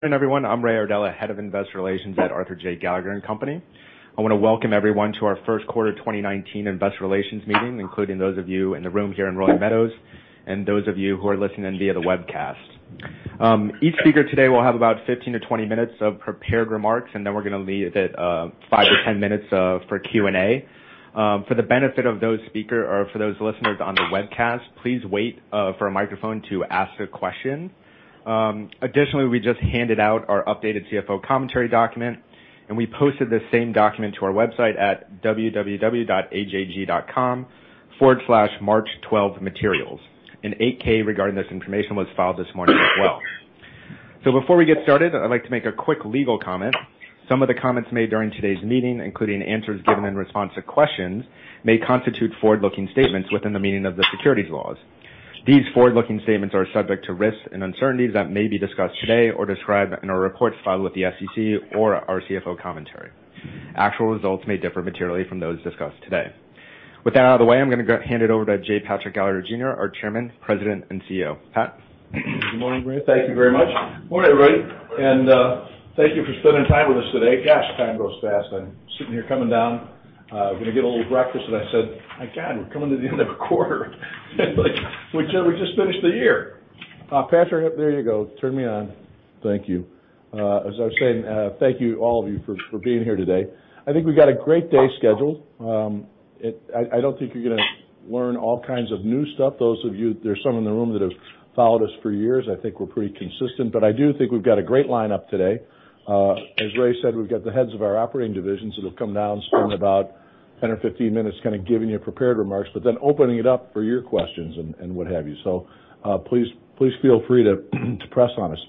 Good morning, everyone. I'm Raymond Iardella, Head of Investor Relations at Arthur J. Gallagher & Co. I want to welcome everyone to our first quarter 2019 Investor Relations meeting, including those of you in the room here in Rolling Meadows, and those of you who are listening in via the webcast. Each speaker today will have about 15 to 20 minutes of prepared remarks, and then we're going to leave it five to 10 minutes for Q&A. For the benefit of those listeners on the webcast, please wait for a microphone to ask a question. Additionally, we just handed out our updated CFO Commentary document, and we posted the same document to our website at www.ajg.com/march12materials. An 8-K regarding this information was filed this morning as well. Before we get started, I'd like to make a quick legal comment. Some of the comments made during today's meeting, including answers given in response to questions, may constitute forward-looking statements within the meaning of the securities laws. These forward-looking statements are subject to risks and uncertainties that may be discussed today or described in our reports filed with the SEC or our CFO Commentary. Actual results may differ materially from those discussed today. With that out of the way, I'm going to hand it over to J. Patrick Gallagher, Jr., our Chairman, President, and CEO. Pat? Good morning, Ray. Thank you very much. Morning, everybody. Thank you for spending time with us today. Gosh, time goes fast. I'm sitting here coming down, going to get a little breakfast, and I said, "My God, we're coming to the end of a quarter." It's like we just finished the year. Patrick, there you go. Turned me on. Thank you. As I was saying, thank you, all of you, for being here today. I think we've got a great day scheduled. I don't think you're going to learn all kinds of new stuff. There's some in the room that have followed us for years. I think we're pretty consistent, but I do think we've got a great lineup today. As Ray said, we've got the heads of our operating divisions that have come down to spend about 10 or 15 minutes kind of giving you prepared remarks, but then opening it up for your questions and what have you. Please feel free to press on us.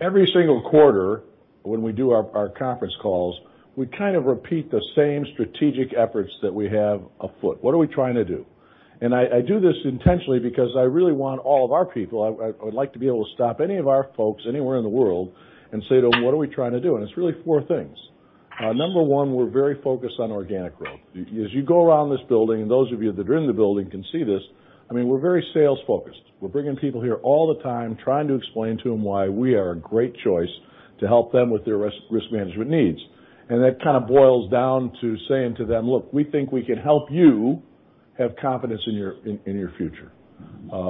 Every single quarter when we do our conference calls, we kind of repeat the same strategic efforts that we have afoot. What are we trying to do? I do this intentionally because I really want all of our people-- I would like to be able to stop any of our folks anywhere in the world and say to them, "What are we trying to do?" It's really four things. Number one, we're very focused on organic growth. As you go around this building, and those of you that are in the building can see this, we're very sales focused. We're bringing people here all the time trying to explain to them why we are a great choice to help them with their risk management needs. That kind of boils down to saying to them, "Look, we think we can help you have confidence in your future."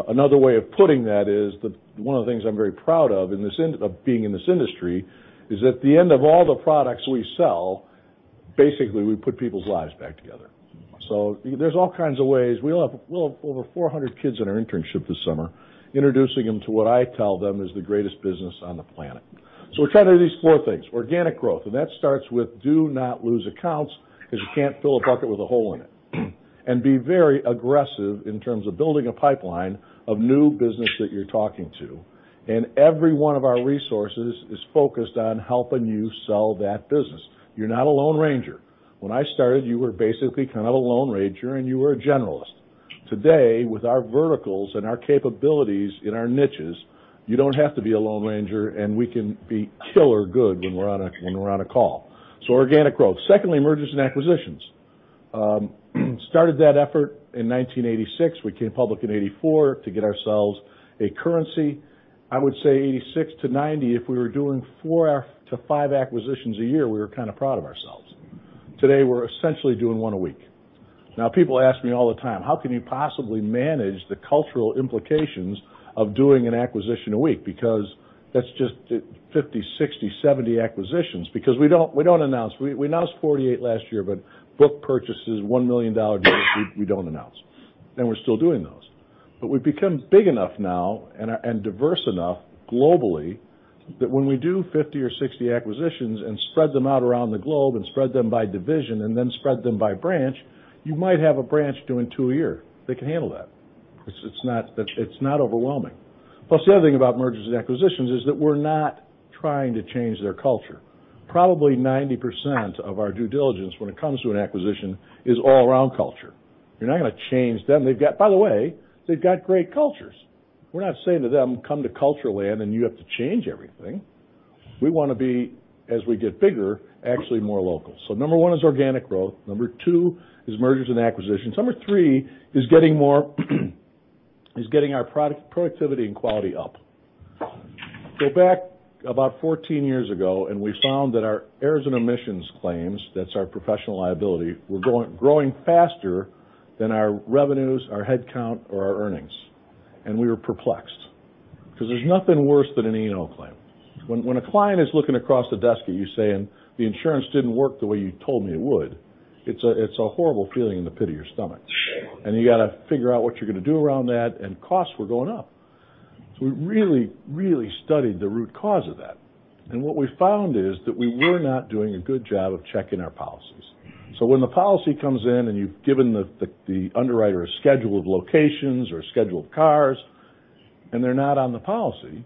Another way of putting that is that one of the things I'm very proud of being in this industry, is at the end of all the products we sell, basically, we put people's lives back together. There's all kinds of ways. We'll have over 400 kids in our internship this summer, introducing them to what I tell them is the greatest business on the planet. We try to do these four things. Organic growth, and that starts with do not lose accounts because you can't fill a bucket with a hole in it. Be very aggressive in terms of building a pipeline of new business that you're talking to. Every one of our resources is focused on helping you sell that business. You're not a lone ranger. When I started, you were basically kind of a lone ranger, and you were a generalist. Today, with our verticals and our capabilities in our niches, you don't have to be a lone ranger, and we can be killer good when we're on a call. Organic growth. Secondly, mergers and acquisitions. Started that effort in 1986. We came public in 1984 to get ourselves a currency. I would say 1986 to 1990, if we were doing four to five acquisitions a year, we were kind of proud of ourselves. Today, we're essentially doing one a week. People ask me all the time, "How can you possibly manage the cultural implications of doing an acquisition a week?" That's just 50, 60, 70 acquisitions, because we don't announce. We announced 48 last year, but book purchases, $1 million deals, we don't announce. We're still doing those. We've become big enough now and diverse enough globally that when we do 50 or 60 acquisitions and spread them out around the globe and spread them by division and then spread them by branch, you might have a branch doing two a year. They can handle that. It's not overwhelming. Plus, the other thing about mergers and acquisitions is that we're not trying to change their culture. Probably 90% of our due diligence when it comes to an acquisition is all around culture. You're not going to change them. By the way, they've got great cultures. We're not saying to them, "Come to culture land, and you have to change everything." We want to be, as we get bigger, actually more local. Number one is organic growth. Number two is mergers and acquisitions. Number three is getting our productivity and quality up. Go back about 14 years ago, we found that our errors and omissions claims, that's our professional liability, were growing faster than our revenues, our headcount, or our earnings. We were perplexed because there's nothing worse than an E&O claim. When a client is looking across the desk at you saying the insurance didn't work the way you told me it would, it's a horrible feeling in the pit of your stomach. You got to figure out what you're going to do around that, and costs were going up. We really, really studied the root cause of that. What we found is that we were not doing a good job of checking our policies. When the policy comes in and you've given the underwriter a schedule of locations or a schedule of cars, and they're not on the policy,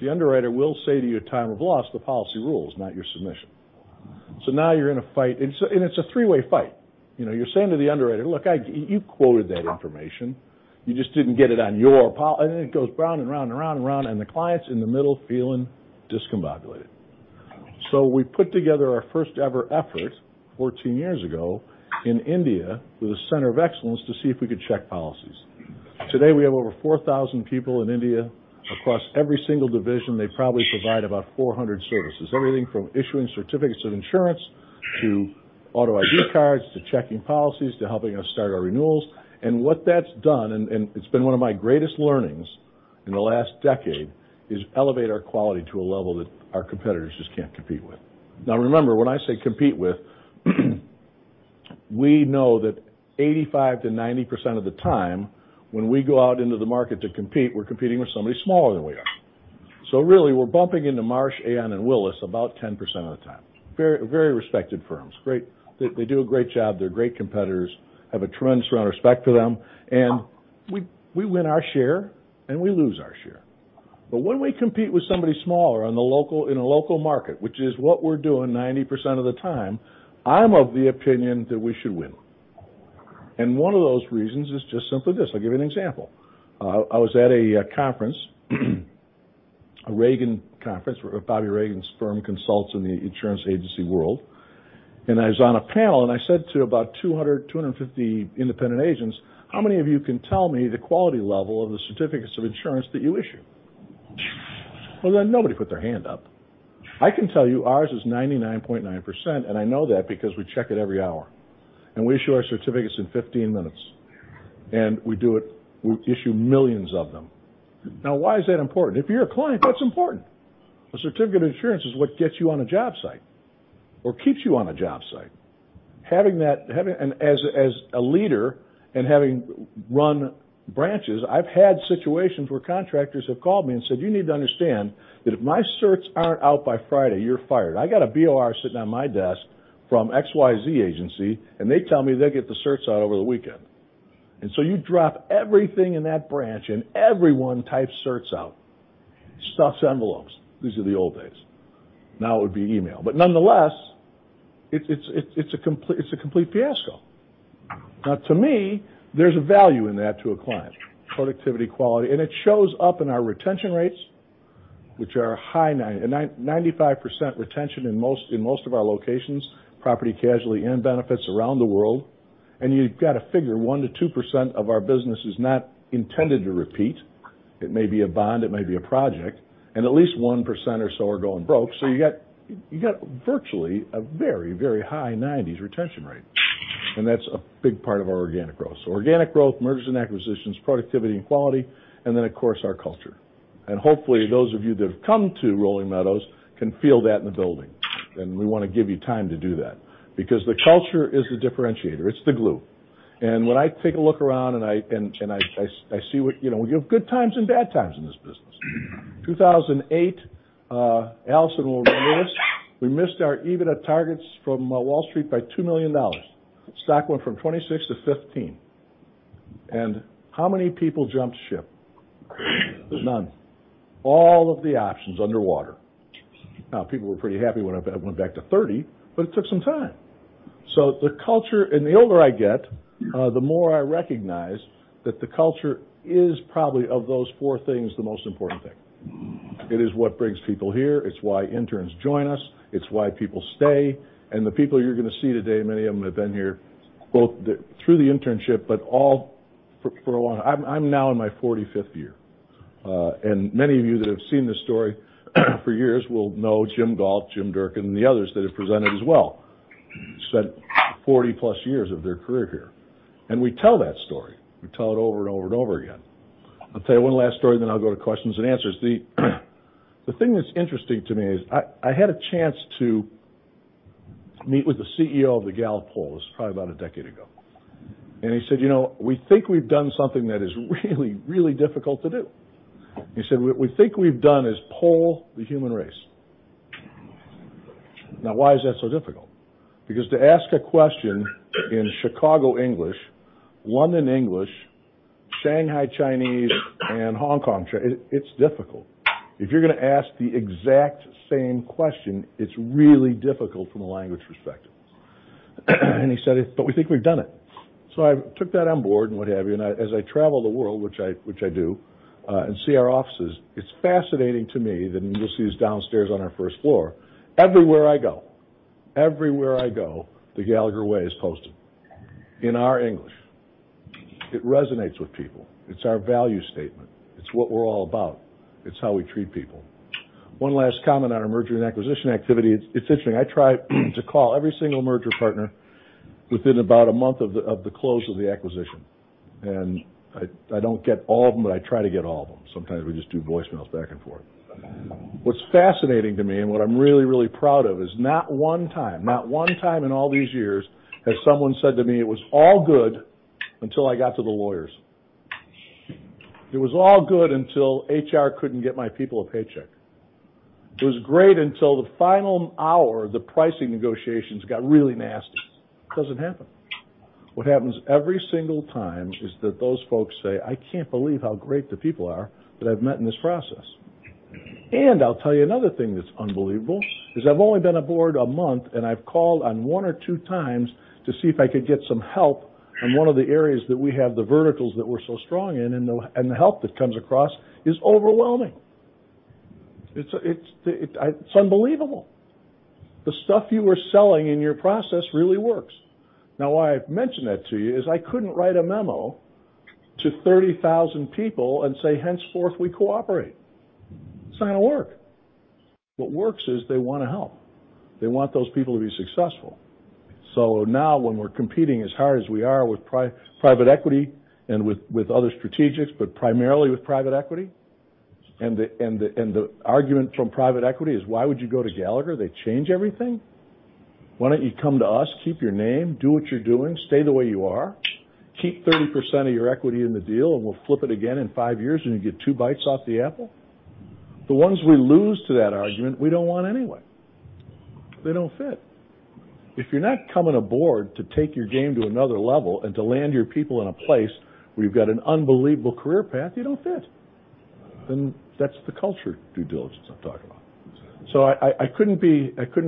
the underwriter will say to you at time of loss, "The policy rules, not your submission." Now you're in a fight. It's a three-way fight. You're saying to the underwriter, "Look, you quoted that information. You just didn't get it on your pol" It goes round and round and round and round, and the client's in the middle feeling discombobulated. We put together our first-ever effort 14 years ago in India with a center of excellence to see if we could check policies. Today, we have over 4,000 people in India across every single division. They probably provide about 400 services, everything from issuing certificates of insurance to auto ID cards, to checking policies, to helping us start our renewals. What that's done, and it's been one of my greatest learnings in the last decade, is elevate our quality to a level that our competitors just can't compete with. Remember, when I say compete with, we know that 85%-90% of the time when we go out into the market to compete, we're competing with somebody smaller than we are. Really we're bumping into Marsh, Aon, and Willis about 10% of the time. Very respected firms. They do a great job. They're great competitors, have a tremendous amount of respect for them. We win our share and we lose our share. When we compete with somebody smaller in a local market, which is what we're doing 90% of the time, I'm of the opinion that we should win. One of those reasons is just simply this. I'll give you an example. I was at a conference, a Reagan conference, Bobby Reagan's firm consults in the insurance agency world. I was on a panel and I said to about 200, 250 independent agents, "How many of you can tell me the quality level of the certificates of insurance that you issue?" Well, nobody put their hand up. I can tell you ours is 99.9%, and I know that because we check it every hour, and we issue our certificates in 15 minutes. We issue millions of them. Why is that important? If you're a client, that's important. A certificate of insurance is what gets you on a job site or keeps you on a job site. As a leader and having run branches, I've had situations where contractors have called me and said, "You need to understand that if my certs aren't out by Friday, you're fired. I got a BOR sitting on my desk from XYZ agency, and they tell me they'll get the certs out over the weekend." You drop everything in that branch and everyone types certs out, stuffs envelopes. These are the old days. It would be email. Nonetheless, it's a complete fiasco. To me, there's a value in that to a client. Productivity, quality. It shows up in our retention rates, which are high. 95% retention in most of our locations, property casualty and benefits around the world. You've got to figure 1%-2% of our business is not intended to repeat. It may be a bond, it may be a project, and at least 1% or so are going broke. You got virtually a very, very high 90s retention rate. That's a big part of our organic growth. Organic growth, mergers and acquisitions, productivity and quality, then of course our culture. Hopefully those of you that have come to Rolling Meadows can feel that in the building. We want to give you time to do that because the culture is the differentiator. It's the glue. When I take a look around and I see what, you have good times and bad times in this business. 2008, Allison will remember this, we missed our EBITDA targets from Wall Street by $2 million. Stock went from $26 to $15. How many people jumped ship? None. All of the options underwater. Now, people were pretty happy when it went back to $30, but it took some time. The culture, and the older I get, the more I recognize that the culture is probably, of those four things, the most important thing. It is what brings people here. It's why interns join us. It's why people stay. The people you're going to see today, many of them have been here both through the internship. I'm now in my 45th year. Many of you that have seen this story for years will know Jim Gault, Jim Durkin, and the others that have presented as well. Spent 40-plus years of their career here. We tell that story. We tell it over and over and over again. I'll tell you one last story, I'll go to questions and answers. The thing that's interesting to me is I had a chance to meet with the CEO of the Gallup Poll. It was probably about a decade ago. He said, "We think we've done something that is really, really difficult to do." He said, "What we think we've done is poll the human race." Why is that so difficult? To ask a question in Chicago English, London English, Shanghai Chinese, and Hong Kong Chinese, it's difficult. If you're going to ask the exact same question, it's really difficult from a language perspective. He said, "We think we've done it." I took that on board and what have you, as I travel the world, which I do, and see our offices, it's fascinating to me that, you'll see this downstairs on our first floor, everywhere I go, everywhere I go, the Gallagher Way is posted in our English. It resonates with people. It's our value statement. It's what we're all about. It's how we treat people. One last comment on our merger and acquisition activity. It's interesting. I try to call every single merger partner within about a month of the close of the acquisition. I don't get all of them, but I try to get all of them. Sometimes we just do voicemails back and forth. What's fascinating to me and what I'm really, really proud of is not one time, not one time in all these years, has someone said to me, "It was all good until I got to the lawyers. It was all good until HR couldn't get my people a paycheck. It was great until the final hour, the pricing negotiations got really nasty." Doesn't happen. What happens every single time is that those folks say, "I can't believe how great the people are that I've met in this process." I'll tell you another thing that's unbelievable is, "I've only been aboard a month and I've called on one or two times to see if I could get some help in one of the areas that we have the verticals that we're so strong in, and the help that comes across is overwhelming." It's unbelievable. The stuff you were selling in your process really works. Why I've mentioned that to you is I couldn't write a memo to 30,000 people and say, "Henceforth, we cooperate." It's not going to work. What works is they want to help. They want those people to be successful. When we're competing as hard as we are with private equity and with other strategics, but primarily with private equity, and the argument from private equity is: Why would you go to Gallagher? They change everything. Why don't you come to us, keep your name, do what you're doing, stay the way you are, keep 30% of your equity in the deal, and we'll flip it again in five years, and you get two bites off the apple? The ones we lose to that argument, we don't want anyway. They don't fit. If you're not coming aboard to take your game to another level and to land your people in a place where you've got an unbelievable career path, you don't fit. That's the culture due diligence I'm talking about. Exactly. I couldn't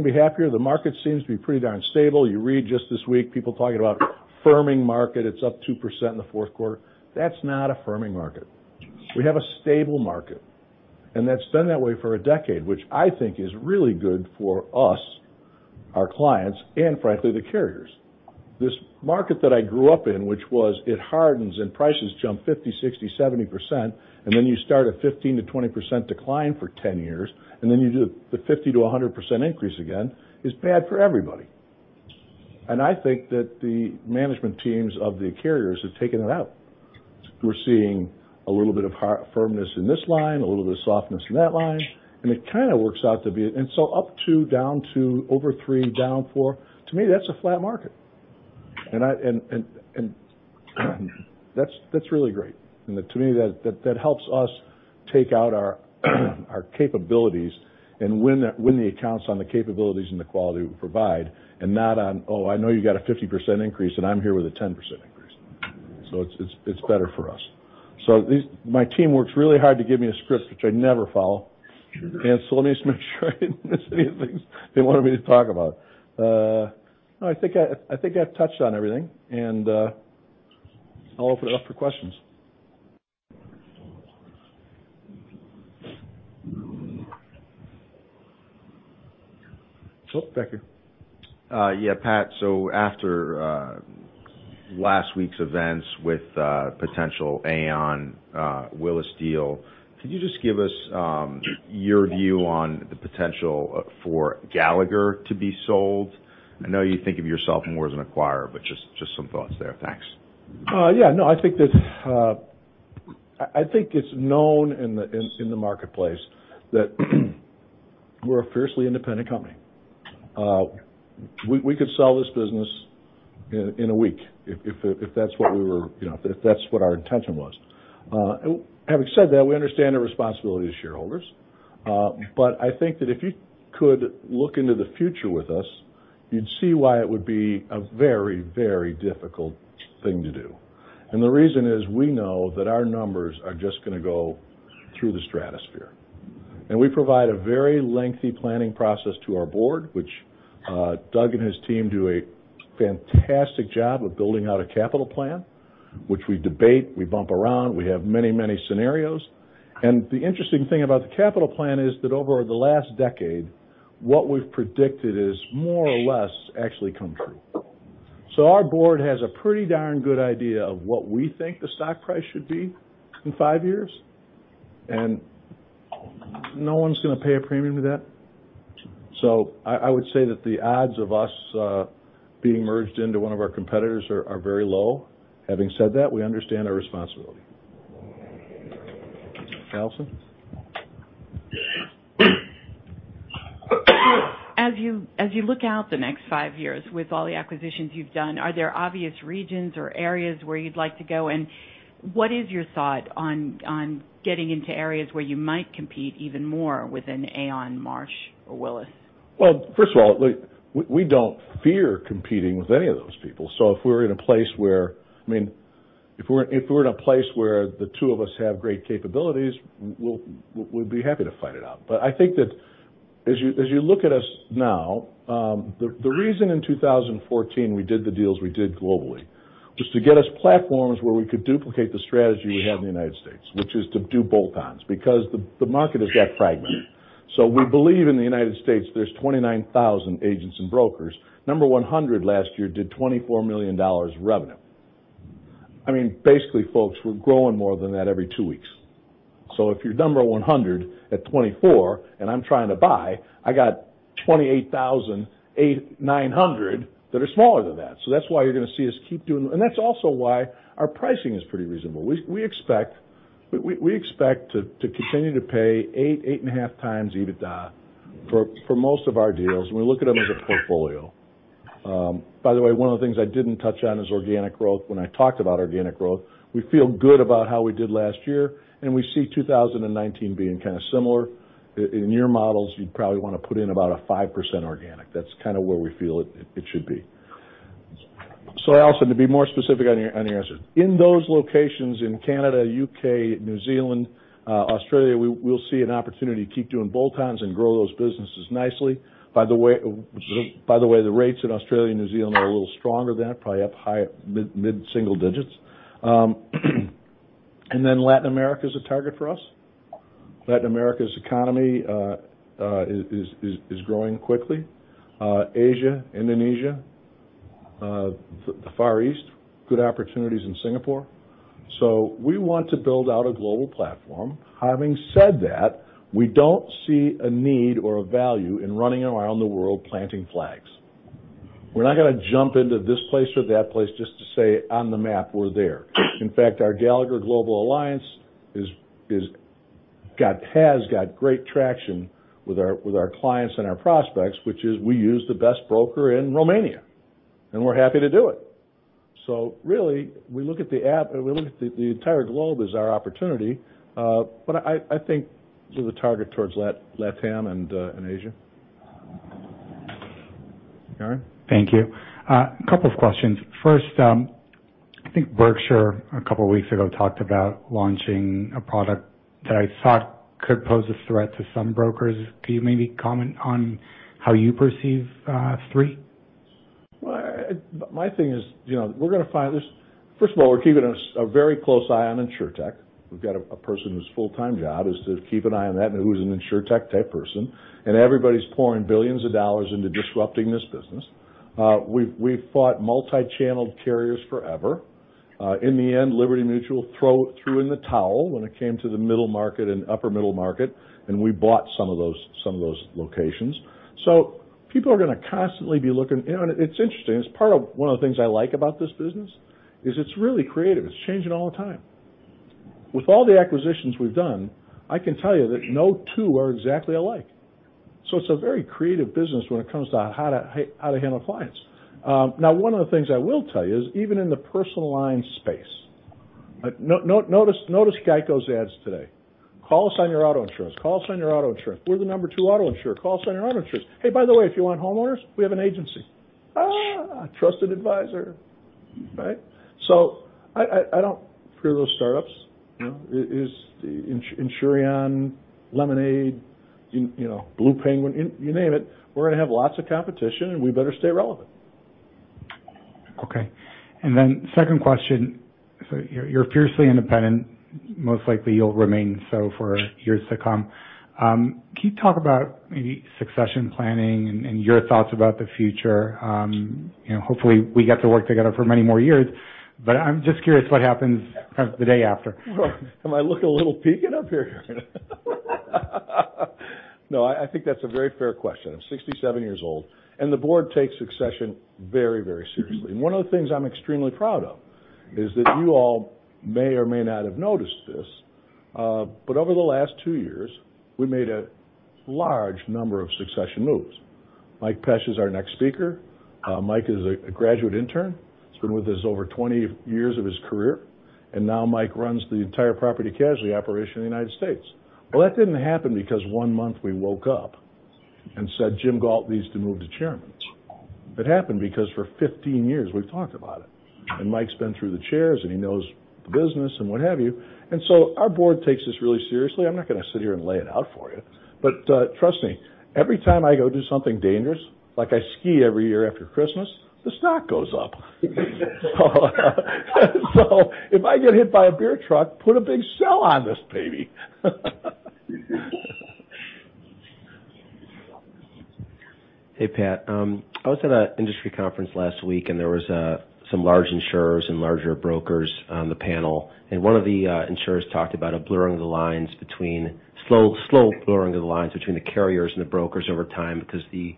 be happier. The market seems to be pretty darn stable. You read just this week, people talking about a firming market. It's up 2% in the fourth quarter. That's not a firming market. We have a stable market, and that's been that way for a decade, which I think is really good for us, our clients, and frankly, the carriers. This market that I grew up in, which was it hardens and prices jump 50%, 60%, 70%, and then you start a 15%-20% decline for 10 years, and then you do the 50%-100% increase again, is bad for everybody. I think that the management teams of the carriers have taken it out. We're seeing a little bit of firmness in this line, a little bit of softness in that line, and it kind of works out to be Up two, down two, over three, down four. To me, that's a flat market. That's really great. To me, that helps us take out our capabilities and win the accounts on the capabilities and the quality that we provide, and not on, "Oh, I know you got a 50% increase, and I'm here with a 10% increase." It's better for us. My team works really hard to give me a script, which I never follow. Sure. Let me just make sure I didn't miss any things they wanted me to talk about. No, I think I've touched on everything, and I'll open it up for questions. Becker. Pat, after last week's events with a potential Aon, Willis deal, could you just give us your view on the potential for Gallagher to be sold? I know you think of yourself more as an acquirer, just some thoughts there. Thanks. I think it's known in the marketplace that we're a fiercely independent company. We could sell this business in one week if that's what our intention was. Having said that, we understand our responsibility to shareholders. I think that if you could look into the future with us, you'd see why it would be a very difficult thing to do. The reason is we know that our numbers are just going to go through the stratosphere. We provide a very lengthy planning process to our board, which Doug and his team do a fantastic job of building out a capital plan, which we debate, we bump around, we have many scenarios. The interesting thing about the capital plan is that over the last decade, what we've predicted is more or less actually come true. Our board has a pretty darn good idea of what we think the stock price should be in five years, and no one's going to pay a premium to that. I would say that the odds of us being merged into one of our competitors are very low. Having said that, we understand our responsibility. Allison? As you look out the next five years with all the acquisitions you've done, are there obvious regions or areas where you'd like to go? What is your thought on getting into areas where you might compete even more with an Aon, Marsh, or Willis? Well, first of all, we don't fear competing with any of those people. If we're in a place where the two of us have great capabilities, we'll be happy to fight it out. I think that as you look at us now, the reason in 2014 we did the deals we did globally was to get us platforms where we could duplicate the strategy we have in the U.S., which is to do bolt-ons, because the market has got fragmented. We believe in the U.S., there's 29,000 agents and brokers. Number 100 last year did $24 million revenue. Basically, folks, we're growing more than that every two weeks. If you're number 100 at 24 and I'm trying to buy, I got 28,900 that are smaller than that. That's why you're going to see us keep doing That's also why our pricing is pretty reasonable. We expect to continue to pay 8.5 times EBITDA for most of our deals, and we look at them as a portfolio. By the way, one of the things I didn't touch on is organic growth. When I talked about organic growth, we feel good about how we did last year, and we see 2019 being kind of similar. In your models, you'd probably want to put in about a 5% organic. That's kind of where we feel it should be. Allison, to be more specific on your answer. In those locations in Canada, U.K., New Zealand, Australia, we'll see an opportunity to keep doing bolt-ons and grow those businesses nicely. The rates in Australia and New Zealand are a little stronger than that, probably up high mid-single digits. Latin America is a target for us. Latin America's economy is growing quickly. Asia, Indonesia, the Far East, good opportunities in Singapore. We want to build out a global platform. Having said that, we don't see a need or a value in running around the world planting flags. We're not going to jump into this place or that place just to say on the map we're there. In fact, our Gallagher Global Network has got great traction with our clients and our prospects, which is we use the best broker in Romania, and we're happy to do it. Really, we look at the entire globe as our opportunity. I think with a target towards LATAM and Asia. Aaron? Thank you. Couple of questions. First, I think Berkshire, a couple of weeks ago, talked about launching a product that I thought could pose a threat to some brokers. Can you maybe comment on how you perceive THREE? My thing is we're going to find this. First of all, we're keeping a very close eye on Insurtech. We've got a person whose full-time job is to keep an eye on that, and who's an Insurtech type person, and everybody's pouring billions of dollars into disrupting this business. We've fought multi-channeled carriers forever. In the end, Liberty Mutual threw in the towel when it came to the middle market and upper middle market, and we bought some of those locations. People are going to constantly be looking. It's interesting. It's part of one of the things I like about this business, is it's really creative. It's changing all the time. With all the acquisitions we've done, I can tell you that no two are exactly alike. It's a very creative business when it comes to how to handle clients. One of the things I will tell you is even in the personal line space. Notice GEICO's ads today. "Call us on your auto insurance, call us on your auto insurance. We're the number two auto insurer. Call us on your auto insurance. Hey, by the way, if you want homeowners, we have an agency." Ah, trusted advisor, right? I don't fear those startups. Insureon, Lemonade, Bold Penguin, you name it. We're going to have lots of competition, and we better stay relevant. Second question. You're fiercely independent, most likely you'll remain so for years to come. Can you talk about maybe succession planning and your thoughts about the future? Hopefully, we get to work together for many more years, but I'm just curious what happens kind of the day after. Well, am I looking a little peaked up here? No, I think that's a very fair question. I'm 67 years old, the board takes succession very seriously. One of the things I'm extremely proud of is that you all may or may not have noticed this, but over the last two years, we made a large number of succession moves. Mike Pesch is our next speaker. Mike is a graduate intern. He's been with us over 20 years of his career, Mike runs the entire property casualty operation in the United States. Well, that didn't happen because one month we woke up and said, "Jim Gault needs to move to chairman." It happened because for 15 years, we've talked about it, Mike's been through the chairs, he knows the business and what have you. Our board takes this really seriously. I'm not going to sit here and lay it out for you, trust me, every time I go do something dangerous, like I ski every year after Christmas, the stock goes up. If I get hit by a beer truck, put a big sell on this baby. Hey, Pat. I was at an industry conference last week, there was some large insurers and larger brokers on the panel, one of the insurers talked about a blurring of the lines between slow blurring of the lines between the carriers and the brokers over time because the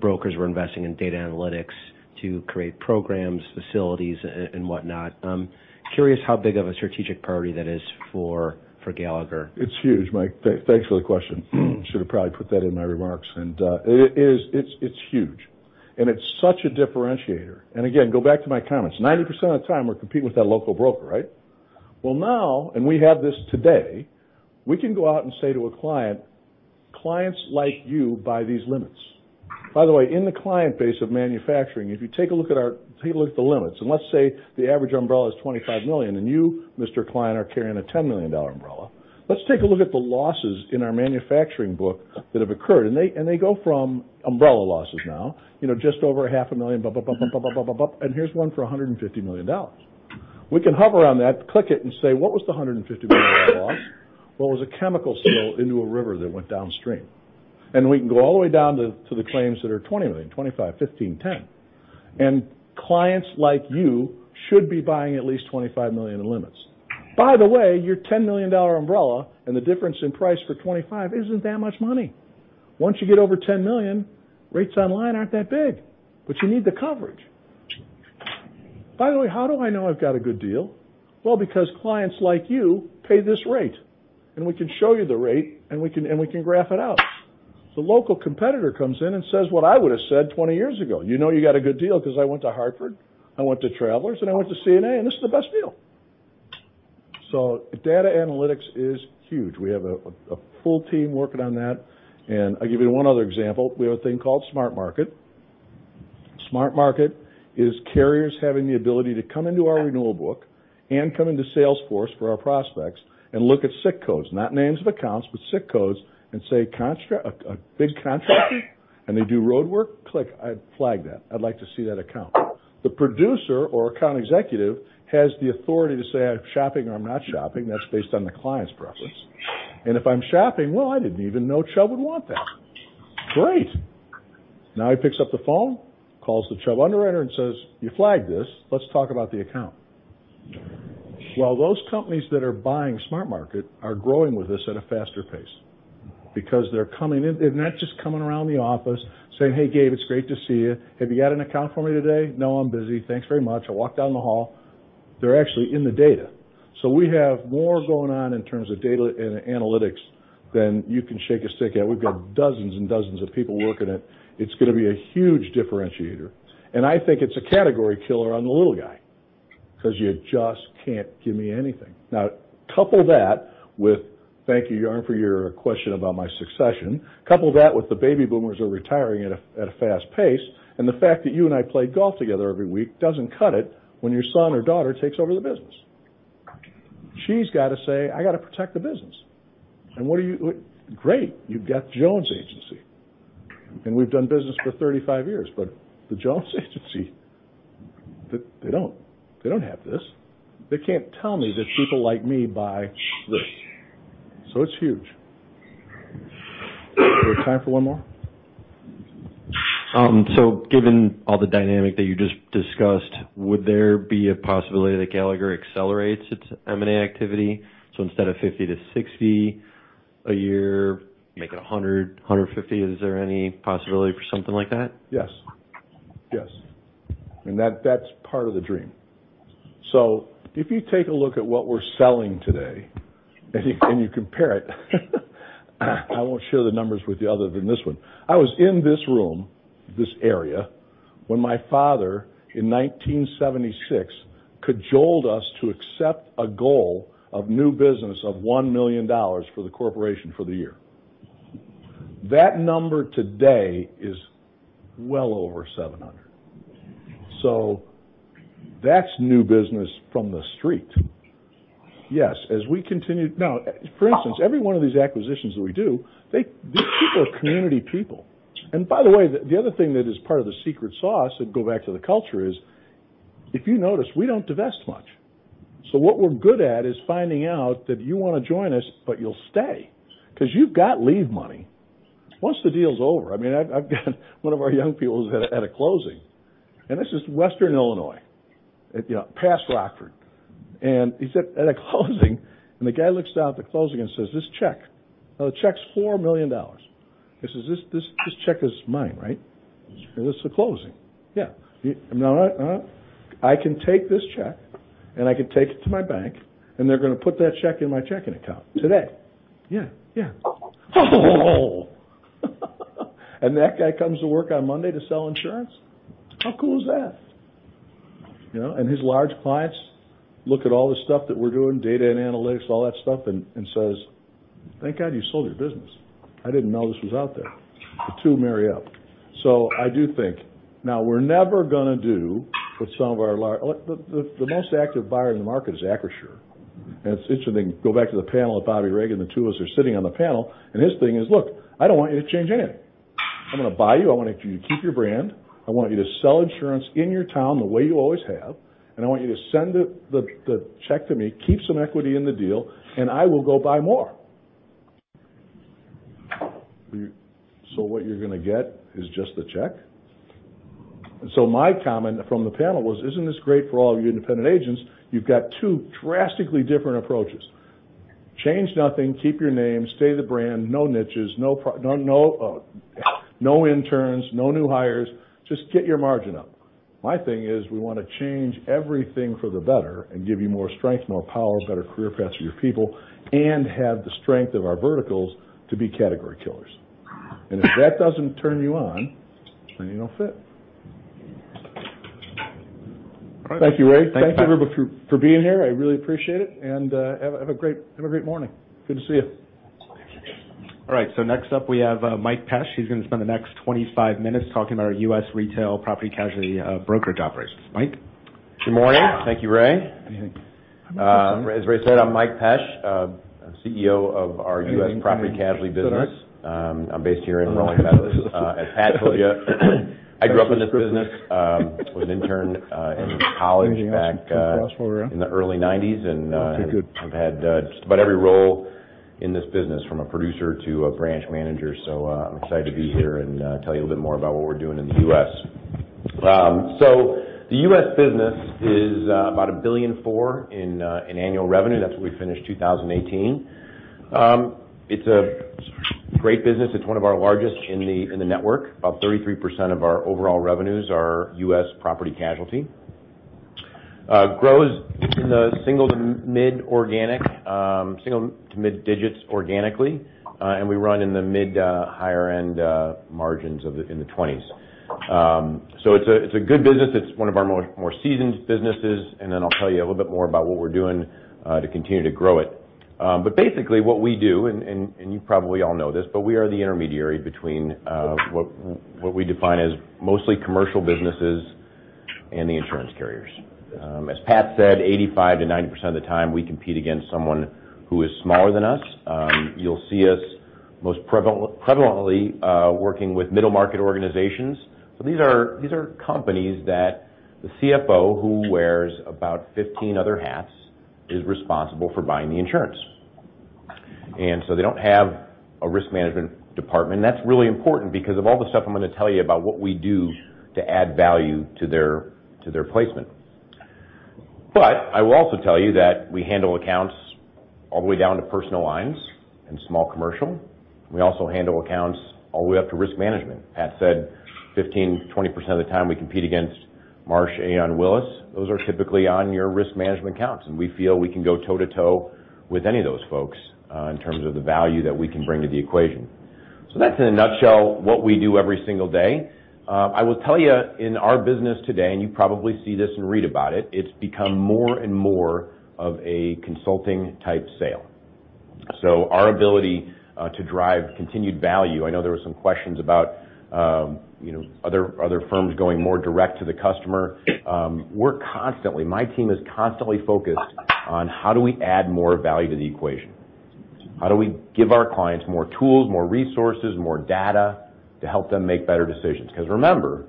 brokers were investing in data analytics to create programs, facilities, and whatnot. I'm curious how big of a strategic priority that is for Gallagher. It's huge, Mike. Thanks for the question. Should have probably put that in my remarks, it's huge. It's such a differentiator. Again, go back to my comments. 90% of the time, we're competing with that local broker, right? Well now, and we have this today, we can go out and say to a client, "Clients like you buy these limits." By the way, in the client base of manufacturing, if you take a look at the limits, and let's say the average umbrella is $25 million, and you, Mr. Client, are carrying a $10 million umbrella. Let's take a look at the losses in our manufacturing book that have occurred, and they go from umbrella losses now, just over a half a million, and here's one for $150 million. We can hover on that, click it, say, what was the $150 million loss? Well, it was a chemical spill into a river that went downstream. We can go all the way down to the claims that are $20 million, $25 million, $15 million, $10 million. Clients like you should be buying at least $25 million in limits. By the way, your $10 million umbrella and the difference in price for $25 million isn't that much money. Once you get over $10 million, rates online aren't that big, but you need the coverage. By the way, how do I know I've got a good deal? Well, because clients like you pay this rate, and we can show you the rate and we can graph it out. The local competitor comes in and says what I would have said 20 years ago, "You know you got a good deal because I went to The Hartford, I went to Travelers, and I went to CNA, and this is the best deal." Data analytics is huge. We have a full team working on that, and I'll give you one other example. We have a thing called SmartMarket. SmartMarket is carriers having the ability to come into our renewal book and come into Salesforce for our prospects and look at SIC codes, not names of accounts, but SIC codes and say a big contractor. They do road work, click, I flag that. I'd like to see that account. The producer or account executive has the authority to say, "I'm shopping," or, "I'm not shopping." That's based on the client's preference. If I'm shopping, well, I didn't even know Chubb would want that. Great. Now he picks up the phone, calls the Chubb underwriter, and says, "You flagged this. Let's talk about the account." Well, those companies that are buying SmartMarket are growing with us at a faster pace because they're coming in. They're not just coming around the office saying, "Hey, Gabe, it's great to see you. Have you got an account for me today?" "No, I'm busy. Thanks very much." I walk down the hall. They're actually in the data. We have more going on in terms of data analytics than you can shake a stick at. We've got dozens and dozens of people working it. It's going to be a huge differentiator, and I think it's a category killer on the little guy because you just can't give me anything. Couple that with thank you, Aaron, for your question about my succession. Couple that with the baby boomers are retiring at a fast pace, and the fact that you and I play golf together every week doesn't cut it when your son or daughter takes over the business. She's got to say, "I got to protect the business." Great, you've got the Jones Agency, and we've done business for 35 years, but the Jones Agency, they don't have this. They can't tell me that people like me buy this. It's huge. We have time for one more? Given all the dynamic that you just discussed, would there be a possibility that Gallagher accelerates its M&A activity? Instead of 50 to 60 a year, make it 100, 150. Is there any possibility for something like that? Yes. That's part of the dream. If you take a look at what we're selling today and you compare it, I won't share the numbers with you other than this one. I was in this room, this area, when my father, in 1976, cajoled us to accept a goal of new business of $1 million for the corporation for the year. That number today is well over 700. That's new business from the street. Yes. For instance, every one of these acquisitions that we do, these people are community people. By the way, the other thing that is part of the secret sauce, and go back to the culture is, if you notice, we don't divest much. What we're good at is finding out that you want to join us, but you'll stay because you've got leave money. Once the deal's over, I've gotten one of our young people who's at a closing, and this is western Illinois, past Rockford. He's at a closing, and the guy looks down at the closing and says, "This check." The check's $4 million. He says, "This check is mine, right?" He says, "This is a closing." "Yeah." "All right. I can take this check, and I can take it to my bank, and they're going to put that check in my checking account today." "Yeah." That guy comes to work on Monday to sell insurance. How cool is that? His large clients look at all the stuff that we're doing, data and analytics, all that stuff, and says, "Thank God you sold your business. I didn't know this was out there." The two marry up. I do think. We're never going to do what some of our. The most active buyer in the market is Acrisure. It's interesting, go back to the panel of Bobby Reagan, the two of us are sitting on the panel, and his thing is, "Look, I don't want you to change anything. I'm going to buy you. I want you to keep your brand. I want you to sell insurance in your town the way you always have, and I want you to send the check to me, keep some equity in the deal, and I will go buy more." What you're going to get is just the check. My comment from the panel was, isn't this great for all of you independent agents? You've got two drastically different approaches. Change nothing, keep your name, stay the brand, no niches, no interns, no new hires. Just get your margin up. My thing is, we want to change everything for the better and give you more strength, more power, better career paths for your people, and have the strength of our verticals to be category killers. If that doesn't turn you on, you don't fit. Thank you, Ray. Thank you, everybody, for being here. I really appreciate it, and have a great morning. Good to see you. Next up, we have Mike Pesch. He's going to spend the next 25 minutes talking about our U.S. retail property casualty brokerage operations. Mike? Good morning. Thank you, Ray. Anything? As Ray said, I'm Mike Pesch, CEO of our U.S. property casualty business. I'm based here in Rolling Meadows. As Pat told you, I grew up in this business, was an intern in college back in the early '90s, and I've had just about every role in this business, from a producer to a branch manager. I'm excited to be here and tell you a little bit more about what we're doing in the U.S. The U.S. business is about $1.4 billion in annual revenue. That's where we finished 2018. It's a great business. It's one of our largest in the network. About 33% of our overall revenues are U.S. property casualty. Grows in the single to mid digits organically, and we run in the mid higher end margins in the 20s. It's a good business. It's one of our more seasoned businesses, then I'll tell you a little bit more about what we're doing to continue to grow it. Basically, what we do, and you probably all know this, we are the intermediary between what we define as mostly commercial businesses and the insurance carriers. As Pat said, 85%-90% of the time, we compete against someone who is smaller than us. You'll see us most prevalently working with middle-market organizations. These are companies that the CFO, who wears about 15 other hats, is responsible for buying the insurance. They don't have a risk management department. That's really important because of all the stuff I'm going to tell you about what we do to add value to their placement. I will also tell you that we handle accounts all the way down to personal lines and small commercial. We also handle accounts all the way up to risk management. Pat said 15%-20% of the time, we compete against Marsh, Aon, Willis. Those are typically on your risk management accounts, and we feel we can go toe to toe with any of those folks in terms of the value that we can bring to the equation. That's in a nutshell what we do every single day. I will tell you, in our business today, and you probably see this and read about it's become more and more of a consulting-type sale. Our ability to drive continued value, I know there were some questions about other firms going more direct to the customer. My team is constantly focused on how do we add more value to the equation. How do we give our clients more tools, more resources, more data to help them make better decisions? Remember,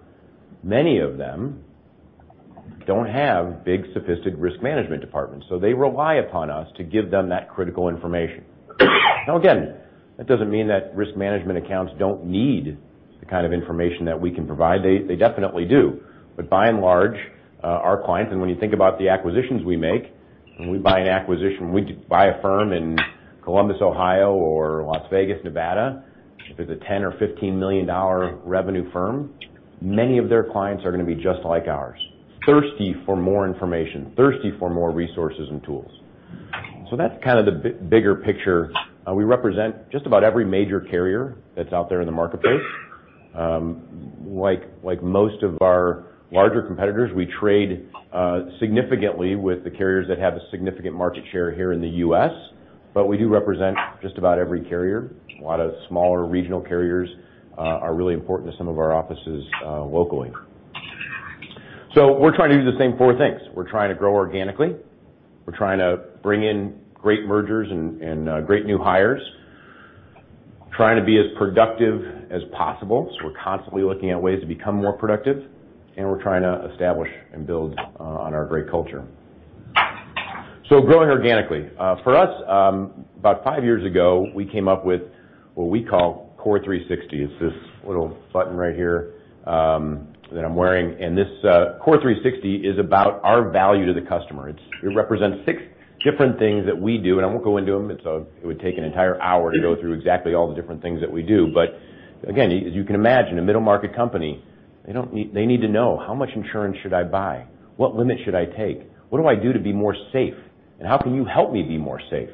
many of them don't have big, sophisticated risk management departments, so they rely upon us to give them that critical information. Again, that doesn't mean that risk management accounts don't need the kind of information that we can provide. They definitely do. By and large, our clients, and when you think about the acquisitions we make, when we buy an acquisition, when we buy a firm in Columbus, Ohio, or Las Vegas, Nevada, if it's a $10 million or $15 million revenue firm, many of their clients are going to be just like ours, thirsty for more information, thirsty for more resources and tools. That's kind of the bigger picture. We represent just about every major carrier that's out there in the marketplace. Like most of our larger competitors, we trade significantly with the carriers that have a significant market share here in the U.S., but we do represent just about every carrier. A lot of smaller regional carriers are really important to some of our offices locally. We're trying to do the same four things. We're trying to grow organically. We're trying to bring in great mergers and great new hires. Trying to be as productive as possible, we're constantly looking at ways to become more productive. We're trying to establish and build on our great culture. Growing organically. For us, about five years ago, we came up with what we call CORE360. It's this little button right here that I'm wearing. This CORE360 is about our value to the customer. It represents six different things that we do, I won't go into them. It would take an entire hour to go through exactly all the different things that we do. Again, as you can imagine, a middle-market company, they need to know, how much insurance should I buy? What limit should I take? What do I do to be more safe? How can you help me be more safe?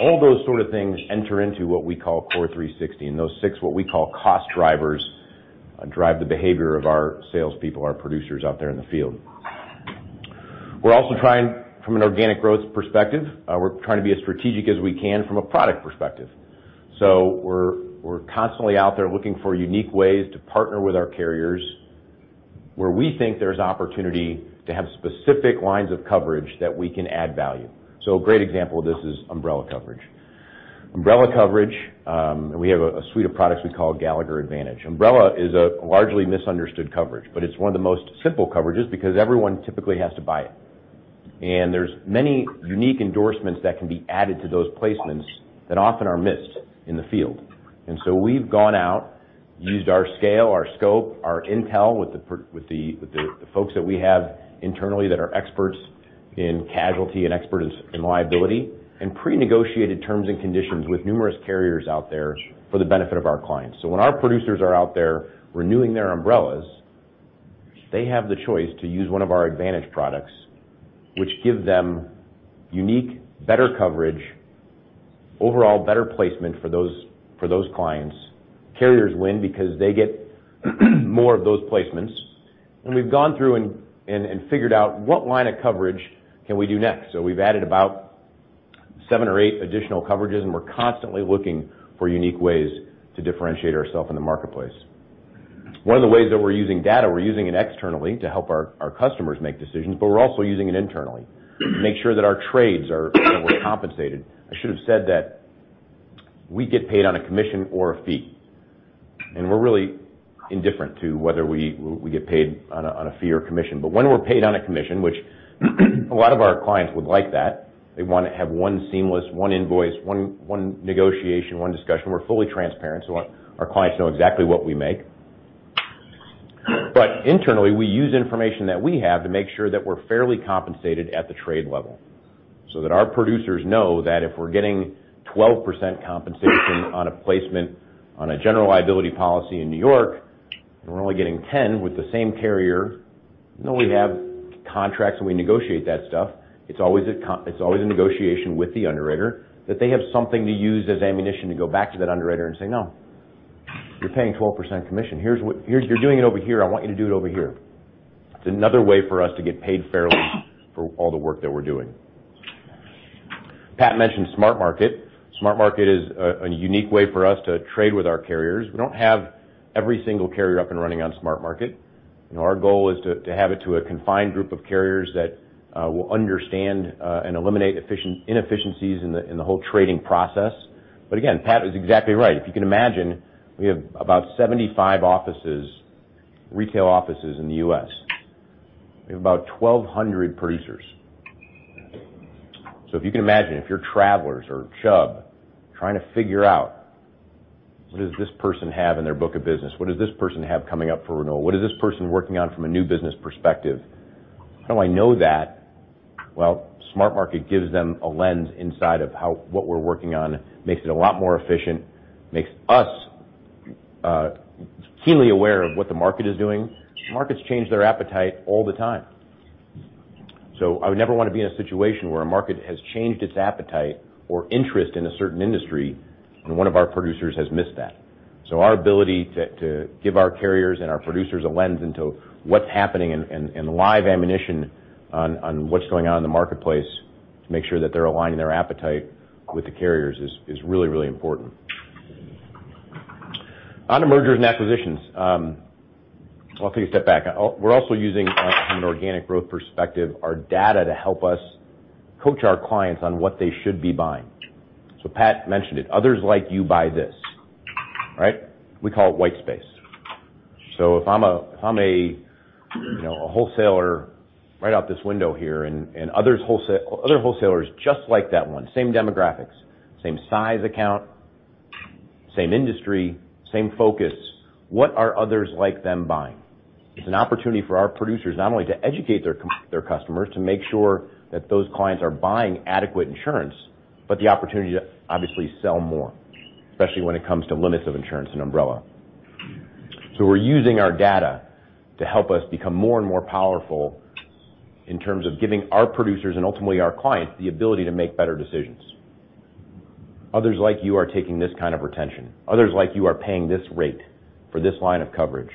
All those sort of things enter into what we call CORE360, and those six what we call cost drivers drive the behavior of our salespeople, our producers out there in the field. We're also trying from an organic growth perspective, we're trying to be as strategic as we can from a product perspective. We're constantly out there looking for unique ways to partner with our carriers, where we think there's opportunity to have specific lines of coverage that we can add value. A great example of this is umbrella coverage. Umbrella coverage, we have a suite of products we call Gallagher Advantage. Umbrella is a largely misunderstood coverage, but it's one of the most simple coverages because everyone typically has to buy it. There's many unique endorsements that can be added to those placements that often are missed in the field. We've gone out, used our scale, our scope, our intel with the folks that we have internally that are experts in casualty and experts in liability, and prenegotiated terms and conditions with numerous carriers out there for the benefit of our clients. When our producers are out there renewing their umbrellas, they have the choice to use one of our Advantage products, which give them unique, better coverage, overall better placement for those clients. Carriers win because they get more of those placements. We've gone through and figured out what line of coverage can we do next. We've added about seven or eight additional coverages, we're constantly looking for unique ways to differentiate ourself in the marketplace. One of the ways that we're using data, we're using it externally to help our customers make decisions, we're also using it internally to make sure that our trades are well compensated. I should've said that we get paid on a commission or a fee, we're really indifferent to whether we get paid on a fee or commission. When we're paid on a commission, which a lot of our clients would like that. They want to have one seamless, one invoice, one negotiation, one discussion. We're fully transparent, so our clients know exactly what we make. Internally, we use information that we have to make sure that we're fairly compensated at the trade level, so that our producers know that if we're getting 12% compensation on a placement on a general liability policy in New York, and we're only getting 10 with the same carrier, know we have contracts and we negotiate that stuff. It's always a negotiation with the underwriter that they have something to use as ammunition to go back to that underwriter and say, "No. You're paying 12% commission. You're doing it over here. I want you to do it over here." It's another way for us to get paid fairly for all the work that we're doing. Pat mentioned SmartMarket. SmartMarket is a unique way for us to trade with our carriers. We don't have every single carrier up and running on SmartMarket. Our goal is to have it to a confined group of carriers that will understand and eliminate inefficiencies in the whole trading process. Again, Pat is exactly right. If you can imagine, we have about 75 retail offices in the U.S. We have about 1,200 producers. If you can imagine, if you're Travelers or Chubb trying to figure out, what does this person have in their book of business? What does this person have coming up for renewal? What is this person working on from a new business perspective? How do I know that? SmartMarket gives them a lens inside of what we're working on, makes it a lot more efficient, makes us keenly aware of what the market is doing. Markets change their appetite all the time. I would never want to be in a situation where a market has changed its appetite or interest in a certain industry, and one of our producers has missed that. Our ability to give our carriers and our producers a lens into what's happening and live ammunition on what's going on in the marketplace to make sure that they're aligning their appetite with the carriers is really, really important. On to mergers and acquisitions. I'll take a step back. We're also using, from an organic growth perspective, our data to help us coach our clients on what they should be buying. Pat mentioned it, others like you buy this. We call it white space. If I'm a wholesaler right out this window here and other wholesalers just like that one, same demographics, same size account, same industry, same focus. What are others like them buying? It's an opportunity for our producers not only to educate their customers to make sure that those clients are buying adequate insurance, but the opportunity to obviously sell more, especially when it comes to limits of insurance and umbrella. We're using our data to help us become more and more powerful in terms of giving our producers and ultimately our clients the ability to make better decisions. Others like you are taking this kind of retention. Others like you are paying this rate for this line of coverage.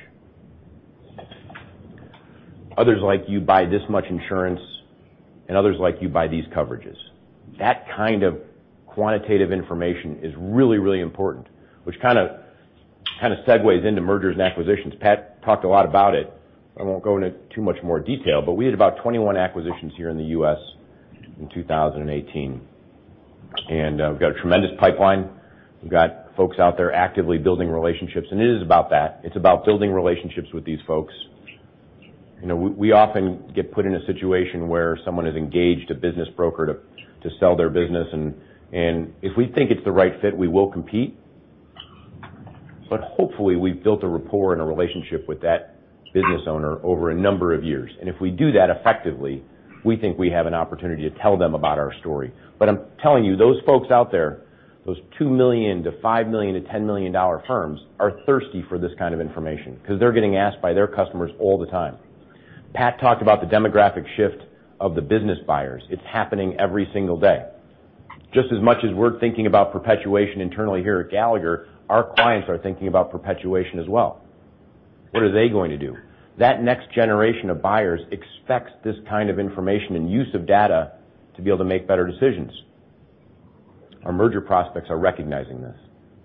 Others like you buy this much insurance and others like you buy these coverages. That kind of quantitative information is really, really important, which kind of segues into mergers and acquisitions. Pat talked a lot about it. I won't go into too much more detail, but we had about 21 acquisitions here in the U.S. in 2018, and we've got a tremendous pipeline. We've got folks out there actively building relationships, and it is about that. It's about building relationships with these folks. We often get put in a situation where someone has engaged a business broker to sell their business, and if we think it's the right fit, we will compete. Hopefully, we've built a rapport and a relationship with that business owner over a number of years. If we do that effectively, we think we have an opportunity to tell them about our story. I'm telling you, those folks out there, those $2 million to $5 million to $10 million firms are thirsty for this kind of information because they're getting asked by their customers all the time. Pat talked about the demographic shift of the business buyers. It's happening every single day. Just as much as we're thinking about perpetuation internally here at Gallagher, our clients are thinking about perpetuation as well. What are they going to do? That next generation of buyers expects this kind of information and use of data to be able to make better decisions. Our merger prospects are recognizing this.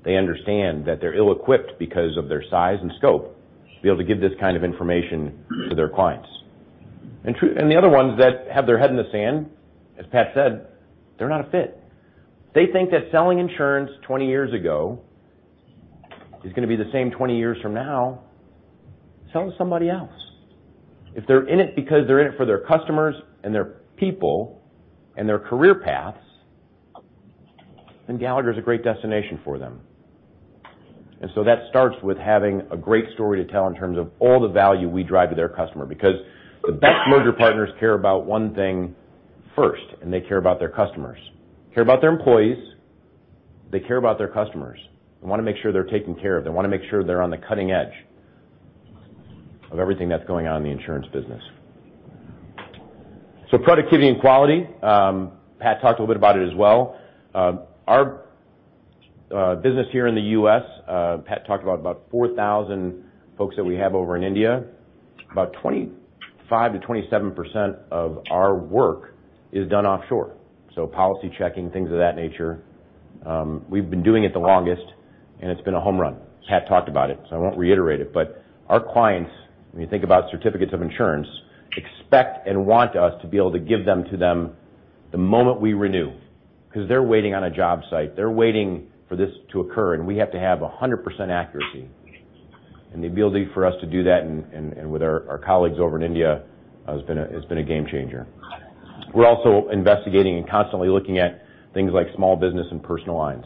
They understand that they're ill-equipped because of their size and scope to be able to give this kind of information to their clients. The other ones that have their head in the sand, as Pat said, they're not a fit. They think that selling insurance 20 years ago is going to be the same 20 years from now. Sell to somebody else. If they're in it because they're in it for their customers and their people and their career paths, then Gallagher is a great destination for them. That starts with having a great story to tell in terms of all the value we drive to their customer because the best merger partners care about one thing first, and they care about their customers. Care about their employees. They care about their customers. They want to make sure they're taken care of. They want to make sure they're on the cutting edge of everything that's going on in the insurance business. Productivity and quality, Pat talked a little bit about it as well. Our business here in the U.S., Pat talked about 4,000 folks that we have over in India. About 25% to 27% of our work is done offshore. Policy checking, things of that nature. We've been doing it the longest, and it's been a home run. Pat talked about it, so I won't reiterate it. Our clients, when you think about certificates of insurance, expect and want us to be able to give them to them the moment we renew because they're waiting on a job site. They're waiting for this to occur, and we have to have 100% accuracy. The ability for us to do that, and with our colleagues over in India, has been a game changer. We're also investigating and constantly looking at things like small business and personal lines.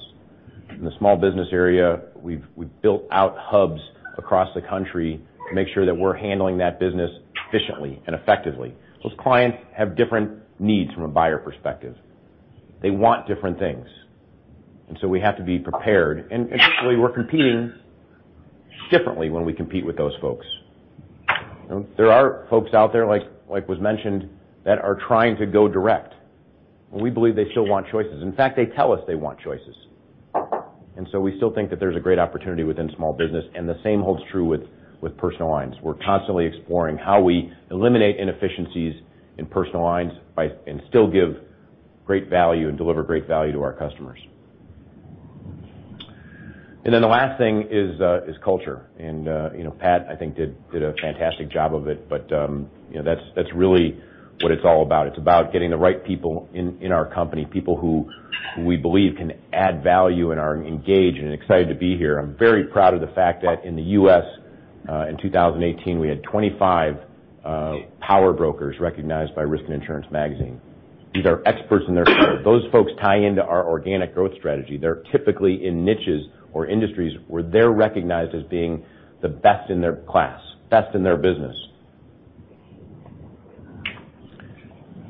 In the small business area, we've built out hubs across the country to make sure that we're handling that business efficiently and effectively. Those clients have different needs from a buyer perspective. They want different things. We have to be prepared. Particularly, we're competing differently when we compete with those folks. There are folks out there, like was mentioned, that are trying to go direct, and we believe they still want choices. In fact, they tell us they want choices. We still think that there's a great opportunity within small business, and the same holds true with personal lines. We're constantly exploring how we eliminate inefficiencies in personal lines, and still give great value and deliver great value to our customers. The last thing is culture. Pat, I think did a fantastic job of it, but that's really what it's all about. It's about getting the right people in our company, people who we believe can add value and are engaged and excited to be here. I'm very proud of the fact that in the U.S., in 2018, we had 25 power brokers recognized by Risk & Insurance Magazine. These are experts in their field. Those folks tie into our organic growth strategy. They're typically in niches or industries where they're recognized as being the best in their class, best in their business.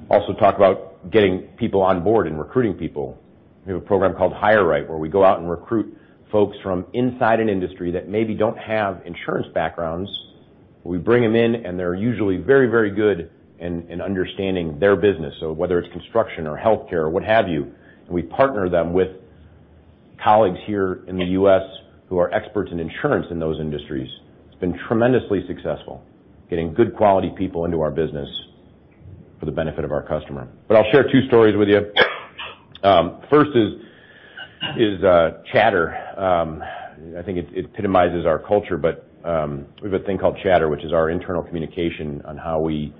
Also talk about getting people on board and recruiting people. We have a program called Hire Right, where we go out and recruit folks from inside an industry that maybe don't have insurance backgrounds. We bring them in, and they're usually very good in understanding their business, so whether it's construction or healthcare or what have you. We partner them with colleagues here in the U.S. who are experts in insurance in those industries. It's been tremendously successful, getting good quality people into our business for the benefit of our customer. I'll share two stories with you. First is Chatter. I think it epitomizes our culture, but we have a thing called Chatter, which is our internal communication on how we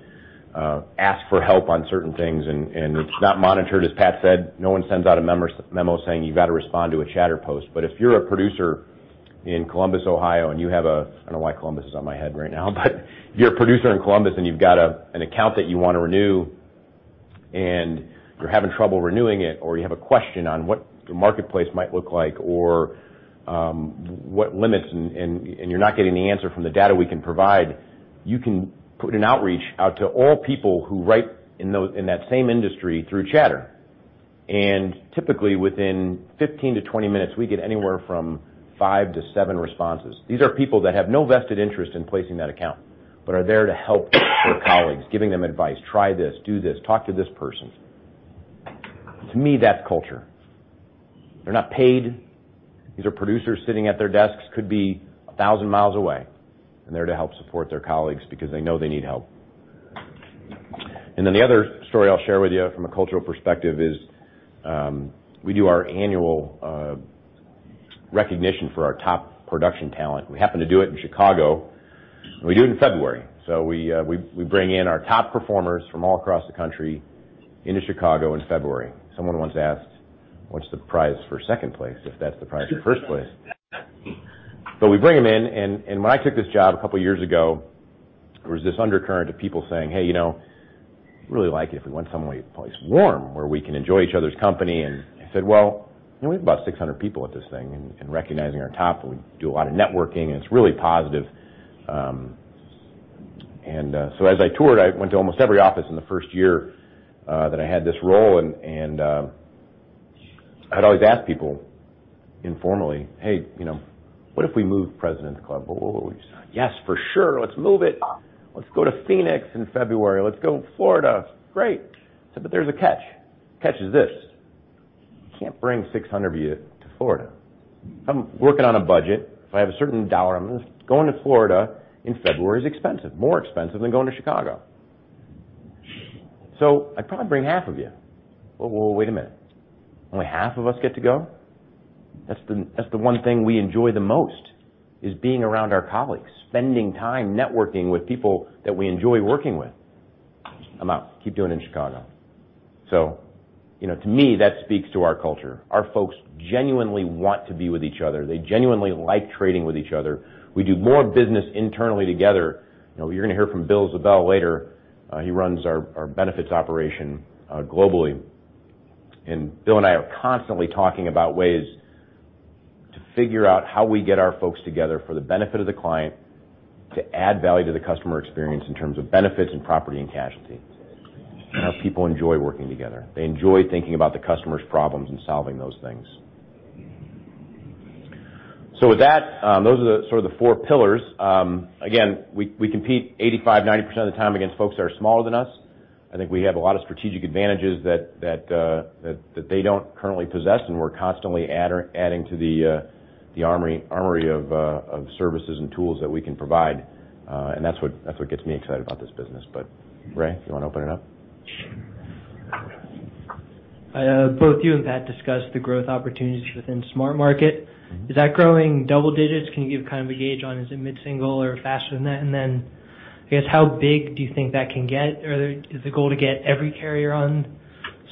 ask for help on certain things, and it's not monitored. As Pat said, no one sends out a memo saying, "You've got to respond to a Chatter post." If you're a producer in Columbus, Ohio, and you have I don't know why Columbus is on my head right now, but if you're a producer in Columbus and you've got an account that you want to renew, and you're having trouble renewing it, or you have a question on what the marketplace might look like or what limits, and you're not getting the answer from the data we can provide, you can put an outreach out to all people who write in that same industry through Chatter. Typically, within 15-20 minutes, we get anywhere from five to seven responses. These are people that have no vested interest in placing that account, but are there to help their colleagues, giving them advice, "Try this, do this, talk to this person." To me, that's culture. They're not paid. These are producers sitting at their desks, could be 1,000 miles away, and they're to help support their colleagues because they know they need help. The other story I'll share with you from a cultural perspective is, we do our annual recognition for our top production talent. We happen to do it in Chicago, and we do it in February. We bring in our top performers from all across the country into Chicago in February. Someone once asked, "What's the prize for 2nd place if that's the prize for 1st place?" We bring them in, and when I took this job a couple of years ago, there was this undercurrent of people saying, "Hey, I'd really like it if we went somewhere warm where we can enjoy each other's company." I said, "Well, we have about 600 people at this thing, and recognizing our top, and we do a lot of networking, and it's really positive." As I toured, I went to almost every office in the first year that I had this role, and I'd always ask people informally, "Hey, what if we moved President's Club?" "Well, yes, for sure. Let's move it. Let's go to Phoenix in February. Let's go Florida." Great. I said, "There's a catch. Catch is this, you can't bring 600 of you to Florida. I'm working on a budget. If I have a certain dollar amount, going to Florida in February is expensive, more expensive than going to Chicago. I'd probably bring half of you. "Well, wait a minute. Only half of us get to go? That's the one thing we enjoy the most is being around our colleagues, spending time networking with people that we enjoy working with." I'm out. Keep doing it in Chicago. To me, that speaks to our culture. Our folks genuinely want to be with each other. They genuinely like trading with each other. We do more business internally together. You're going to hear from Bill Ziebell later. He runs our benefits operation globally. Bill and I are constantly talking about ways to figure out how we get our folks together for the benefit of the client to add value to the customer experience in terms of benefits and property and casualty. Our people enjoy working together. They enjoy thinking about the customer's problems and solving those things. With that, those are the four pillars. Again, we compete 85%-90% of the time against folks that are smaller than us. I think we have a lot of strategic advantages that they don't currently possess, and we're constantly adding to the armory of services and tools that we can provide. That's what gets me excited about this business. Ray, do you want to open it up? Both you and Pat discussed the growth opportunities within Smart Market. Is that growing double digits? Can you give kind of a gauge on, is it mid-single or faster than that? Then, I guess, how big do you think that can get? Is the goal to get every carrier on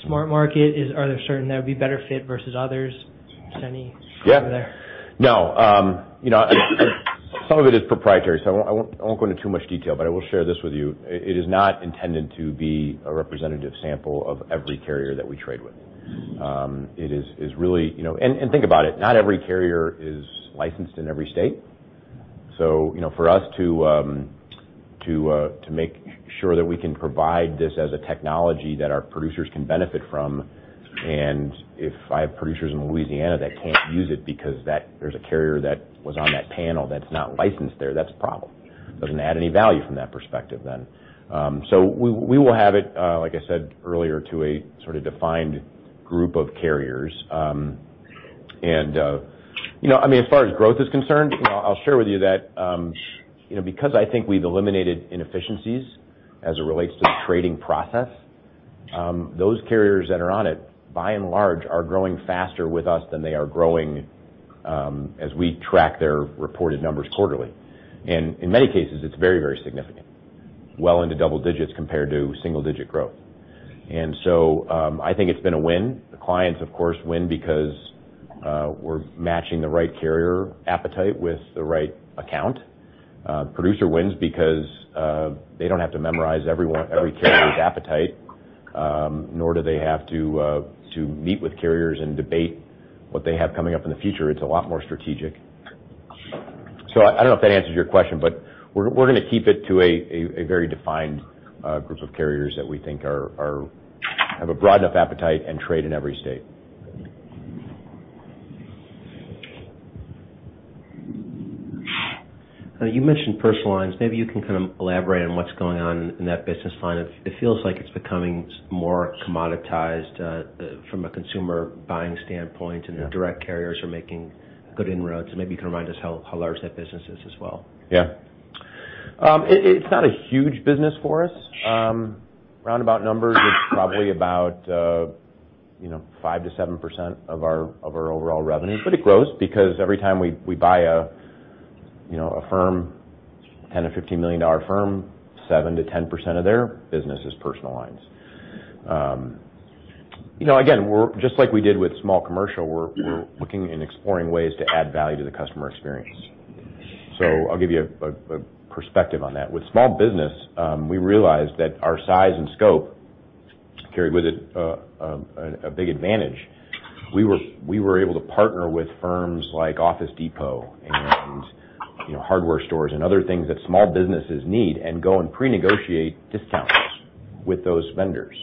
Smart Market? Are there certain that would be better fit versus others? Yeah. Over there? No. Some of it is proprietary, so I won't go into too much detail, but I will share this with you. It is not intended to be a representative sample of every carrier that we trade with. Think about it, not every carrier is licensed in every state. For us to make sure that we can provide this as a technology that our producers can benefit from, if I have producers in Louisiana that can't use it because there's a carrier that was on that panel that's not licensed there, that's a problem. Doesn't add any value from that perspective then. We will have it, like I said earlier, to a sort of defined group of carriers. As far as growth is concerned, I'll share with you that because I think we've eliminated inefficiencies as it relates to the trading process, those carriers that are on it, by and large, are growing faster with us than they are growing as we track their reported numbers quarterly. In many cases, it's very significant. Well into double digits compared to single-digit growth. I think it's been a win. The clients, of course, win because we're matching the right carrier appetite with the right account. Producer wins because they don't have to memorize every carrier's appetite nor do they have to meet with carriers and debate what they have coming up in the future. It's a lot more strategic. I don't know if that answers your question, but we're going to keep it to a very defined group of carriers that we think have a broad enough appetite and trade in every state. You mentioned personal lines. Maybe you can kind of elaborate on what's going on in that business line. It feels like it's becoming more commoditized from a consumer buying standpoint. Yeah. The direct carriers are making good inroads. Maybe you can remind us how large that business is as well. It's not a huge business for us. Roundabout numbers, it's probably about 5%to 7% of our overall revenue. But it grows because every time we buy a firm, a $10 million or $15 million firm, 7%-10% of their business is personal lines. Again, just like we did with small commercial, we're looking and exploring ways to add value to the customer experience. I'll give you a perspective on that. With small business, we realized that our size and scope carry with it a big advantage. We were able to partner with firms like Office Depot and hardware stores and other things that small businesses need, and go and pre-negotiate discounts with those vendors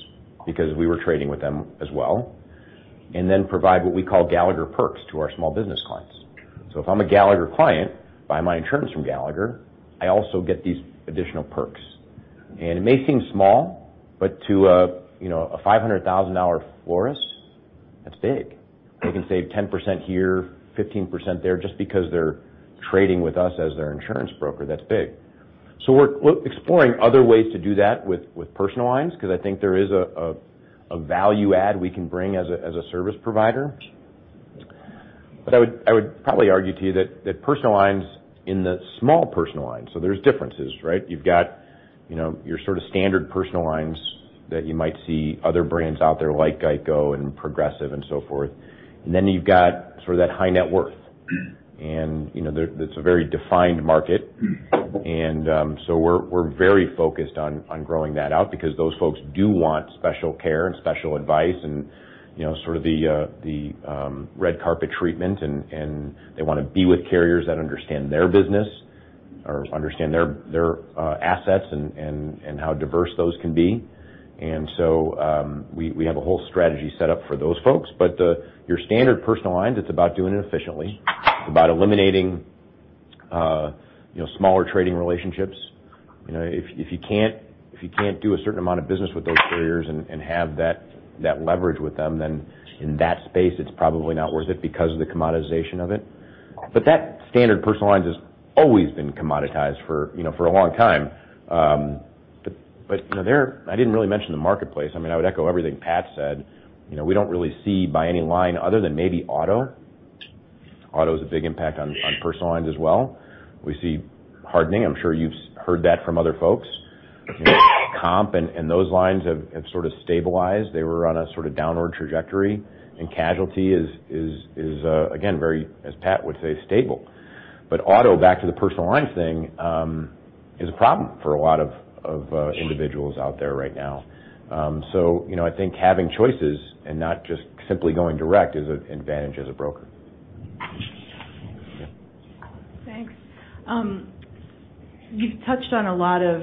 because we were trading with them as well, and then provide what we call Gallagher Perks to our small business clients. If I'm a Gallagher client, buy my insurance from Gallagher, I also get these additional Perks. And it may seem small, but to a $500,000 florist, that's big. They can save 10% here, 15% there, just because they're trading with us as their insurance broker. That's big. We're exploring other ways to do that with personal lines because I think there is a value add we can bring as a service provider. But I would probably argue to you that personal lines, in the small personal lines, there's differences, right? You've got your sort of standard personal lines that you might see other brands out there like GEICO and Progressive and so forth. And then you've got sort of that high net worth. And that's a very defined market. We're very focused on growing that out because those folks do want special care and special advice and sort of the red carpet treatment. And they want to be with carriers that understand their business or understand their assets and how diverse those can be. And so we have a whole strategy set up for those folks. But your standard personal lines, it's about doing it efficiently. It's about eliminating smaller trading relationships. If you can't do a certain amount of business with those carriers and have that leverage with them, then in that space, it's probably not worth it because of the commoditization of it. But that standard personal lines has always been commoditized for a long time. But I didn't really mention the marketplace. I would echo everything Pat said. We don't really see by any line other than maybe auto. Auto's a big impact on personal lines as well. We see hardening. I'm sure you've heard that from other folks. Comp and those lines have sort of stabilized. They were on a sort of downward trajectory. And casualty is, again, very, as Pat would say, stable. But auto, back to the personal lines thing, is a problem for a lot of individuals out there right now. I think having choices and not just simply going direct is an advantage as a broker. Thanks. You've touched on a lot of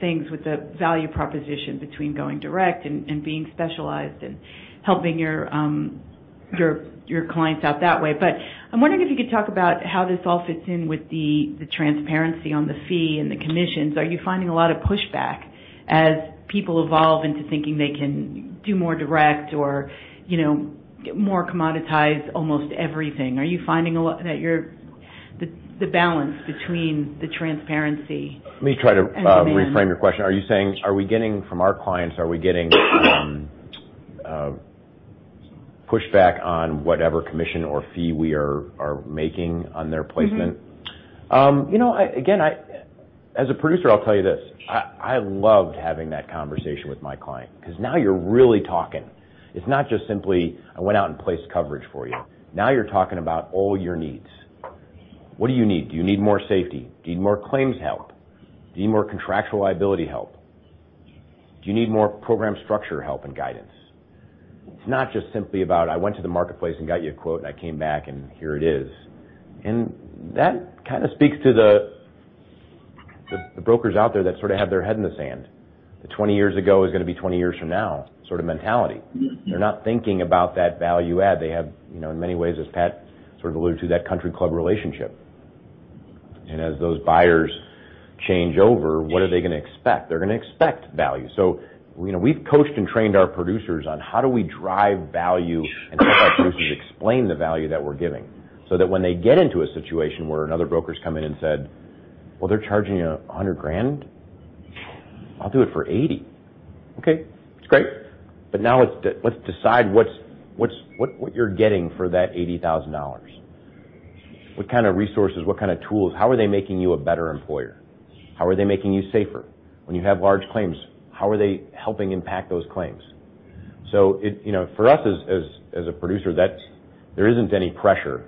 things with the value proposition between going direct and being specialized and helping your clients out that way. I'm wondering if you could talk about how this all fits in with the transparency on the fee and the commissions. Are you finding a lot of pushback as people evolve into thinking they can do more direct or more commoditize almost everything? Are you finding that the balance between the transparency and demand- Let me try to reframe your question. Are you saying from our clients, are we getting pushback on whatever commission or fee we are making on their placement? As a producer, I'll tell you this. I loved having that conversation with my client because now you're really talking. It's not just simply, "I went out and placed coverage for you." Now you're talking about all your needs. What do you need? Do you need more safety? Do you need more claims help? Do you need more contractual liability help? Do you need more program structure help and guidance? It's not just simply about I went to the marketplace and got you a quote, and I came back and here it is. That kind of speaks to the brokers out there that sort of have their head in the sand. The 20 years ago is going to be 20 years from now sort of mentality. They're not thinking about that value add. They have, in many ways, as Pat sort of alluded to, that country club relationship. As those buyers change over, what are they going to expect? They're going to expect value. We've coached and trained our producers on how do we drive value and help our producers explain the value that we're giving, so that when they get into a situation where another broker's come in and said, "Well they're charging you $100,000? I'll do it for $80,000." Okay, that's great. Now let's decide what you're getting for that $80,000. What kind of resources, what kind of tools, how are they making you a better employer? How are they making you safer? When you have large claims, how are they helping impact those claims? For us as a producer, there isn't any pressure.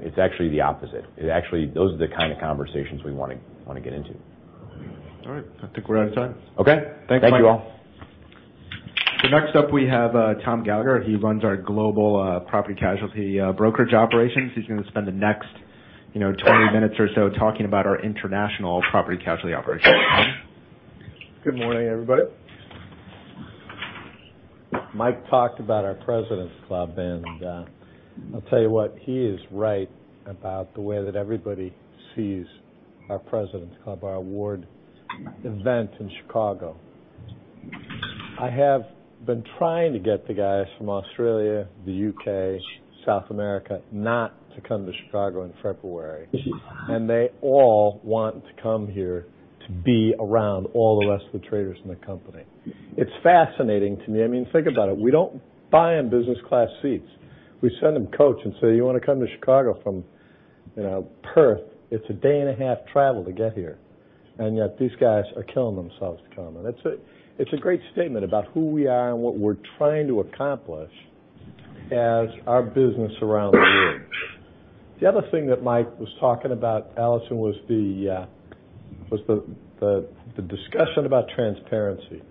It's actually the opposite. Those are the kind of conversations we want to get into. All right, I think we're out of time. Okay. Thanks, Mike. Thank you all. Next up we have Tom Gallagher. He runs our global property/casualty brokerage operations. He is going to spend the next 20 minutes or so talking about our international property/casualty operations. Tom? Good morning, everybody. Mike talked about our President's Club, and I will tell you what, he is right about the way that everybody sees our President's Club, our award event in Chicago. I have been trying to get the guys from Australia, the U.K., South America, not to come to Chicago in February, and they all want to come here to be around all the rest of the traders in the company. It is fascinating to me. Think about it. We do not buy them business class seats. We send them coach and say, "You want to come to Chicago from Perth?" It is a day and a half travel to get here, and yet these guys are killing themselves to come. It is a great statement about who we are and what we are trying to accomplish as our business around the world. The other thing that Mike was talking about, Allison, was the discussion about transparency.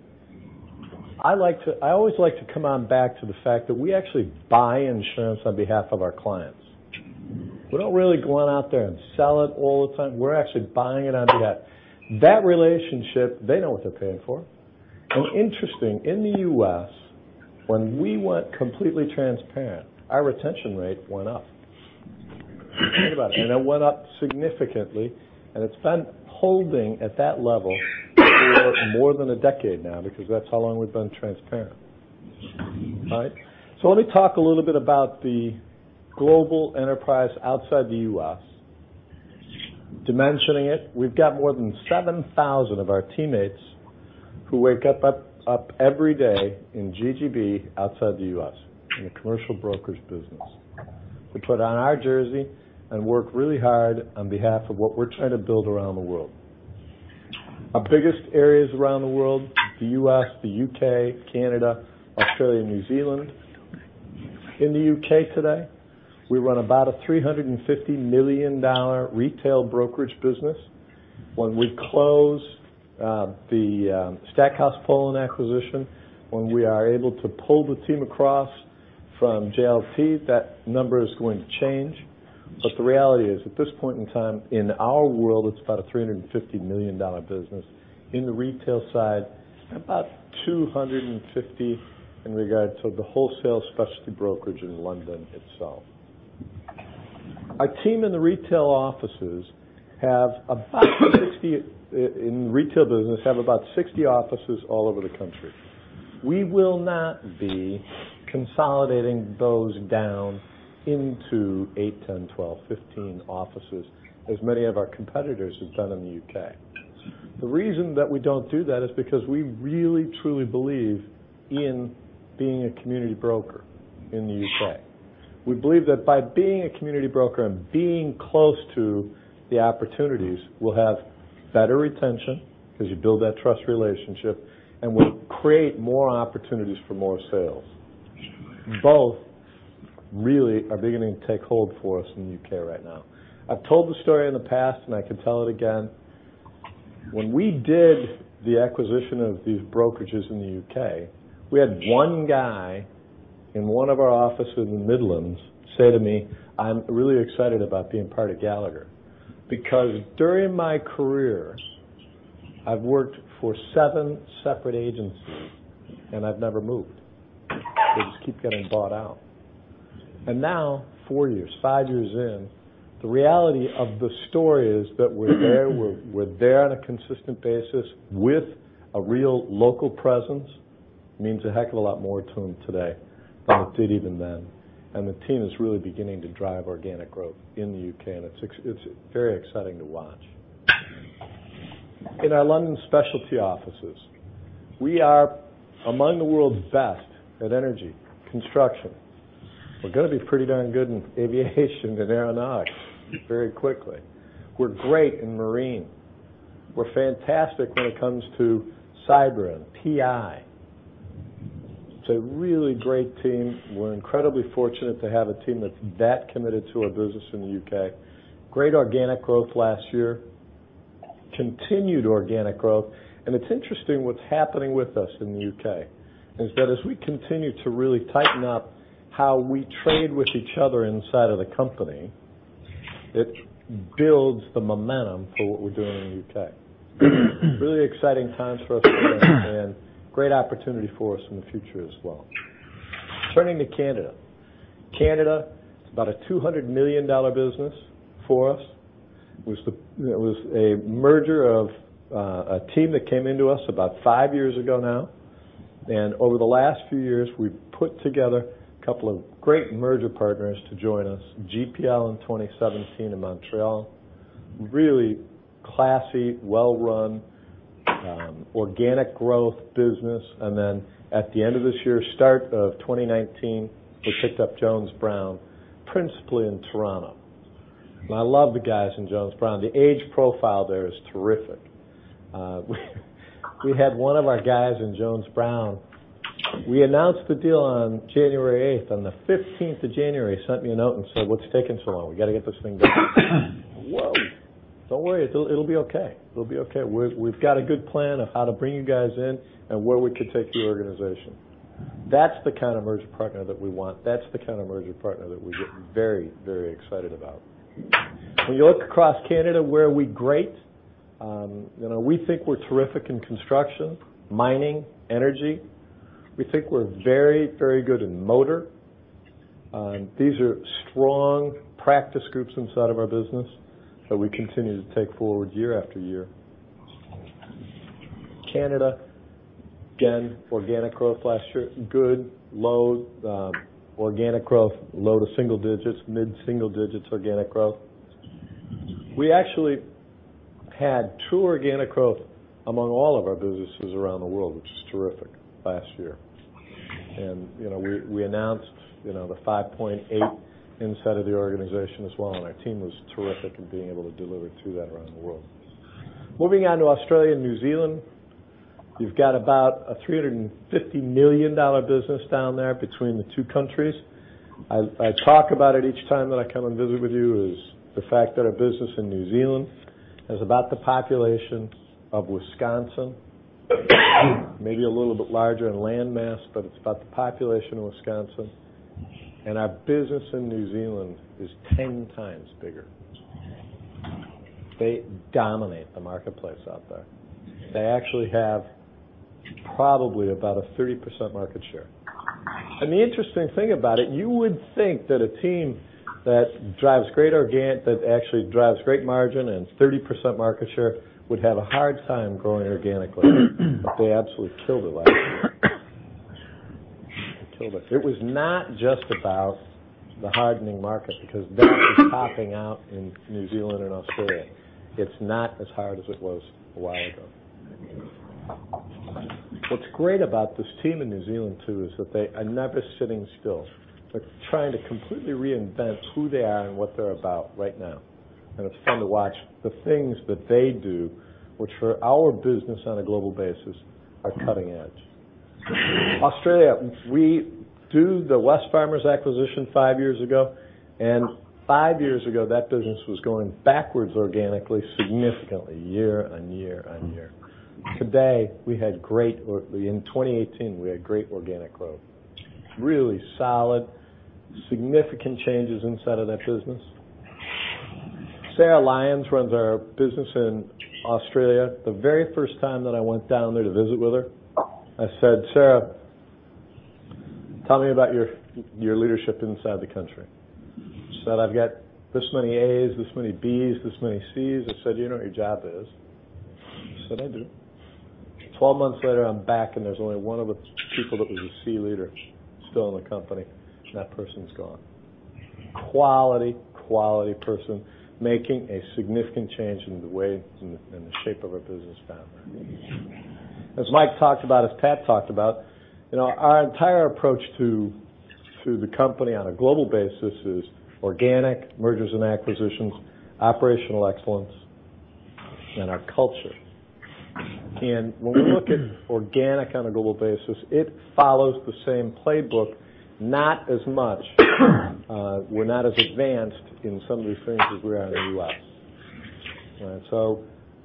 I always like to come on back to the fact that we actually buy insurance on behalf of our clients. We do not really go on out there and sell it all the time. We are actually buying it on behalf. That relationship, they know what they are paying for. Interesting, in the U.S., when we went completely transparent, our retention rate went up. Think about it. It went up significantly, and it has been holding at that level for more than a decade now because that is how long we have been transparent. Right? Let me talk a little bit about the global enterprise outside the U.S. Dimensioning it, we have got more than 7,000 of our teammates who wake up every day in GGB outside the U.S. in the commercial brokers business. We put on our jersey and work really hard on behalf of what we are trying to build around the world. Our biggest areas around the world, the U.S., the U.K., Canada, Australia, and New Zealand. In the U.K. today, we run about a $350 million retail brokerage business. When we close the Stackhouse Poland acquisition, when we are able to pull the team across from JLT, that number is going to change. The reality is, at this point in time, in our world, it is about a $350 million business in the retail side and about $250 in regard to the wholesale specialty brokerage in London itself. Our team in retail business have about 60 offices all over the country. We will not be consolidating those down into eight, 10, 12, 15 offices as many of our competitors have done in the U.K. The reason that we don't do that is because we really, truly believe in being a community broker in the U.K. We believe that by being a community broker and being close to the opportunities, we'll have better retention because you build that trust relationship, and we'll create more opportunities for more sales. Both really are beginning to take hold for us in the U.K. right now. I've told this story in the past and I can tell it again. When we did the acquisition of these brokerages in the U.K., we had one guy in one of our offices in the Midlands say to me, "I'm really excited about being part of Gallagher because during my career I've worked for seven separate agencies and I've never moved. They just keep getting bought out." Now, four years, five years in, the reality of the story is that we're there on a consistent basis with a real local presence means a heck of a lot more to him today than it did even then. The team is really beginning to drive organic growth in the U.K. and it's very exciting to watch. In our London specialty offices, we are among the world's best at energy, construction. We're going to be pretty darn good in aviation and aeronautics very quickly. We're great in marine. We're fantastic when it comes to cyber and PI. It's a really great team. We're incredibly fortunate to have a team that's that committed to our business in the U.K. Great organic growth last year, continued organic growth. It's interesting what's happening with us in the U.K., is that as we continue to really tighten up how we trade with each other inside of the company, it builds the momentum for what we're doing in the U.K. Really exciting times for us there and great opportunity for us in the future as well. Turning to Canada. Canada is about a $200 million business for us. It was a merger of a team that came into us about five years ago now, and over the last few years, we've put together a couple of great merger partners to join us. GPL in 2017 in Montreal, really classy, well-run, organic growth business. Then at the end of this year, start of 2019, we picked up Jones Brown, principally in Toronto. I love the guys in Jones Brown. The age profile there is terrific. We had one of our guys in Jones Brown, we announced the deal on January 8th. On the 15th of January, he sent me a note and said, "What's taking so long? We got to get this thing done." "Whoa, don't worry. It'll be okay. We've got a good plan of how to bring you guys in and where we could take the organization." That's the kind of merger partner that we want. That's the kind of merger partner that we get very excited about. When you look across Canada, where are we great? We think we're terrific in construction, mining, energy. We think we're very good in motor. These are strong practice groups inside of our business that we continue to take forward year after year. Canada, again, organic growth last year, good load. Organic growth, low single digits, mid-single digits organic growth. We actually had true organic growth among all of our businesses around the world, which is terrific, last year. We announced the 5.8% inside of the organization as well, and our team was terrific in being able to deliver to that around the world. Moving on to Australia and New Zealand, you've got about a $350 million business down there between the two countries. I talk about it each time that I come and visit with you is the fact that our business in New Zealand is about the population of Wisconsin, maybe a little bit larger in land mass, but it's about the population of Wisconsin. Our business in New Zealand is 10 times bigger. They dominate the marketplace out there. They actually have probably about a 30% market share. The interesting thing about it, you would think that a team that actually drives great margin and 30% market share would have a hard time growing organically, but they absolutely killed it last year. They killed it. It was not just about the hardening market, because that is topping out in New Zealand and Australia. It's not as hard as it was a while ago. What's great about this team in New Zealand, too, is that they are never sitting still. They're trying to completely reinvent who they are and what they're about right now, and it's fun to watch the things that they do, which for our business on a global basis, are cutting edge. Australia, we do the Wesfarmers acquisition five years ago, and five years ago, that business was going backwards organically, significantly, year, on year, on year. Today, in 2018, we had great organic growth. Really solid, significant changes inside of that business. Sarah Lyons runs our business in Australia. The very first time that I went down there to visit with her, I said, "Sarah, tell me about your leadership inside the country." She said, "I've got this many A's, this many B's, this many C's." I said, "You know what your job is?" She said, "I do." 12 months later, I'm back, and there's only one of the people that was a C leader still in the company, and that person's gone. Quality person, making a significant change in the way and the shape of our business down there. As Mike talked about, as Pat talked about, our entire approach to the company on a global basis is organic mergers and acquisitions, operational excellence, and our culture. When we look at organic on a global basis, it follows the same playbook, not as much. We're not as advanced in some of these things as we are in the U.S.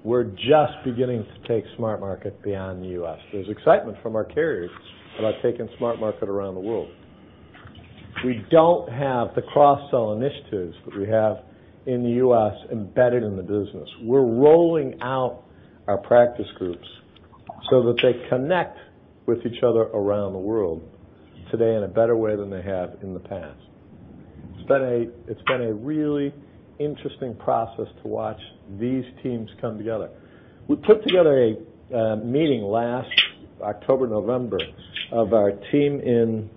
We're just beginning to take SmartMarket beyond the U.S. There's excitement from our carriers about taking SmartMarket around the world. We don't have the cross-sell initiatives that we have in the U.S. embedded in the business. We're rolling out our practice groups so that they connect with each other around the world today in a better way than they have in the past. It's been a really interesting process to watch these teams come together. We put together a meeting last October, November, of our team in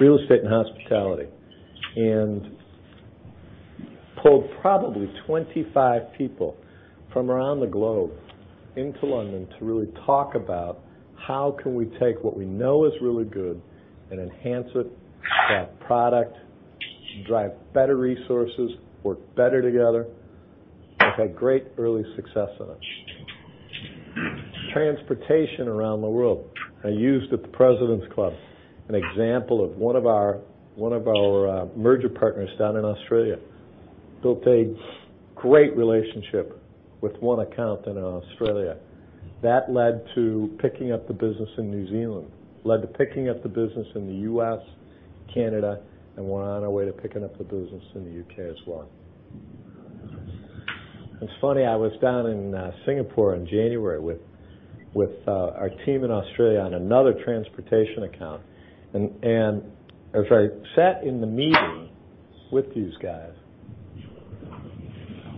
real estate and hospitality, pulled probably 25 people from around the globe into London to really talk about how can we take what we know is really good and enhance it, that product, drive better resources, work better together. We've had great early success in it. Transportation around the world. I used at the President's Club, an example of one of our merger partners down in Australia, built a great relationship with one account in Australia. That led to picking up the business in New Zealand, led to picking up the business in the U.S., Canada, we're on our way to picking up the business in the U.K. as well. It's funny, I was down in Singapore in January with our team in Australia on another transportation account. As I sat in the meeting with these guys,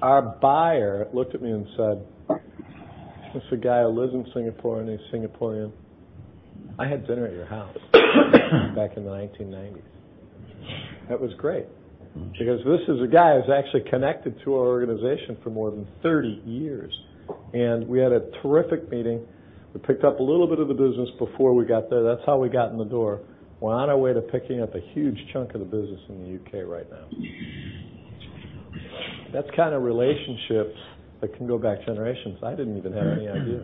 our buyer looked at me and said, "This is a guy who lives in Singapore, he's Singaporean. I had dinner at your house back in the 1990s." That was great. He goes, "This is a guy who's actually connected to our organization for more than 30 years." We had a terrific meeting. We picked up a little bit of the business before we got there. That's how we got in the door. We're on our way to picking up a huge chunk of the business in the U.K. right now. That's the kind of relationships that can go back generations. I didn't even have any idea.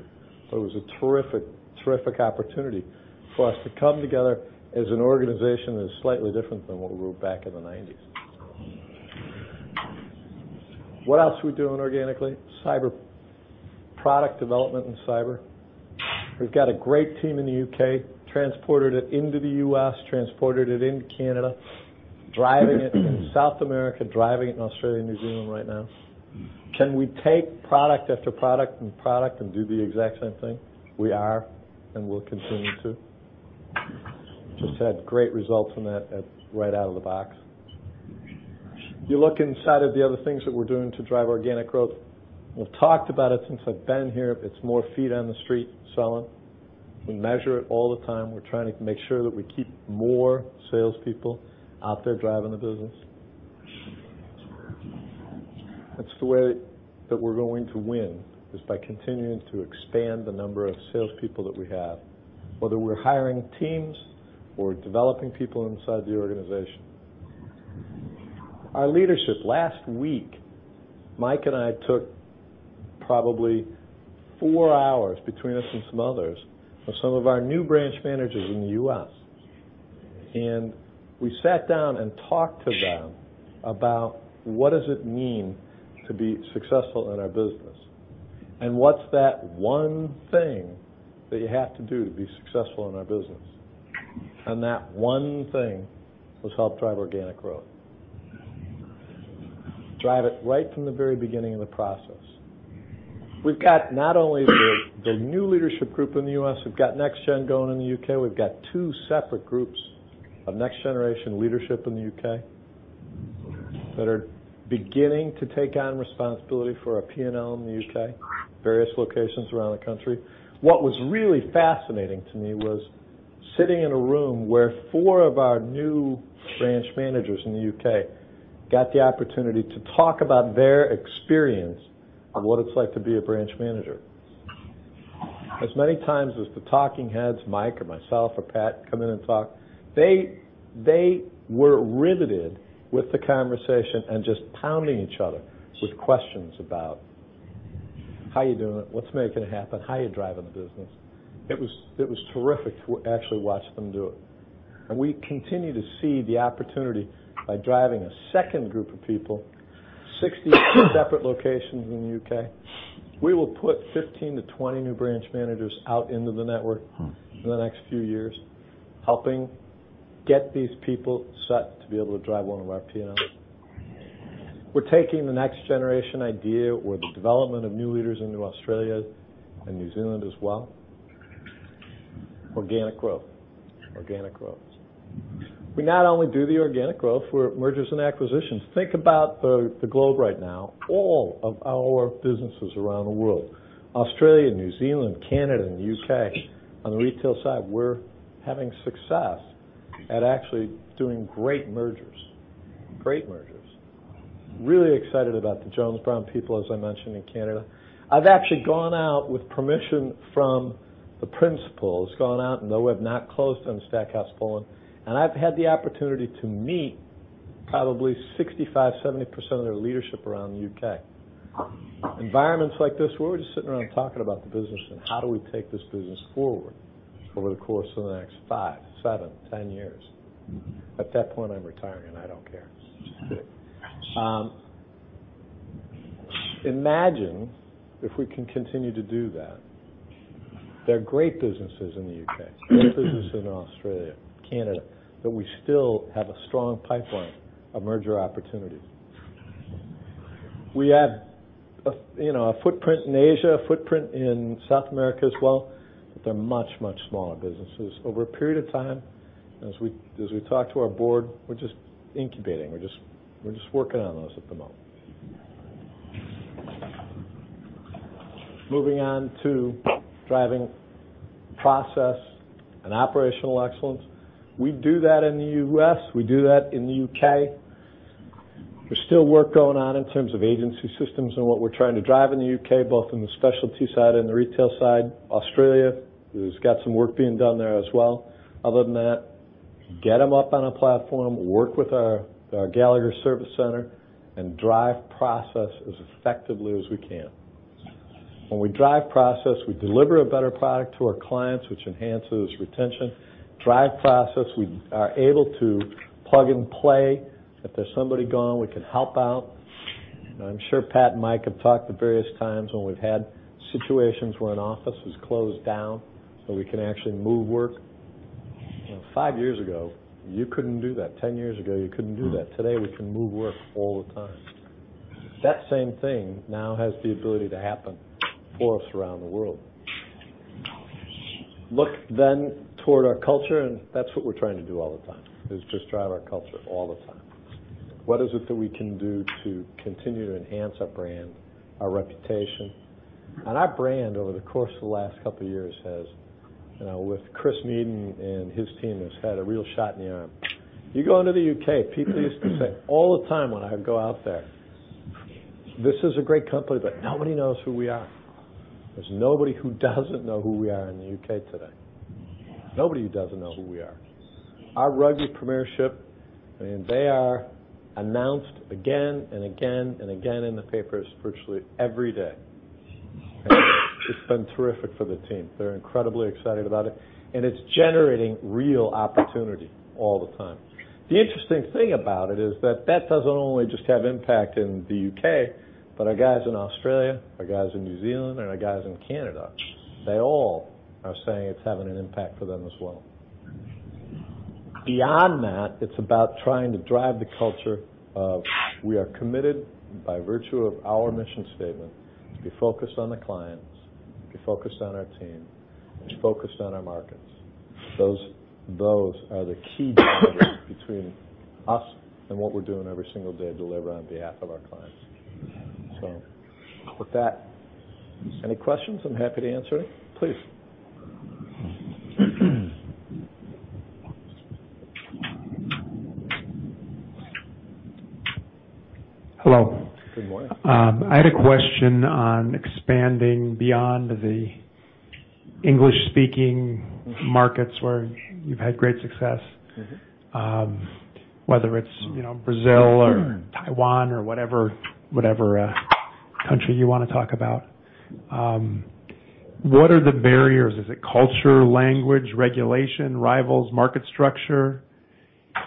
It was a terrific opportunity for us to come together as an organization that is slightly different than what we were back in the '90s. What else are we doing organically? Cyber product development and cyber. We've got a great team in the U.K., transported it into the U.S., transported it into Canada, driving it in South America, driving it in Australia and New Zealand right now. Can we take product after product and product and do the exact same thing? We are, we'll continue to. Just had great results from that right out of the box. Look inside at the other things that we're doing to drive organic growth. We've talked about it since I've been here. It's more feet on the street selling. We measure it all the time. We're trying to make sure that we keep more salespeople out there driving the business. That's the way that we're going to win, is by continuing to expand the number of salespeople that we have, whether we're hiring teams or developing people inside the organization. Our leadership. Last week, Mike and I took probably four hours between us and some others with some of our new branch managers in the U.S. We sat down and talked to them about what does it mean to be successful in our business, what's that one thing that you have to do to be successful in our business? That one thing was help drive organic growth. Drive it right from the very beginning of the process. We've got not only the new leadership group in the U.S., we've got next gen going in the U.K. We've got two separate groups of next-generation leadership in the U.K. that are beginning to take on responsibility for our P&L in the U.K., various locations around the country. What was really fascinating to me was sitting in a room where four of our new branch managers in the U.K. got the opportunity to talk about their experience of what it's like to be a branch manager. As many times as the talking heads, Mike or myself or Pat, come in and talk, they were riveted with the conversation and just pounding each other with questions about how are you doing it, what's making it happen, how are you driving the business? It was terrific to actually watch them do it. We continue to see the opportunity by driving a second group of people, 60 separate locations in the U.K. We will put 15 to 20 new branch managers out into the network in the next few years, helping get these people set to be able to drive one of our P&Ls. We're taking the next generation idea or the development of new leaders into Australia and New Zealand as well. Organic growth. Organic growth. We not only do the organic growth. We're mergers and acquisitions. Think about the globe right now. All of our businesses around the world, Australia, New Zealand, Canada, and the U.K. On the retail side, we're having success at actually doing great mergers. Great mergers. Really excited about the Jones Brown people, as I mentioned, in Canada. I've actually gone out with permission from the principals, gone out, though we have not closed on Stackhouse Poland, I've had the opportunity to meet probably 65, 70% of their leadership around the U.K. Environments like this, where we're just sitting around talking about the business and how do we take this business forward over the course of the next five, seven, 10 years. At that point, I'm retiring. I don't care. Imagine if we can continue to do that. There are great businesses in the U.K., great businesses in Australia, Canada, that we still have a strong pipeline of merger opportunities. We have a footprint in Asia, a footprint in South America as well. They're much, much smaller businesses. Over a period of time, as we talk to our board, we're just incubating. We're just working on those at the moment. Moving on to driving process and operational excellence. We do that in the U.S., we do that in the U.K. There's still work going on in terms of agency systems and what we're trying to drive in the U.K., both in the specialty side and the retail side. Australia has got some work being done there as well. Other than that, get them up on a platform, work with our Gallagher Service Center, drive process as effectively as we can. When we drive process, we deliver a better product to our clients, which enhances retention. Drive process, we are able to plug and play. If there's somebody gone, we can help out. I'm sure Pat and Mike have talked at various times when we've had situations where an office was closed down, so we can actually move work. Five years ago, you couldn't do that. 10 years ago, you couldn't do that. Today, we can move work all the time. That same thing now has the ability to happen for us around the world. Look then toward our culture. That's what we're trying to do all the time, is just drive our culture all the time. What is it that we can do to continue to enhance our brand, our reputation? Our brand, over the course of the last couple of years, with Chris Meaden and his team, has had a real shot in the arm. You go into the U.K., people used to say all the time when I would go out there, "This is a great company, but nobody knows who we are." There's nobody who doesn't know who we are in the U.K. today. Nobody who doesn't know who we are. Our Rugby Premiership, they are announced again and again in the papers virtually every day. It's been terrific for the team. They're incredibly excited about it, and it's generating real opportunity all the time. The interesting thing about it is that that doesn't only just have impact in the U.K., but our guys in Australia, our guys in New Zealand, and our guys in Canada, they all are saying it's having an impact for them as well. Beyond that, it's about trying to drive the culture of we are committed by virtue of our mission statement to be focused on the clients, be focused on our team, and focused on our markets. Those are the key drivers between us and what we're doing every single day to deliver on behalf of our clients. With that, any questions? I'm happy to answer it. Please. Hello. Good morning. I had a question on expanding beyond the English-speaking markets where you've had great success. Whether it's Brazil or Taiwan or whatever country you want to talk about. What are the barriers? Is it culture, language, regulation, rivals, market structure?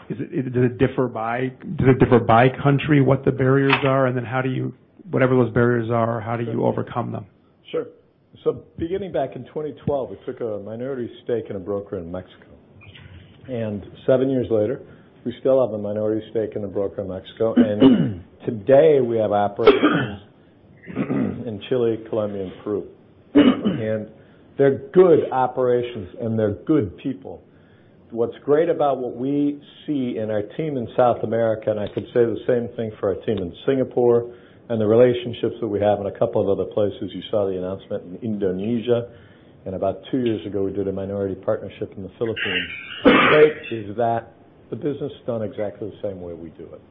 Does it differ by country what the barriers are? Whatever those barriers are, how do you overcome them? Sure. Beginning back in 2012, we took a minority stake in a broker in Mexico. 7 years later, we still have a minority stake in a broker in Mexico. Today, we have operations in Chile, Colombia, and Peru. They're good operations, and they're good people. What's great about what we see in our team in South America, the same thing for our team in Singapore, the relationships that we have in a couple of other places, you saw the announcement in Indonesia. About 2 years ago, we did a minority partnership in the Philippines. The case is that the business is done exactly the same way we do it.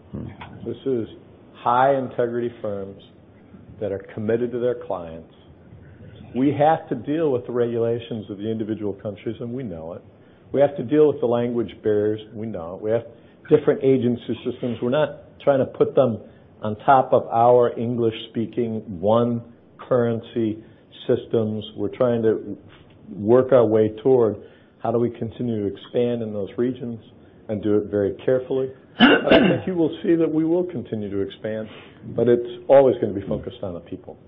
This is high integrity firms that are committed to their clients. We have to deal with the regulations of the individual countries. We know it. We have to deal with the language barriers. We know it. We have different agency systems. We're not trying to put them on top of our English-speaking, one currency systems. We're trying to work our way toward how do we continue to expand in those regions and do it very carefully. I think you will see that we will continue to expand, it's always going to be focused on the people.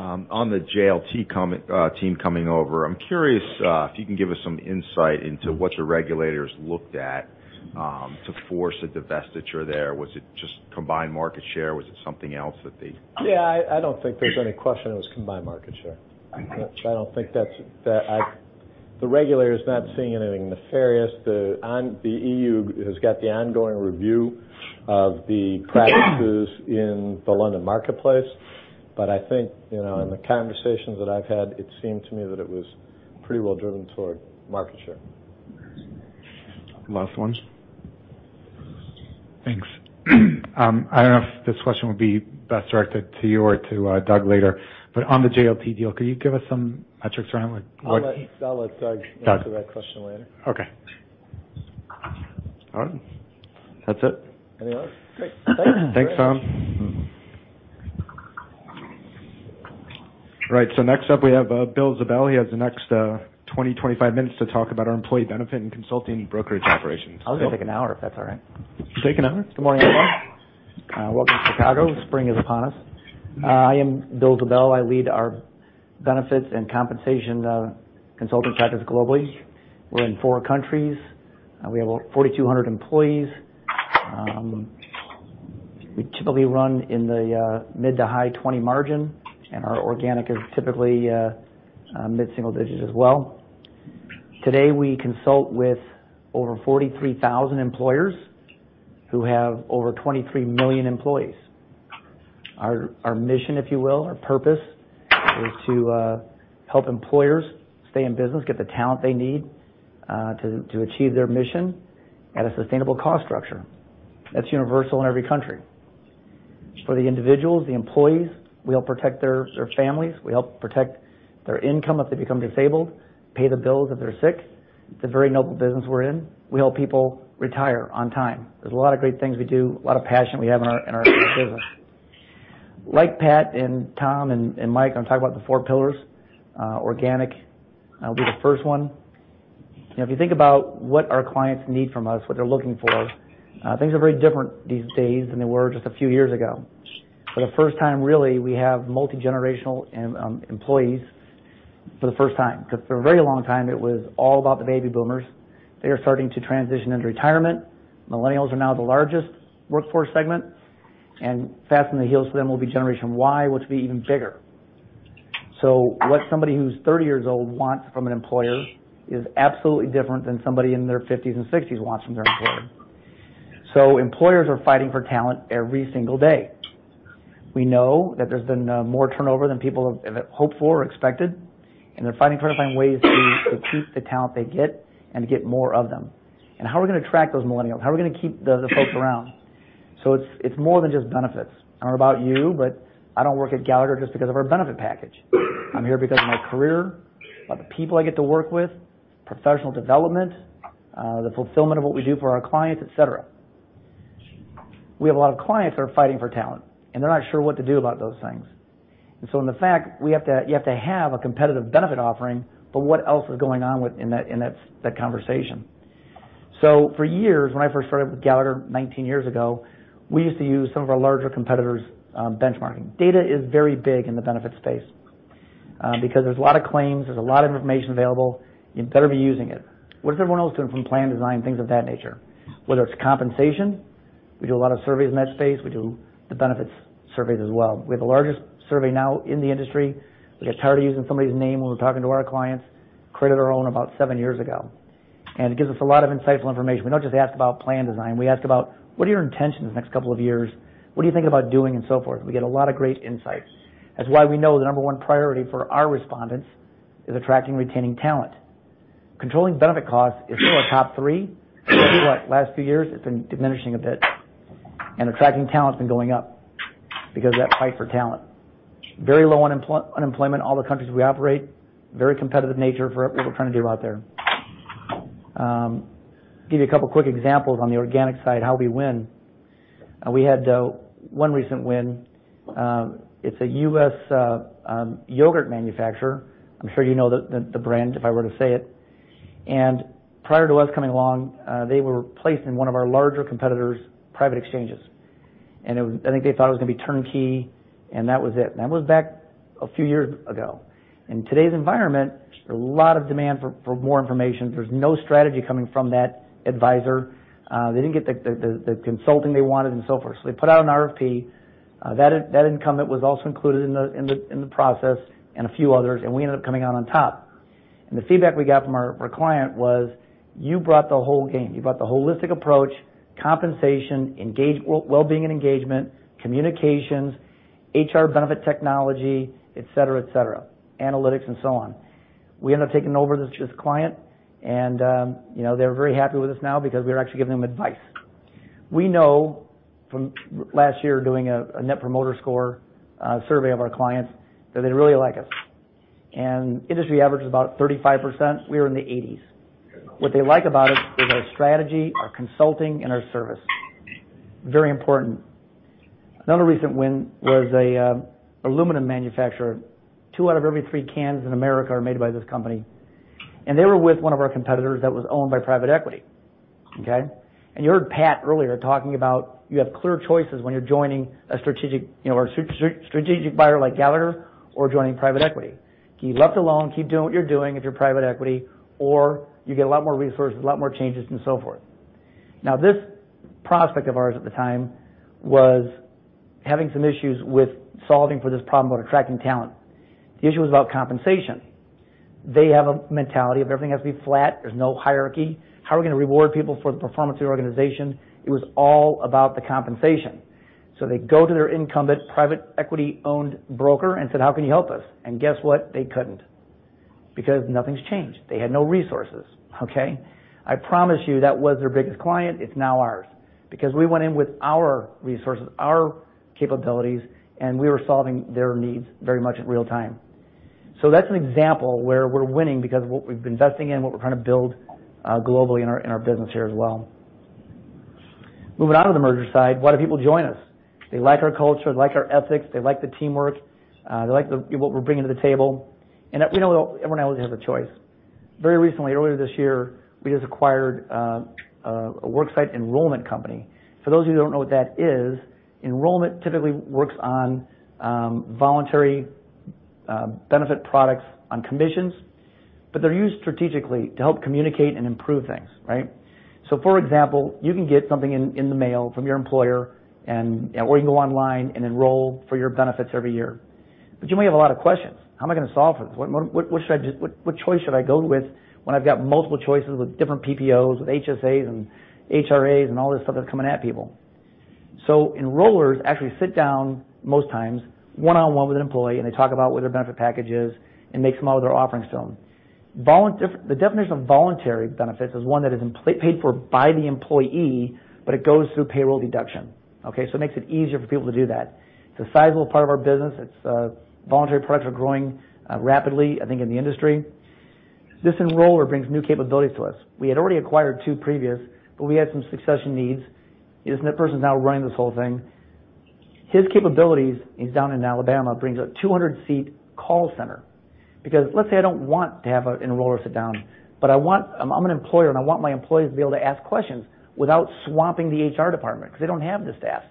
On the JLT team coming over, I'm curious if you can give us some insight into what the regulators looked at to force a divestiture there. Was it just combined market share? Was it something else? Yeah, I don't think there's any question it was combined market share. Okay. The regulator is not seeing anything nefarious. The EU has got the ongoing review of the practices in the London marketplace. I think, in the conversations that I've had, it seemed to me that it was pretty well driven toward market share. Last one. Thanks. I don't know if this question would be best directed to you or to Doug later. On the JLT deal, could you give us some metrics around, like what- I'll let Doug answer that question later. Okay. All right. That's it. Any others? Great. Thanks. Thanks, Tom. Right. Next up we have Bill Ziebell. He has the next 20, 25 minutes to talk about our employee benefit and consulting brokerage operations. Bill. I was going to take an hour, if that's all right. Take an hour. Good morning, everyone. Welcome to Chicago. Spring is upon us. I am Bill Ziebell. I lead our Benefits and Compensation Consulting Practice globally. We're in four countries. We have over 4,200 employees. We typically run in the mid to high 20% margin, and our organic is typically mid-single digits as well. Today, we consult with over 43,000 employers who have over 23 million employees. Our mission, if you will, our purpose is to help employers stay in business, get the talent they need to achieve their mission at a sustainable cost structure. That's universal in every country. For the individuals, the employees, we help protect their families, we help protect their income if they become disabled, pay the bills if they're sick. It's a very noble business we're in. We help people retire on time. There's a lot of great things we do, a lot of passion we have in our business. Like Pat and Tom and Mike, I'm talking about the four pillars. Organic will be the first one. If you think about what our clients need from us, what they're looking for, things are very different these days than they were just a few years ago. For the first time, really, we have multi-generational employees for the first time, because for a very long time it was all about the baby boomers. They are starting to transition into retirement. Millennials are now the largest workforce segment, and fast on the heels of them will be Generation Y, which will be even bigger. What somebody who's 30 years old wants from an employer is absolutely different than somebody in their 50s and 60s wants from their employer. Employers are fighting for talent every single day. We know that there's been more turnover than people have hoped for or expected, and they're fighting, trying to find ways to keep the talent they get and to get more of them. How are we going to attract those millennials? How are we going to keep the folks around? It's more than just benefits. I don't know about you, but I don't work at Gallagher just because of our benefit package. I'm here because of my career, about the people I get to work with, professional development, the fulfillment of what we do for our clients, et cetera. We have a lot of clients that are fighting for talent, and they're not sure what to do about those things. In fact, you have to have a competitive benefit offering, but what else is going on in that conversation? For years, when I first started with Gallagher 19 years ago, we used to use some of our larger competitors' benchmarking. Data is very big in the benefits space because there's a lot of claims, there's a lot of information available. You better be using it. What is everyone else doing from plan design, things of that nature? Whether it's compensation, we do a lot of surveys in that space. We do the benefits surveys as well. We have the largest survey now in the industry. We got tired of using somebody's name when we're talking to our clients, created our own about seven years ago. It gives us a lot of insightful information. We don't just ask about plan design. We ask about, what are your intentions the next couple of years? What are you thinking about doing, and so forth. We get a lot of great insights. That's why we know the number one priority for our respondents is attracting and retaining talent. Controlling benefit costs is still a top three. I tell you what, last few years, it's been diminishing a bit, and attracting talent's been going up because of that fight for talent. Very low unemployment in all the countries we operate. Very competitive nature for what we're trying to do out there. Give you a couple quick examples on the organic side, how we win. We had one recent win. It's a U.S. yogurt manufacturer. I'm sure you know the brand, if I were to say it. Prior to us coming along, they were placed in one of our larger competitors' private exchanges. I think they thought it was going to be turnkey, and that was it. That was back a few years ago. In today's environment, there's a lot of demand for more information. There's no strategy coming from that advisor. They didn't get the consulting they wanted and so forth. They put out an RFP. That incumbent was also included in the process, and a few others, we ended up coming out on top. The feedback we got from our client was, "You brought the whole game. You brought the holistic approach, compensation, well-being and engagement, communications, HR benefit technology, et cetera, et cetera, analytics and so on." We ended up taking over this client and they're very happy with us now because we're actually giving them advice. We know from last year, doing a Net Promoter Score survey of our clients, that they really like us. Industry average is about 35%. We were in the 80s. What they like about us is our strategy, our consulting, and our service. Very important. Another recent win was an aluminum manufacturer. Two out of every three cans in America are made by this company, and they were with one of our competitors that was owned by private equity. Okay? You heard Pat earlier talking about you have clear choices when you're joining a strategic buyer like Gallagher or joining private equity. You're left alone, keep doing what you're doing if you're private equity, or you get a lot more resources, a lot more changes, and so forth. This prospect of ours at the time was having some issues with solving for this problem about attracting talent. The issue was about compensation. They have a mentality of everything has to be flat. There's no hierarchy. How are we going to reward people for the performance of the organization? It was all about the compensation. They go to their incumbent private equity-owned broker and said, "How can you help us?" Guess what? They couldn't because nothing's changed. They had no resources. Okay? I promise you, that was their biggest client. It's now ours because we went in with our resources, our capabilities, and we were solving their needs very much in real time. That's an example where we're winning because of what we've been investing in, what we're trying to build globally in our business here as well. Moving on to the merger side, why do people join us? They like our culture, they like our ethics, they like the teamwork. They like what we're bringing to the table, and we know everyone always has a choice. Very recently, earlier this year, we just acquired a worksite enrollment company. For those of you who don't know what that is, enrollment typically works on voluntary benefit products on commissions, but they're used strategically to help communicate and improve things. Right? For example, you can get something in the mail from your employer, or you can go online and enroll for your benefits every year. You may have a lot of questions. How am I going to solve for this? What choice should I go with when I've got multiple choices with different PPOs, with HSAs and HRAs and all this stuff that's coming at people? Enrollers actually sit down, most times, one-on-one with an employee, and they talk about what their benefit package is and make some other offerings to them. The definition of voluntary benefits is one that is paid for by the employee, but it goes through payroll deduction. Okay? It makes it easier for people to do that. It's a sizable part of our business. Voluntary products are growing rapidly, I think, in the industry. This enroller brings new capabilities to us. We had already acquired two previous, but we had some succession needs. This person's now running this whole thing. His capabilities, he's down in Alabama, brings a 200-seat call center. Let's say I don't want to have an enroller sit down, but I'm an employer, and I want my employees to be able to ask questions without swamping the HR department, because they don't have the staff.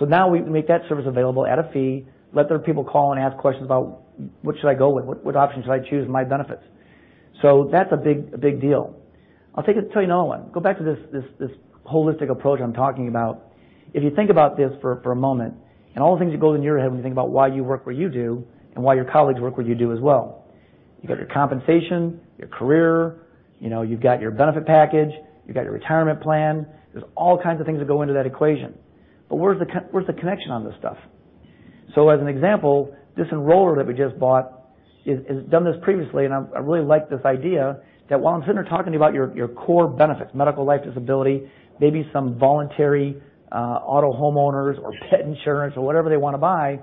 now we make that service available at a fee, let their people call and ask questions about what should I go with, what options should I choose, my benefits. That's a big deal. I'll tell you another one. Go back to this holistic approach I'm talking about. If you think about this for a moment, and all the things that go in your head when you think about why you work where you do and why your colleagues work where you do as well. You've got your compensation, your career, you've got your benefit package, you've got your retirement plan. There's all kinds of things that go into that equation. Where's the connection on this stuff? As an example, this enroller that we just bought has done this previously, and I really like this idea that while I'm sitting there talking to you about your core benefits, medical, life, disability, maybe some voluntary auto, homeowners or pet insurance or whatever they want to buy.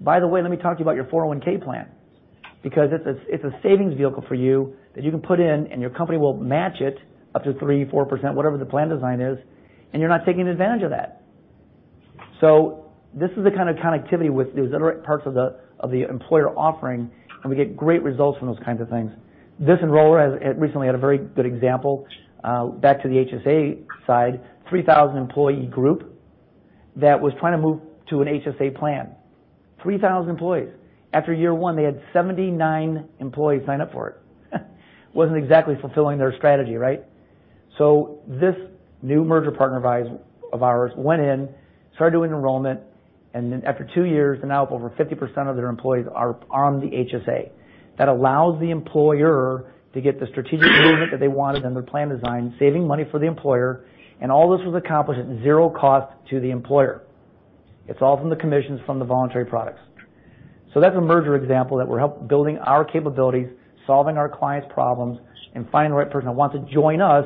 By the way, let me talk to you about your 401 plan. It's a savings vehicle for you that you can put in and your company will match it up to 3%, 4%, whatever the plan design is, and you're not taking advantage of that. This is the kind of connectivity with those intricate parts of the employer offering, and we get great results from those kinds of things. This enroller recently had a very good example, back to the HSA side, 3,000-employee group that was trying to move to an HSA plan. 3,000 employees. After year one, they had 79 employees sign up for it. Wasn't exactly fulfilling their strategy, right? This new merger partner of ours went in, started doing enrollment, and then after two years, they now have over 50% of their employees are on the HSA. That allows the employer to get the strategic movement that they wanted in their plan design, saving money for the employer, and all this was accomplished at zero cost to the employer. It's all from the commissions from the voluntary products. That's a merger example that we're help building our capabilities, solving our clients' problems, and finding the right person that wants to join us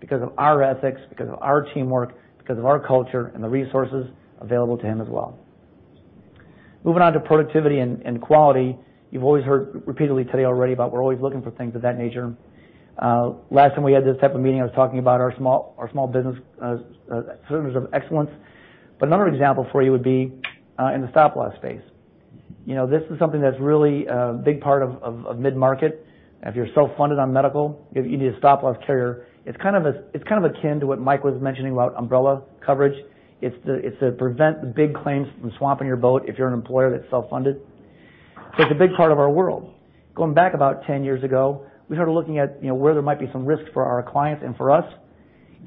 because of our ethics, because of our teamwork, because of our culture and the resources available to him as well. Moving on to productivity and quality. You've always heard repeatedly today already about we're always looking for things of that nature. Last time we had this type of meeting, I was talking about our small business centers of excellence. Another example for you would be in the stop loss space. This is something that's really a big part of mid-market. If you're self-funded on medical, you need a stop loss carrier. It's kind of akin to what Mike was mentioning about umbrella coverage. It's to prevent the big claims from swamping your boat if you're an employer that's self-funded. It's a big part of our world. Going back about 10 years ago, we started looking at where there might be some risk for our clients and for us,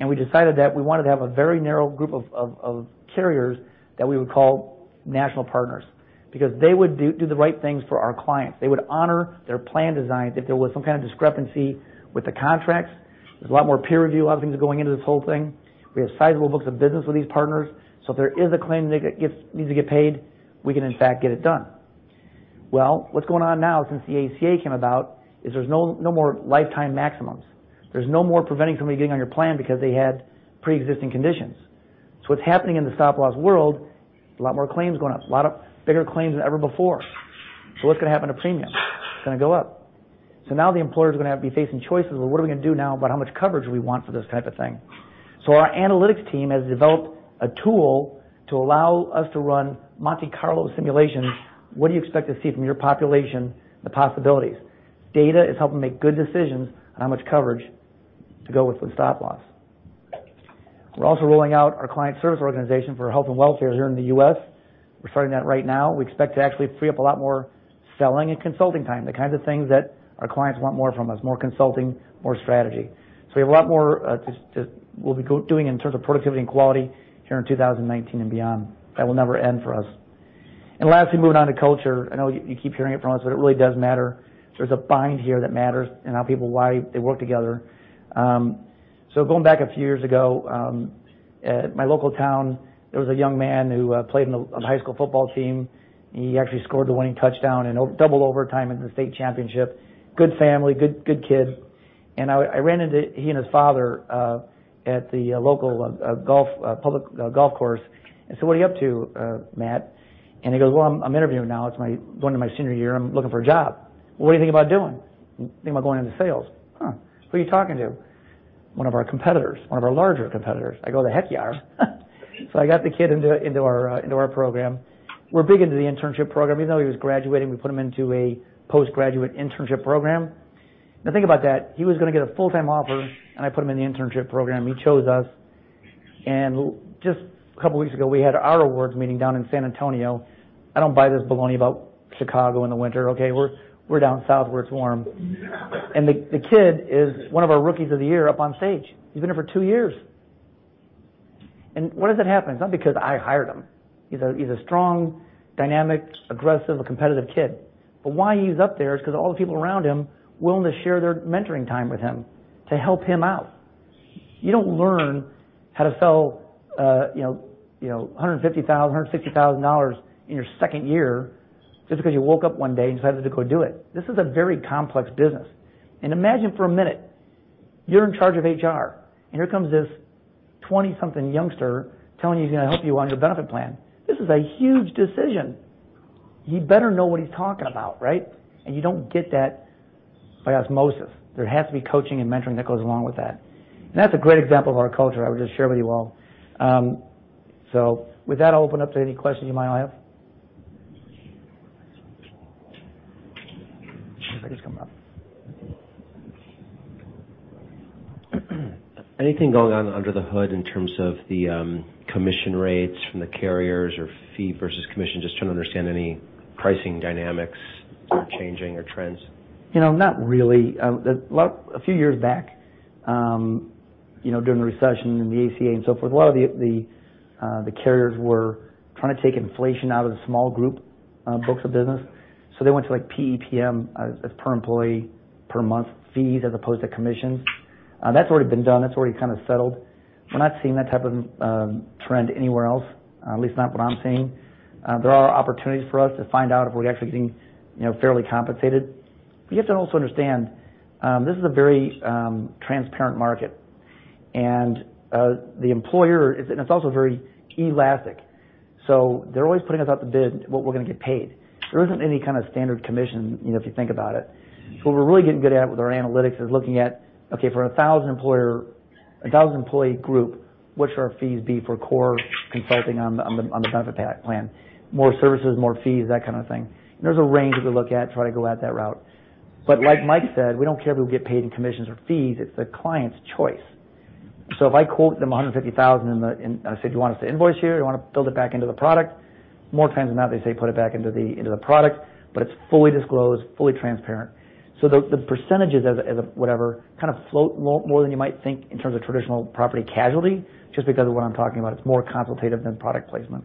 we decided that we wanted to have a very narrow group of carriers that we would call national partners because they would do the right things for our clients. They would honor their plan design if there was some kind of discrepancy with the contracts. There's a lot more peer review, a lot of things going into this whole thing. We have sizable books of business with these partners, so if there is a claim that needs to get paid, we can in fact get it done. What's going on now since the ACA came about is there's no more lifetime maximums. There's no more preventing somebody getting on your plan because they had pre-existing conditions. What's happening in the stop loss world, there's a lot more claims going up. A lot of bigger claims than ever before. What's going to happen to premiums? It's going to go up. Now the employers are going to have to be facing choices. What are we going to do now about how much coverage we want for this type of thing? Our analytics team has developed a tool to allow us to run Monte Carlo simulations. What do you expect to see from your population, the possibilities? Data is helping make good decisions on how much coverage to go with stop loss. We're also rolling out our client service organization for health and welfare here in the U.S. We're starting that right now. We expect to actually free up a lot more selling and consulting time, the kinds of things that our clients want more from us, more consulting, more strategy. We have a lot more we'll be doing in terms of productivity and quality here in 2019 and beyond. That will never end for us. Last, we move on to culture. I know you keep hearing it from us, it really does matter. There's a bind here that matters in how people, why they work together. Going back a few years ago, at my local town, there was a young man who played on the high school football team, and he actually scored the winning touchdown in double overtime in the state championship. Good family, good kid. I ran into he and his father at the local public golf course and said, "What are you up to, Matt?" He goes, "I'm interviewing now. It's going into my senior year and I'm looking for a job." "What are you thinking about doing?" "Thinking about going into sales." "Huh, who are you talking to?" "One of our competitors, one of our larger competitors." I go, "The heck you are." I got the kid into our program. We're big into the internship program. Even though he was graduating, we put him into a post-graduate internship program. Now think about that. He was going to get a full-time offer, I put him in the internship program. He chose us. Just a couple of weeks ago, we had our awards meeting down in San Antonio. I don't buy this baloney about Chicago in the winter, okay? We're down South where it's warm. The kid is one of our rookies of the year up on stage. He's been here for two years. Why does that happen? It's not because I hired him. He's a strong, dynamic, aggressive, competitive kid. Why he's up there is because all the people around him willingness to share their mentoring time with him to help him out. You don't learn how to sell $150,000, $160,000 in your second year just because you woke up one day and decided to go do it. This is a very complex business. Imagine for a minute, you're in charge of HR, and here comes this 20-something youngster telling you he's going to help you on your benefit plan. This is a huge decision. He better know what he's talking about, right? You don't get that by osmosis. There has to be coaching and mentoring that goes along with that. That's a great example of our culture I would just share with you all. With that, I'll open up to any questions you might have. If I could come up. Anything going on under the hood in terms of the commission rates from the carriers or fee versus commission? Just trying to understand any pricing dynamics that are changing or trends. Not really. A few years back, during the recession and the ACA and so forth, a lot of the carriers were trying to take inflation out of the small group books of business. They went to like PEPM, as per employee per month fees as opposed to commissions. That's already been done. That's already kind of settled. We're not seeing that type of trend anywhere else, at least not what I'm seeing. There are opportunities for us to find out if we're actually getting fairly compensated. You have to also understand, this is a very transparent market, and it's also very elastic, so they're always putting us out to bid what we're going to get paid. There isn't any kind of standard commission, if you think about it. What we're really getting good at with our analytics is looking at, okay, for 1,000 employee group, what should our fees be for core consulting on the benefit plan? More services, more fees, that kind of thing. There's a range that we look at, try to go out that route. Like Mike said, we don't care if we get paid in commissions or fees, it's the client's choice. If I quote them $150,000 and I said, "Do you want us to invoice you or you want to build it back into the product?" More times than not, they say put it back into the product. It's fully disclosed, fully transparent. The percentages as a whatever, kind of float more than you might think in terms of traditional property casualty, just because of what I'm talking about. It's more consultative than product placement.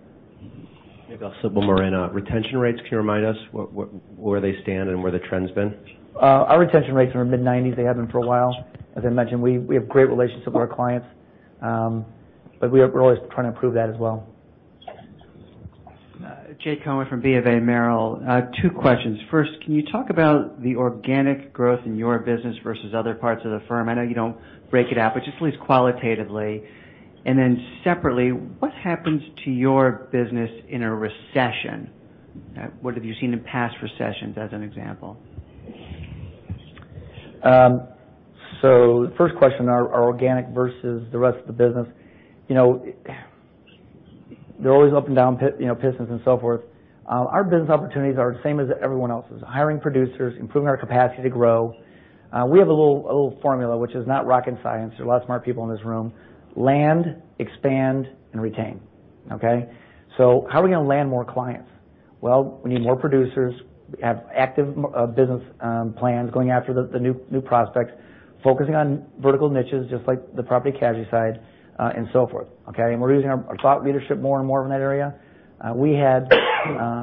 Maybe I'll simple more in retention rates. Can you remind us where they stand and where the trend's been? Our retention rates are mid-nineties. They have been for a while. As I mentioned, we have great relationships with our clients. We're always trying to improve that as well. Jay Cohen from BofA Merrill, two questions. First, can you talk about the organic growth in your business versus other parts of the firm? I know you don't break it out, but just at least qualitatively. Then separately, what happens to your business in a recession? What have you seen in past recessions as an example? The first question, our organic versus the rest of the business. They're always up and down pistons and so forth. Our business opportunities are the same as everyone else's, hiring producers, improving our capacity to grow. We have a little formula which is not rocket science. There are a lot of smart people in this room. Land, expand, and retain. Okay? How are we going to land more clients? Well, we need more producers, have active business plans going after the new prospects, focusing on vertical niches just like the property/casualty side, and so forth. Okay? We're using our thought leadership more and more in that area. We had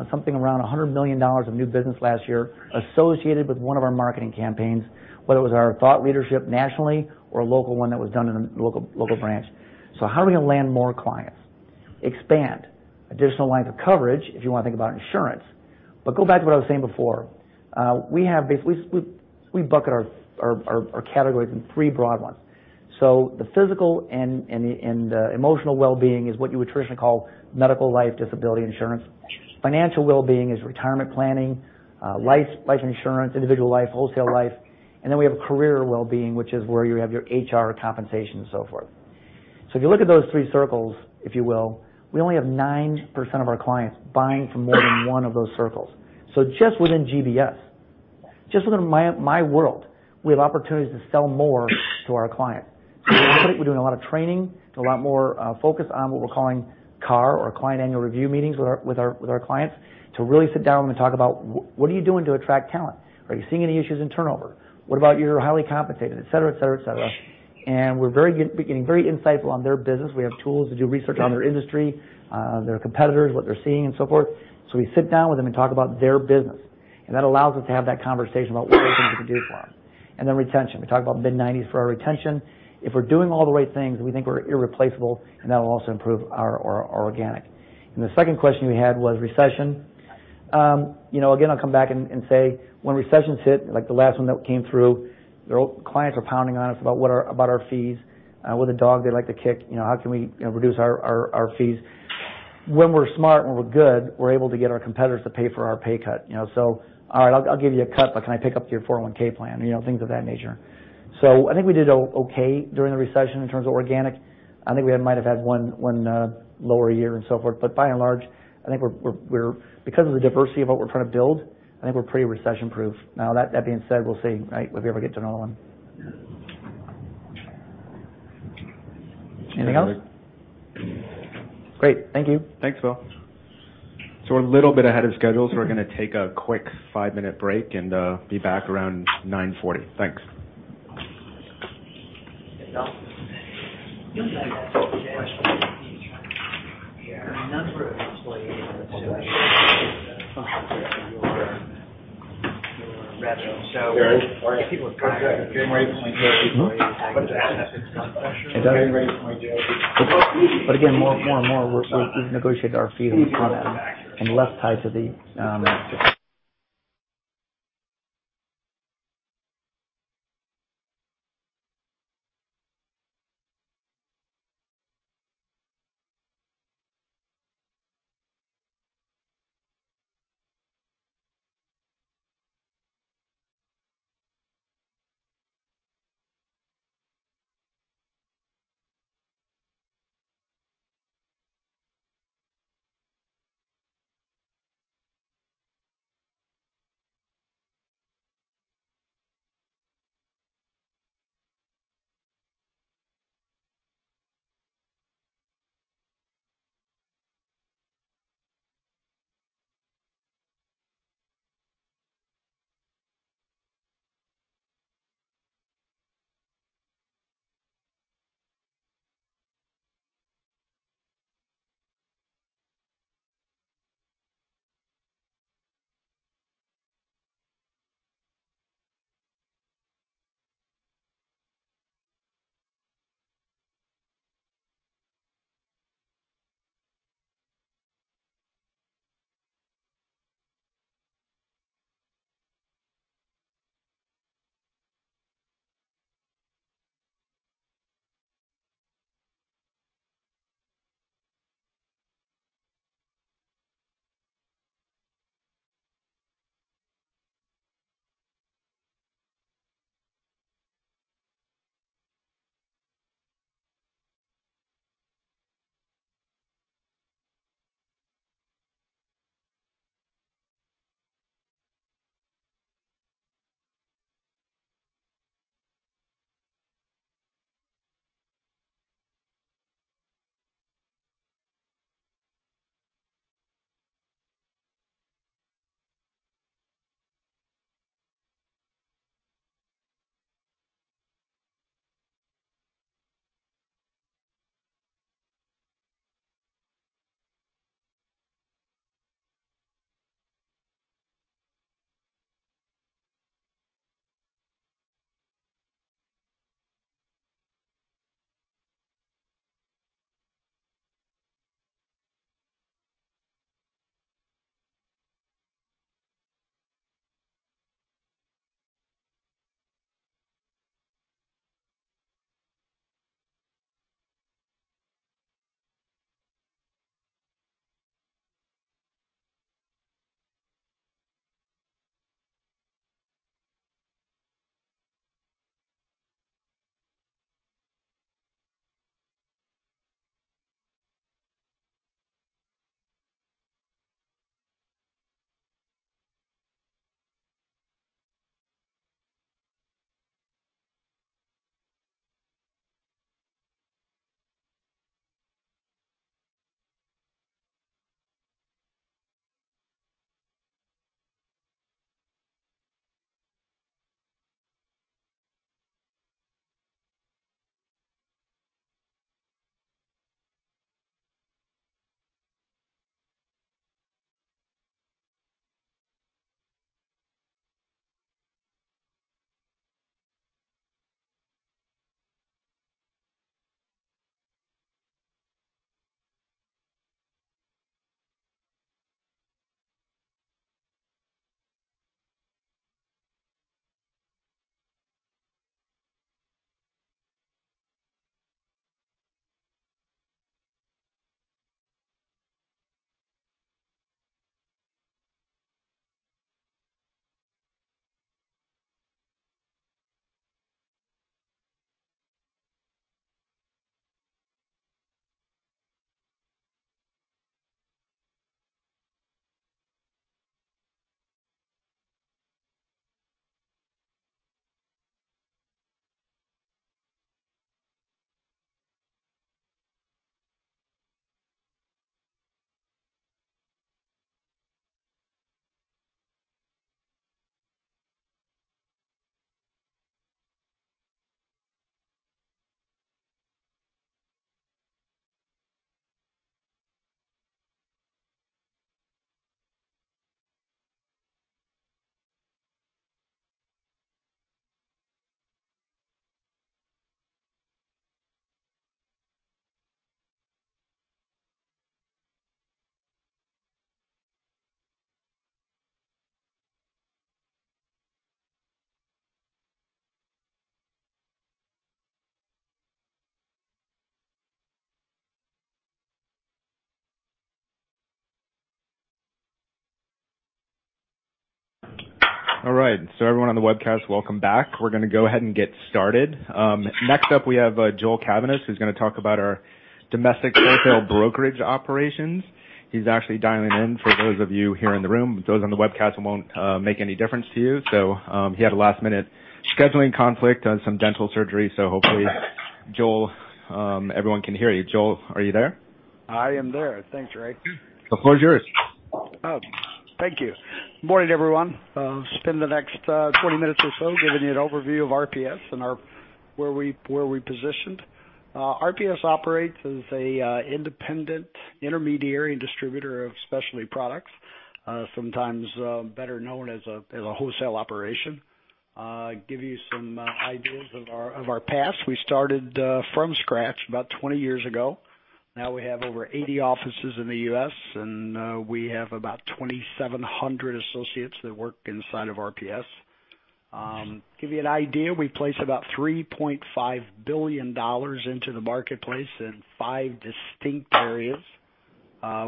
something around $100 million of new business last year associated with one of our marketing campaigns, whether it was our thought leadership nationally or a local one that was done in a local branch. How are we going to land more clients? Expand additional lines of coverage if you want to think about insurance. Go back to what I was saying before. We bucket our categories in three broad ones. The physical and the emotional wellbeing is what you would traditionally call medical life disability insurance. Financial wellbeing is retirement planning, life insurance, individual life, wholesale life. Then we have career wellbeing, which is where you have your HR compensation and so forth. If you look at those three circles, if you will, we only have 9% of our clients buying from more than one of those circles. Just within GBS, just within my world, we have opportunities to sell more to our clients. We're doing a lot of training. There's a lot more focus on what we're calling CAR or client annual review meetings with our clients to really sit down with them and talk about what are you doing to attract talent? Are you seeing any issues in turnover? What about your highly compensated, et cetera. We're getting very insightful on their business. We have tools to do research on their industry, their competitors, what they're seeing and so forth. We sit down with them and talk about their business, and that allows us to have that conversation about what other things we can do for them. Then retention, we talk about mid-nineties for our retention. If we're doing all the right things and we think we're irreplaceable, and that will also improve our organic. The second question we had was recession. Again, I'll come back and say when recessions hit, like the last one that came through, clients are pounding on us about our fees. We're the dog they like to kick. How can we reduce our fees? When we're smart, when we're good, we're able to get our competitors to pay for our pay cut. All right, I'll give you a cut, but can I pick up your 401(k) plan? Things of that nature. I think we did okay during the recession in terms of organic. I think we might have had one lower year and so forth. By and large, because of the diversity of what we're trying to build, I think we're pretty recession-proof. Now that being said, we'll see, right, if we ever get to another one. Anything else? Great. Thank you. Thanks, Bill. We're a little bit ahead of schedule, so we're going to take a quick five-minute break and be back around 9:40. Thanks. Again, more and more, we've negotiated our fees on that and less tied to the All right. Everyone on the webcast, welcome back. We're going to go ahead and get started. Next up, we have Joel Cavaness, who's going to talk about our domestic wholesale brokerage operations. He's actually dialing in for those of you here in the room. Those on the webcast, it won't make any difference to you. He had a last-minute scheduling conflict, some dental surgery. Hopefully, Joel, everyone can hear you. Joel, are you there? I am there. Thanks, Ray. The floor is yours. Oh, thank you. Morning, everyone. I'll spend the next 20 minutes or so giving you an overview of RPS and where we're positioned. RPS operates as an independent intermediary and distributor of specialty products, sometimes better known as a wholesale operation. Give you some ideas of our past. We started from scratch about 20 years ago. Now we have over 80 offices in the U.S., and we have about 2,700 associates that work inside of RPS. To give you an idea, we place about $3.5 billion into the marketplace in five distinct areas.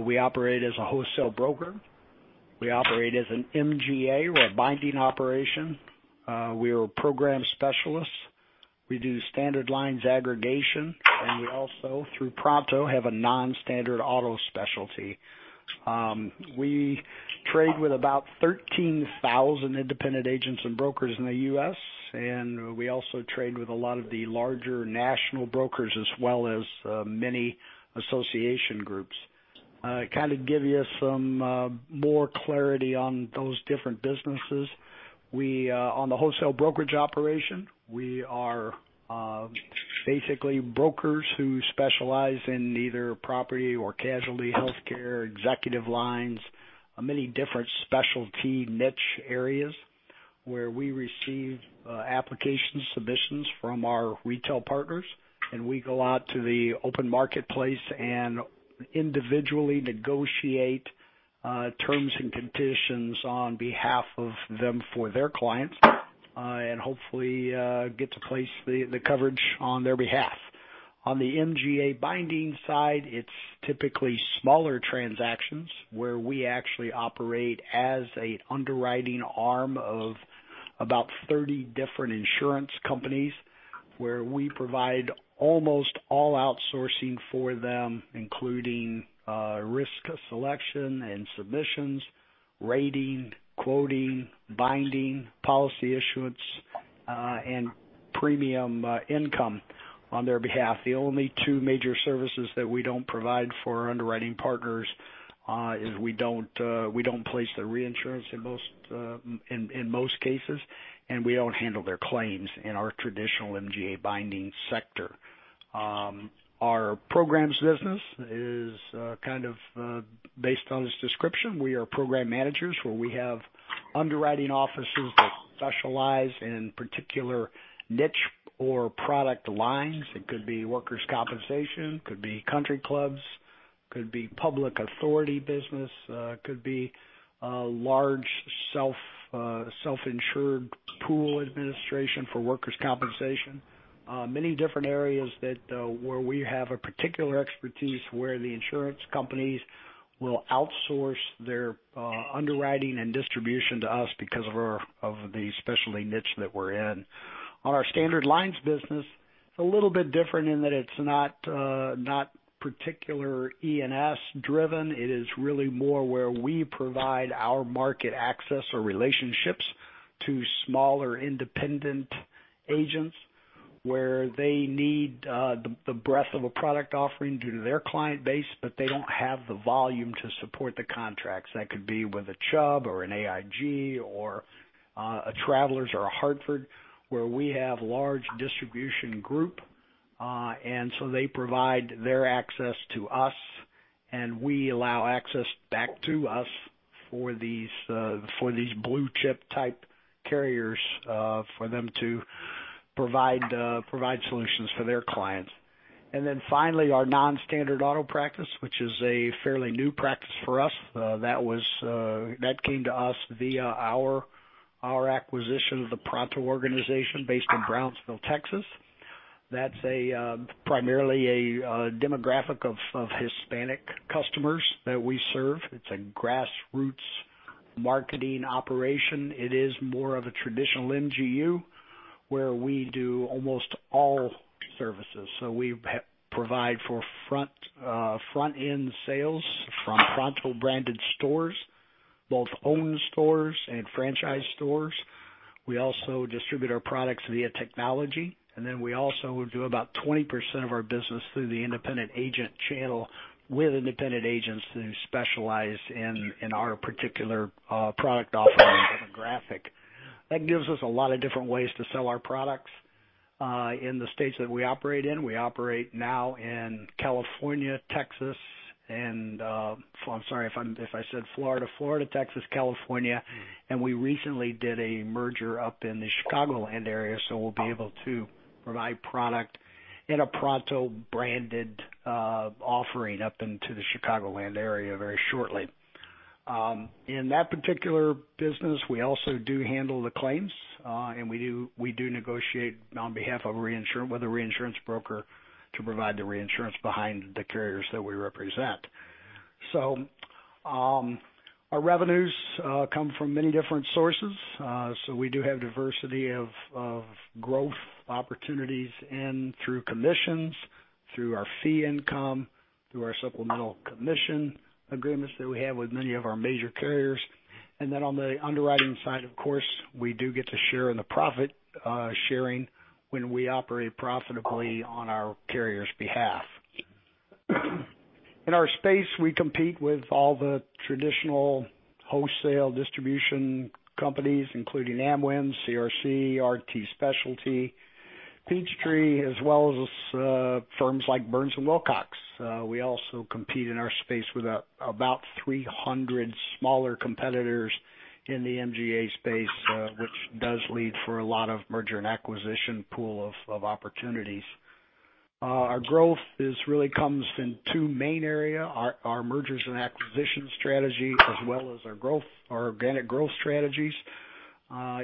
We operate as a wholesale broker. We operate as an MGA. We're a binding operation. We are program specialists. We do standard lines aggregation, and we also, through Pronto, have a non-standard auto specialty. We trade with about 13,000 independent agents and brokers in the U.S., we also trade with a lot of the larger national brokers as well as many association groups. To kind of give you some more clarity on those different businesses, on the wholesale brokerage operation, we are basically brokers who specialize in either property or casualty, healthcare, executive lines, many different specialty niche areas where we receive application submissions from our retail partners, and we go out to the open marketplace and individually negotiate terms and conditions on behalf of them for their clients, hopefully get to place the coverage on their behalf. On the MGA binding side, it's typically smaller transactions where we actually operate as an underwriting arm of about 30 different insurance companies, where we provide almost all outsourcing for them, including risk selection and submissions, rating, quoting, binding, policy issuance, and premium income on their behalf. The only two major services that we don't provide for our underwriting partners is we don't place their reinsurance in most cases, we don't handle their claims in our traditional MGA binding sector. Our programs business is kind of based on its description. We are program managers where we have underwriting officers that specialize in particular niche or product lines. It could be workers' compensation, could be country clubs, could be public authority business, could be a large self-insured pool administration for workers' compensation. Many different areas where we have a particular expertise where the insurance companies will outsource their underwriting and distribution to us because of the specialty niche that we're in. Our standard lines business is a little bit different in that it's not particular E&S driven. It is really more where we provide our market access or relationships to smaller independent agents, where they need the breadth of a product offering due to their client base, but they don't have the volume to support the contracts. That could be with a Chubb or an AIG or a Travelers or a Hartford, where we have large distribution group. They provide their access to us, and we allow access back to us for these blue-chip type carriers for them to provide solutions for their clients. Finally, our non-standard auto practice, which is a fairly new practice for us. That came to us via our acquisition of the Pronto organization based in Brownsville, Texas. That's primarily a demographic of Hispanic customers that we serve. It's a grassroots marketing operation. It is more of a traditional MGU, where we do almost all services. We provide for front-end sales from Pronto branded stores, both owned stores and franchise stores. We also distribute our products via technology. We also do about 20% of our business through the independent agent channel with independent agents who specialize in our particular product offering demographic. That gives us a lot of different ways to sell our products in the states that we operate in. We operate now in California, Texas, and I'm sorry if I said Florida. Florida, Texas, California. We recently did a merger up in the Chicagoland area, so we'll be able to provide product in a Pronto branded offering up into the Chicagoland area very shortly. In that particular business, we also do handle the claims, and we do negotiate on behalf of reinsurance with a reinsurance broker to provide the reinsurance behind the carriers that we represent. Our revenues come from many different sources. We do have diversity of growth opportunities in through commissions, through our fee income, through our supplemental commission agreements that we have with many of our major carriers. On the underwriting side, of course, we do get to share in the profit sharing when we operate profitably on our carrier's behalf. In our space, we compete with all the traditional wholesale distribution companies including Amwins, CRC, RT Specialty, Peachtree, as well as firms like Burns & Wilcox. We also compete in our space with about 300 smaller competitors in the MGA space, which does lead for a lot of merger and acquisition pool of opportunities. Our growth really comes in two main areas, our mergers and acquisitions strategy, as well as our organic growth strategies.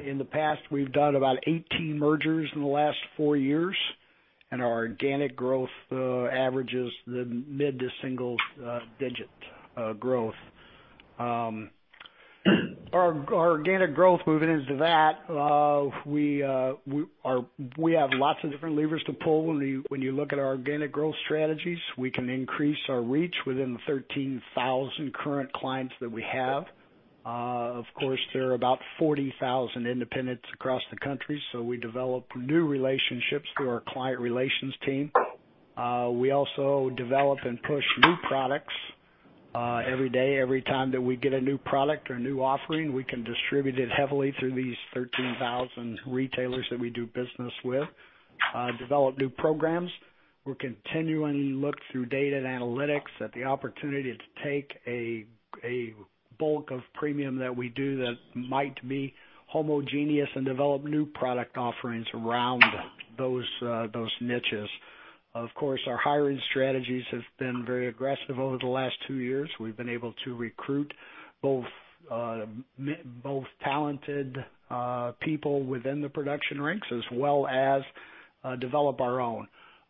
In the past, we've done about 18 mergers in the last four years. Our organic growth averages mid to single-digit growth. Our organic growth, moving into that, we have lots of different levers to pull when you look at our organic growth strategies. We can increase our reach within the 13,000 current clients that we have. Of course, there are about 40,000 independents across the country, so we develop new relationships through our client relations team. We also develop and push new products every day. Every time that we get a new product or new offering, we can distribute it heavily through these 13,000 retailers that we do business with. Develop new programs. We continually look through data and analytics at the opportunity to take a bulk of premium that we do that might be homogeneous and develop new product offerings around those niches. Of course, our hiring strategies have been very aggressive over the last two years. We've been able to recruit both talented people within the production ranks, as well as develop our own.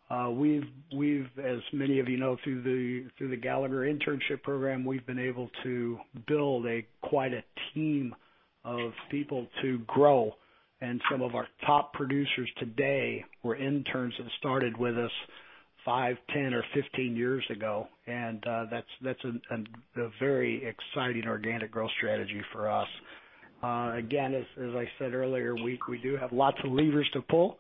As many of you know, through the Gallagher internship program, we've been able to build quite a team of people to grow, and some of our top producers today were interns that started with us five, 10 or 15 years ago. That's a very exciting organic growth strategy for us. Again, as I said earlier, we do have lots of levers to pull.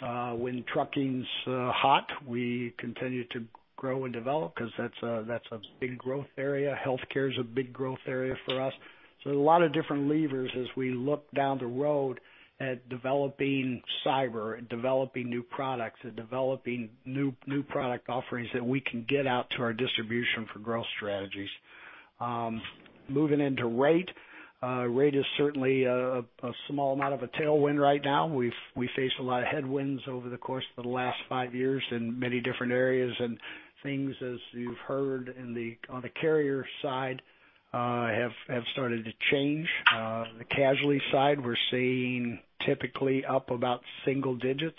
When trucking's hot, we continue to grow and develop because that's a big growth area. Healthcare is a big growth area for us. A lot of different levers as we look down the road at developing cyber and developing new products and developing new product offerings that we can get out to our distribution for growth strategies. Moving into rate. Rate is certainly a small amount of a tailwind right now. We faced a lot of headwinds over the course of the last five years in many different areas, and things, as you've heard on the carrier side, have started to change. The casualty side, we're seeing typically up about single digits.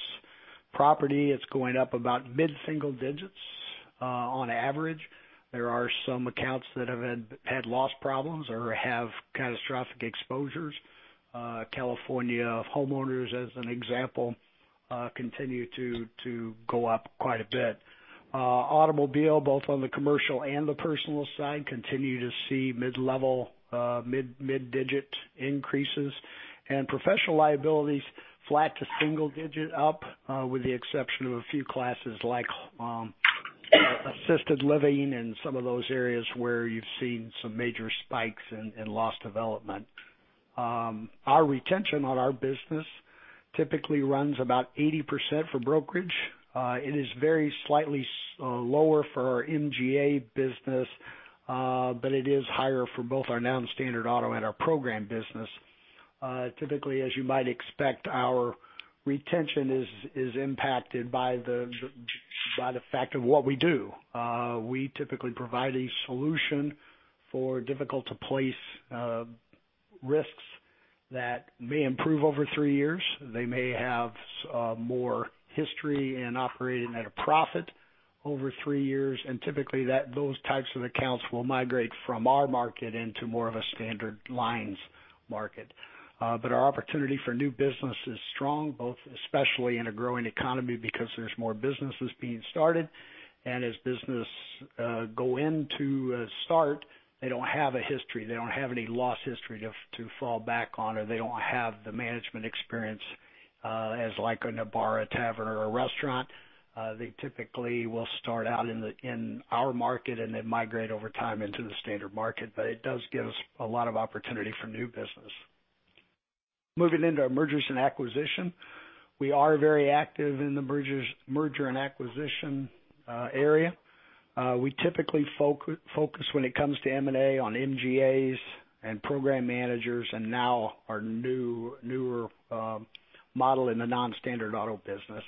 Property, it's going up about mid-single digits on average. There are some accounts that have had loss problems or have catastrophic exposures. California homeowners, as an example, continue to go up quite a bit. Automobile, both on the commercial and the personal side, continue to see mid-level, mid-digit increases. Professional liabilities, flat to single digit up, with the exception of a few classes like assisted living and some of those areas where you've seen some major spikes in loss development. Our retention on our business typically runs about 80% for brokerage. It is very slightly lower for our MGA business. It is higher for both our non-standard auto and our program business. Typically, as you might expect, our retention is impacted by the fact of what we do. We typically provide a solution for difficult-to-place risks that may improve over three years. They may have more history in operating at a profit over three years, and typically those types of accounts will migrate from our market into more of a standard lines market. Our opportunity for new business is strong, both especially in a growing economy because there's more businesses being started. As business go into start, they don't have a history, they don't have any loss history to fall back on, or they don't have the management experience as like a Navarro Tavern or a restaurant. They typically will start out in our market and then migrate over time into the standard market. It does give us a lot of opportunity for new business. Moving into our mergers and acquisition. We are very active in the mergers and acquisition area. We typically focus when it comes to M&A on MGAs and program managers, and now our newer model in the non-standard auto business.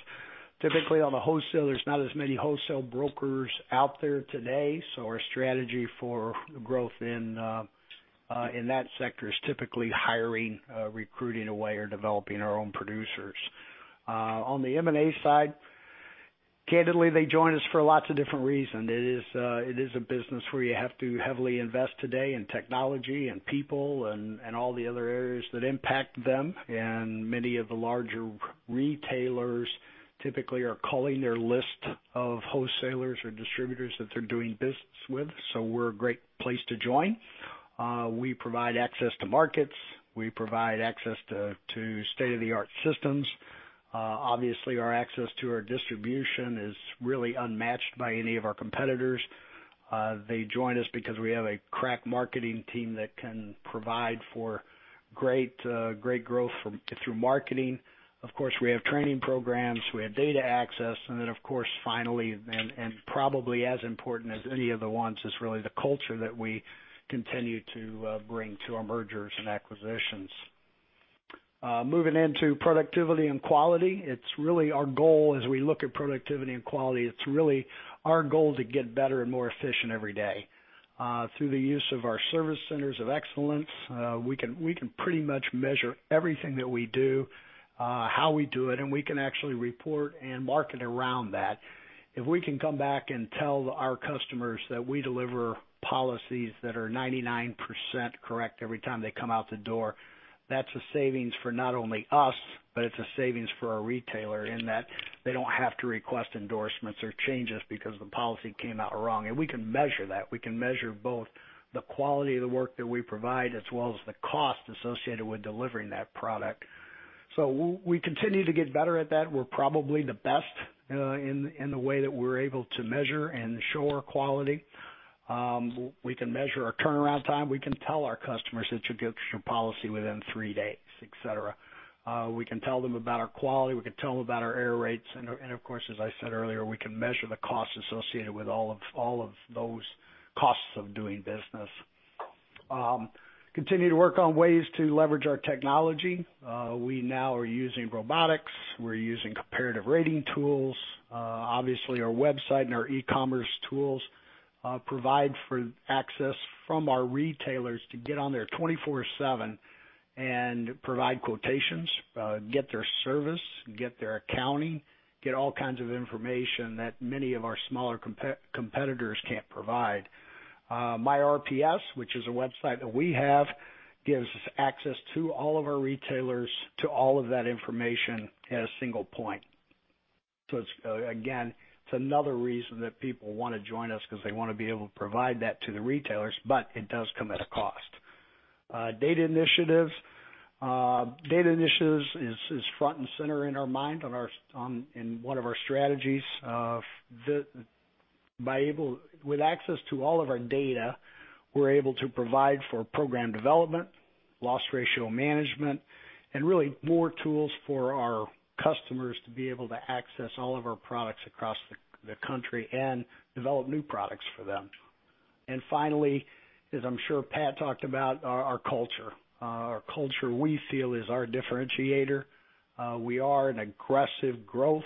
Typically on the wholesalers, not as many wholesale brokers out there today, so our strategy for growth in that sector is typically hiring, recruiting away or developing our own producers. On the M&A side, candidly, they join us for lots of different reasons. It is a business where you have to heavily invest today in technology and people and all the other areas that impact them. Many of the larger retailers typically are culling their list of wholesalers or distributors that they're doing business with. We're a great place to join. We provide access to markets. We provide access to state-of-the-art systems. Obviously, our access to our distribution is really unmatched by any of our competitors. They join us because we have a crack marketing team that can provide for great growth through marketing. Of course, we have training programs, we have data access, and then of course finally, and probably as important as any of the ones, is really the culture that we continue to bring to our mergers and acquisitions. Moving into productivity and quality, as we look at productivity and quality, it's really our goal to get better and more efficient every day. Through the use of our service centers of excellence, we can pretty much measure everything that we do, how we do it, and we can actually report and market around that. If we can come back and tell our customers that we deliver policies that are 99% correct every time they come out the door, that's a savings for not only us, but it's a savings for our retailer in that they don't have to request endorsements or changes because the policy came out wrong. We can measure that. We can measure both the quality of the work that we provide as well as the cost associated with delivering that product. We continue to get better at that. We're probably the best in the way that we're able to measure and show our quality. We can measure our turnaround time. We can tell our customers that you'll get your policy within three days, et cetera. We can tell them about our quality. We can tell them about our error rates. Of course, as I said earlier, we can measure the cost associated with all of those costs of doing business. Continue to work on ways to leverage our technology. We now are using robotics. We're using comparative rating tools. Obviously, our website and our e-commerce tools provide for access from our retailers to get on there 24/7 and provide quotations, get their service, get their accounting, get all kinds of information that many of our smaller competitors can't provide. myRPS, which is a website that we have, gives access to all of our retailers to all of that information at a single point. Again, it's another reason that people want to join us because they want to be able to provide that to the retailers, it does come at a cost. Data initiatives is front and center in our mind in one of our strategies. With access to all of our data, we're able to provide for program development, loss ratio management, and really more tools for our customers to be able to access all of our products across the country and develop new products for them. Finally, as I'm sure Pat talked about, our culture. Our culture, we feel, is our differentiator. We are an aggressive growth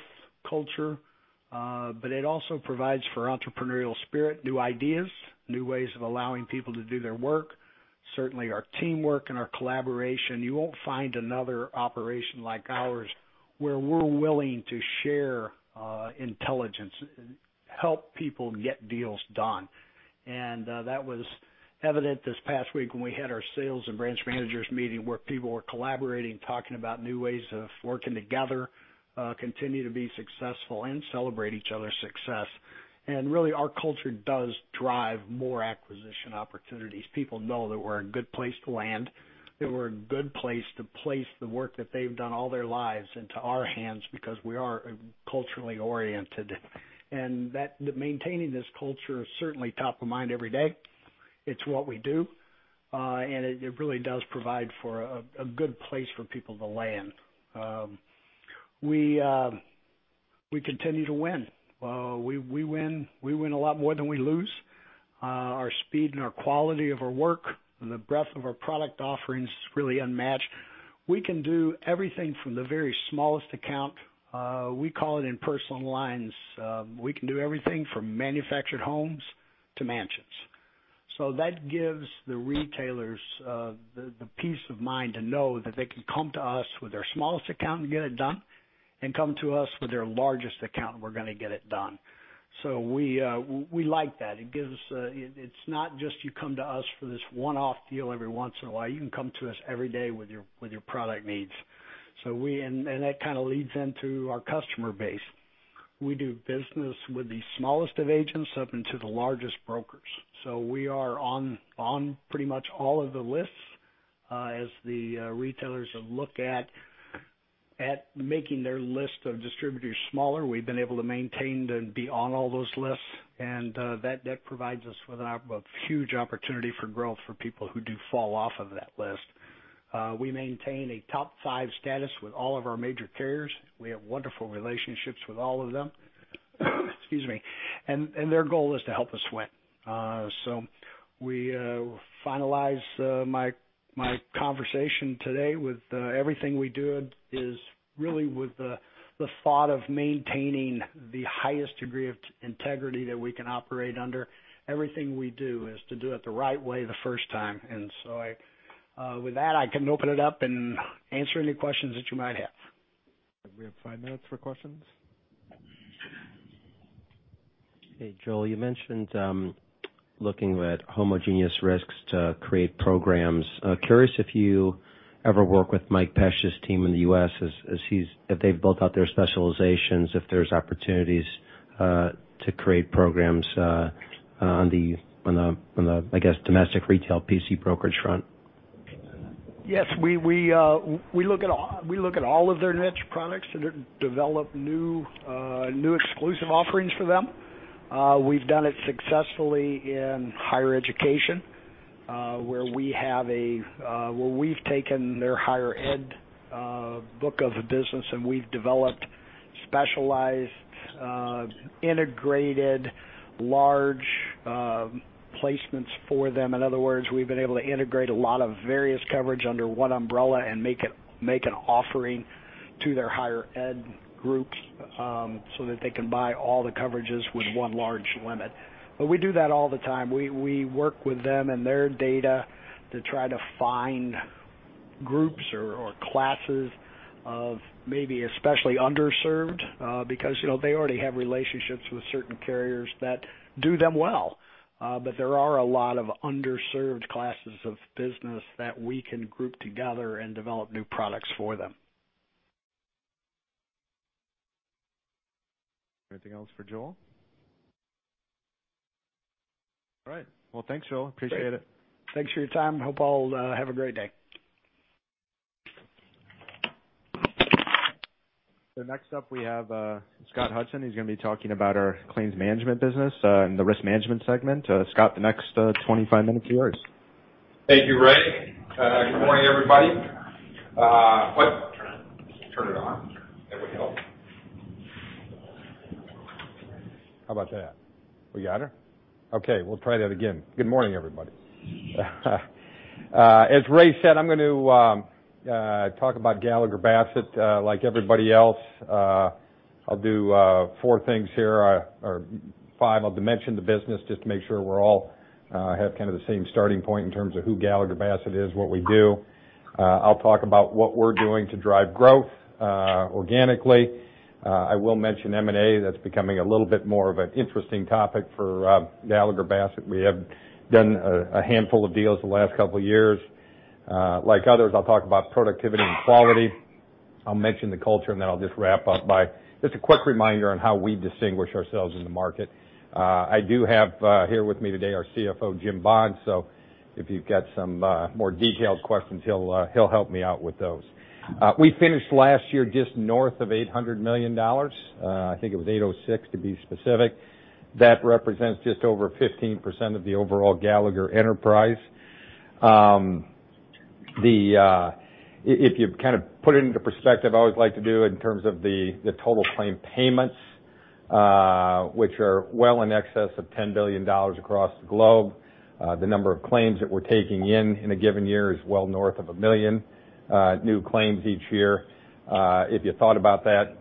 culture, it also provides for entrepreneurial spirit, new ideas, new ways of allowing people to do their work. Certainly, our teamwork and our collaboration, you won't find another operation like ours where we're willing to share intelligence, help people get deals done. That was evident this past week when we had our sales and branch managers meeting where people were collaborating, talking about new ways of working together, continue to be successful and celebrate each other's success. Really, our culture does drive more acquisition opportunities. People know that we're a good place to land, that we're a good place to place the work that they've done all their lives into our hands because we are culturally oriented. Maintaining this culture is certainly top of mind every day. It's what we do, and it really does provide for a good place for people to land. We continue to win. We win a lot more than we lose. Our speed and our quality of our work and the breadth of our product offerings is really unmatched. We can do everything from the very smallest account. We call it in personal lines. We can do everything from manufactured homes to mansions. That gives the retailers the peace of mind to know that they can come to us with their smallest account and get it done, and come to us with their largest account, and we're going to get it done. We like that. It's not just you come to us for this one-off deal every once in a while. You can come to us every day with your product needs. That kind of leads into our customer base. We do business with the smallest of agents up into the largest brokers. We are on pretty much all of the lists. As the retailers have looked at making their list of distributors smaller, we've been able to maintain to be on all those lists, that provides us with a huge opportunity for growth for people who do fall off of that list. We maintain a top five status with all of our major carriers. We have wonderful relationships with all of them. Excuse me. Their goal is to help us win. We finalize my conversation today with everything we do is really with the thought of maintaining the highest degree of integrity that we can operate under. Everything we do is to do it the right way the first time. With that, I can open it up and answer any questions that you might have. We have five minutes for questions. Hey, Joel. You mentioned looking at homogeneous risks to create programs. Curious if you ever work with Mike Pesch's team in the U.S. as they've built out their specializations, if there's opportunities to create programs on the, I guess, domestic retail PC brokerage front. Yes. We look at all of their niche products and develop new exclusive offerings for them. We've done it successfully in higher education, where we've taken their higher ed Book of business, and we've developed specialized, integrated large placements for them. In other words, we've been able to integrate a lot of various coverage under one umbrella and make an offering to their higher ed groups, so that they can buy all the coverages with one large limit. We do that all the time. We work with them and their data to try to find groups or classes of maybe especially underserved, because they already have relationships with certain carriers that do them well. There are a lot of underserved classes of business that we can group together and develop new products for them. Anything else for Joel? All right. Well, thanks, Joel. Appreciate it. Thanks for your time. Hope all have a great day. Next up, we have Scott Hudson. He's going to be talking about our claims management business in the risk management segment. Scott, the next 25 minutes are yours. Thank you, Ray. Good morning, everybody. What? Turn it on. Turn it on. That would help. How about that? We got her? Okay, we'll try that again. Good morning, everybody. As Ray said, I'm going to talk about Gallagher Bassett. Like everybody else, I'll do four things here, or five. I'll mention the business just to make sure we all have kind of the same starting point in terms of who Gallagher Bassett is, what we do. I'll talk about what we're doing to drive growth organically. I will mention M&A. That's becoming a little bit more of an interesting topic for Gallagher Bassett. We have done a handful of deals the last couple of years. Like others, I'll talk about productivity and quality. I'll mention the culture, and then I'll just wrap up by just a quick reminder on how we distinguish ourselves in the market. I do have here with me today our CFO, Jim Bond. If you've got some more detailed questions, he'll help me out with those. We finished last year just north of $800 million. I think it was $806 million, to be specific. That represents just over 15% of the overall Gallagher enterprise. If you kind of put it into perspective, I always like to do it in terms of the total claim payments, which are well in excess of $10 billion across the globe. The number of claims that we're taking in in a given year is well north of 1 million new claims each year. If you thought about that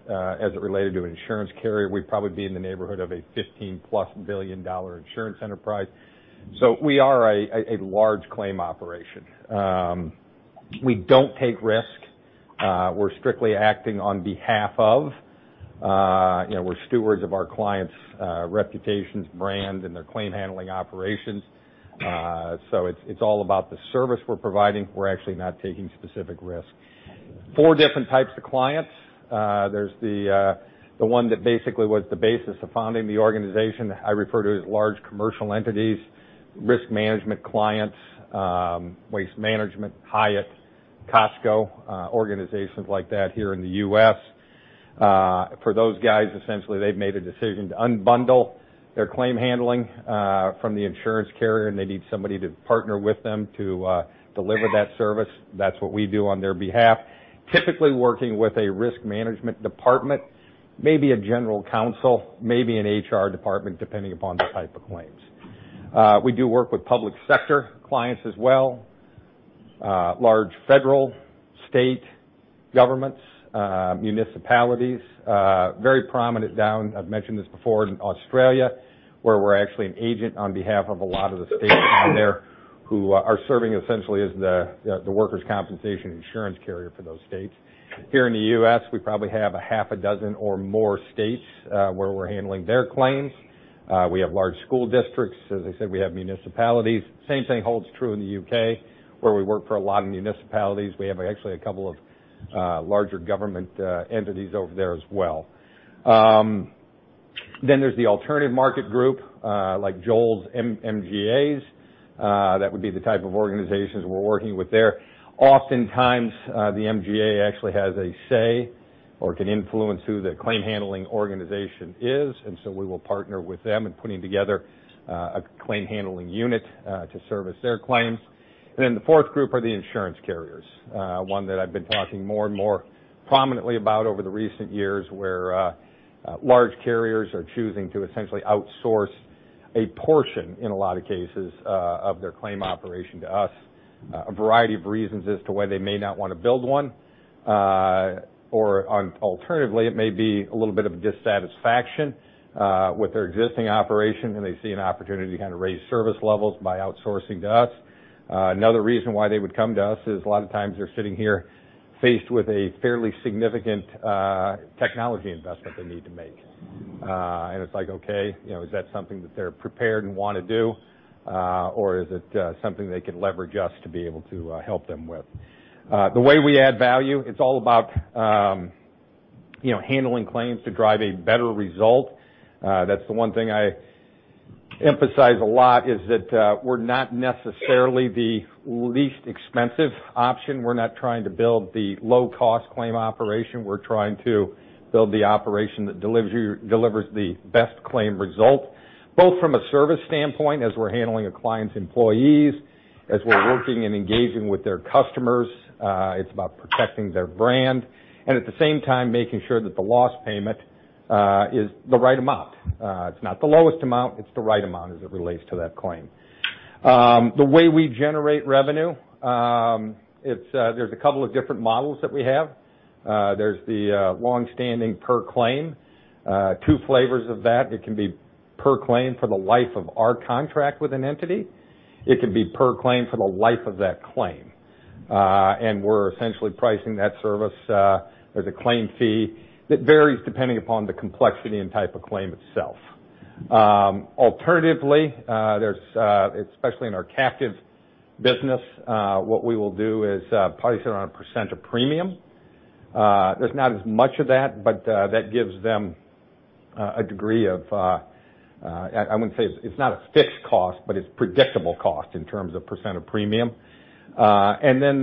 as it related to an insurance carrier, we'd probably be in the neighborhood of a $15-plus billion insurance enterprise. We are a large claim operation. We don't take risk. We're strictly acting on behalf of. We're stewards of our clients' reputations, brand, and their claim handling operations. It's all about the service we're providing. We're actually not taking specific risk. Four different types of clients. There's the one that basically was the basis of founding the organization. I refer to it as large commercial entities, risk management clients, Waste Management, Hyatt, Costco, organizations like that here in the U.S. For those guys, essentially, they've made a decision to unbundle their claim handling from the insurance carrier, and they need somebody to partner with them to deliver that service. That's what we do on their behalf. Typically working with a risk management department, maybe a general counsel, maybe an HR department, depending upon the type of claims. We do work with public sector clients as well. Large federal, state governments, municipalities. Very prominent down, I've mentioned this before, in Australia, where we're actually an agent on behalf of a lot of the states down there who are serving essentially as the workers' compensation insurance carrier for those states. Here in the U.S., we probably have a half a dozen or more states where we're handling their claims. We have large school districts. As I said, we have municipalities. Same thing holds true in the U.K., where we work for a lot of municipalities. We have actually a couple of larger government entities over there as well. There's the alternative market group, like Joel's MGAs. That would be the type of organizations we're working with there. Oftentimes, the MGA actually has a say or can influence who the claim handling organization is. We will partner with them in putting together a claim handling unit to service their claims. The fourth group are the insurance carriers. One that I've been talking more and more prominently about over the recent years, where large carriers are choosing to essentially outsource a portion, in a lot of cases, of their claim operation to us. A variety of reasons as to why they may not want to build one. Alternatively, it may be a little bit of a dissatisfaction with their existing operation, and they see an opportunity to kind of raise service levels by outsourcing to us. Another reason why they would come to us is a lot of times they're sitting here faced with a fairly significant technology investment they need to make. It's like, okay, is that something that they're prepared and want to do? Or is it something they can leverage us to be able to help them with? The way we add value, it's all about handling claims to drive a better result. That's the one thing I emphasize a lot is that we're not necessarily the least expensive option. We're not trying to build the low cost claim operation. We're trying to build the operation that delivers the best claim result, both from a service standpoint as we're handling a client's employees, as we're working and engaging with their customers. It's about protecting their brand, and at the same time, making sure that the loss payment is the right amount. It's not the lowest amount, it's the right amount as it relates to that claim. The way we generate revenue, there's a couple of different models that we have. There's the longstanding per claim. Two flavors of that. It can be per claim for the life of our contract with an entity. It can be per claim for the life of that claim. We're essentially pricing that service as a claim fee that varies depending upon the complexity and type of claim itself. Alternatively, especially in our captive business, what we will do is price it on a percent of premium. There's not as much of that, but that gives them a degree of, I wouldn't say it's not a fixed cost, but it's predictable cost in terms of percent of premium.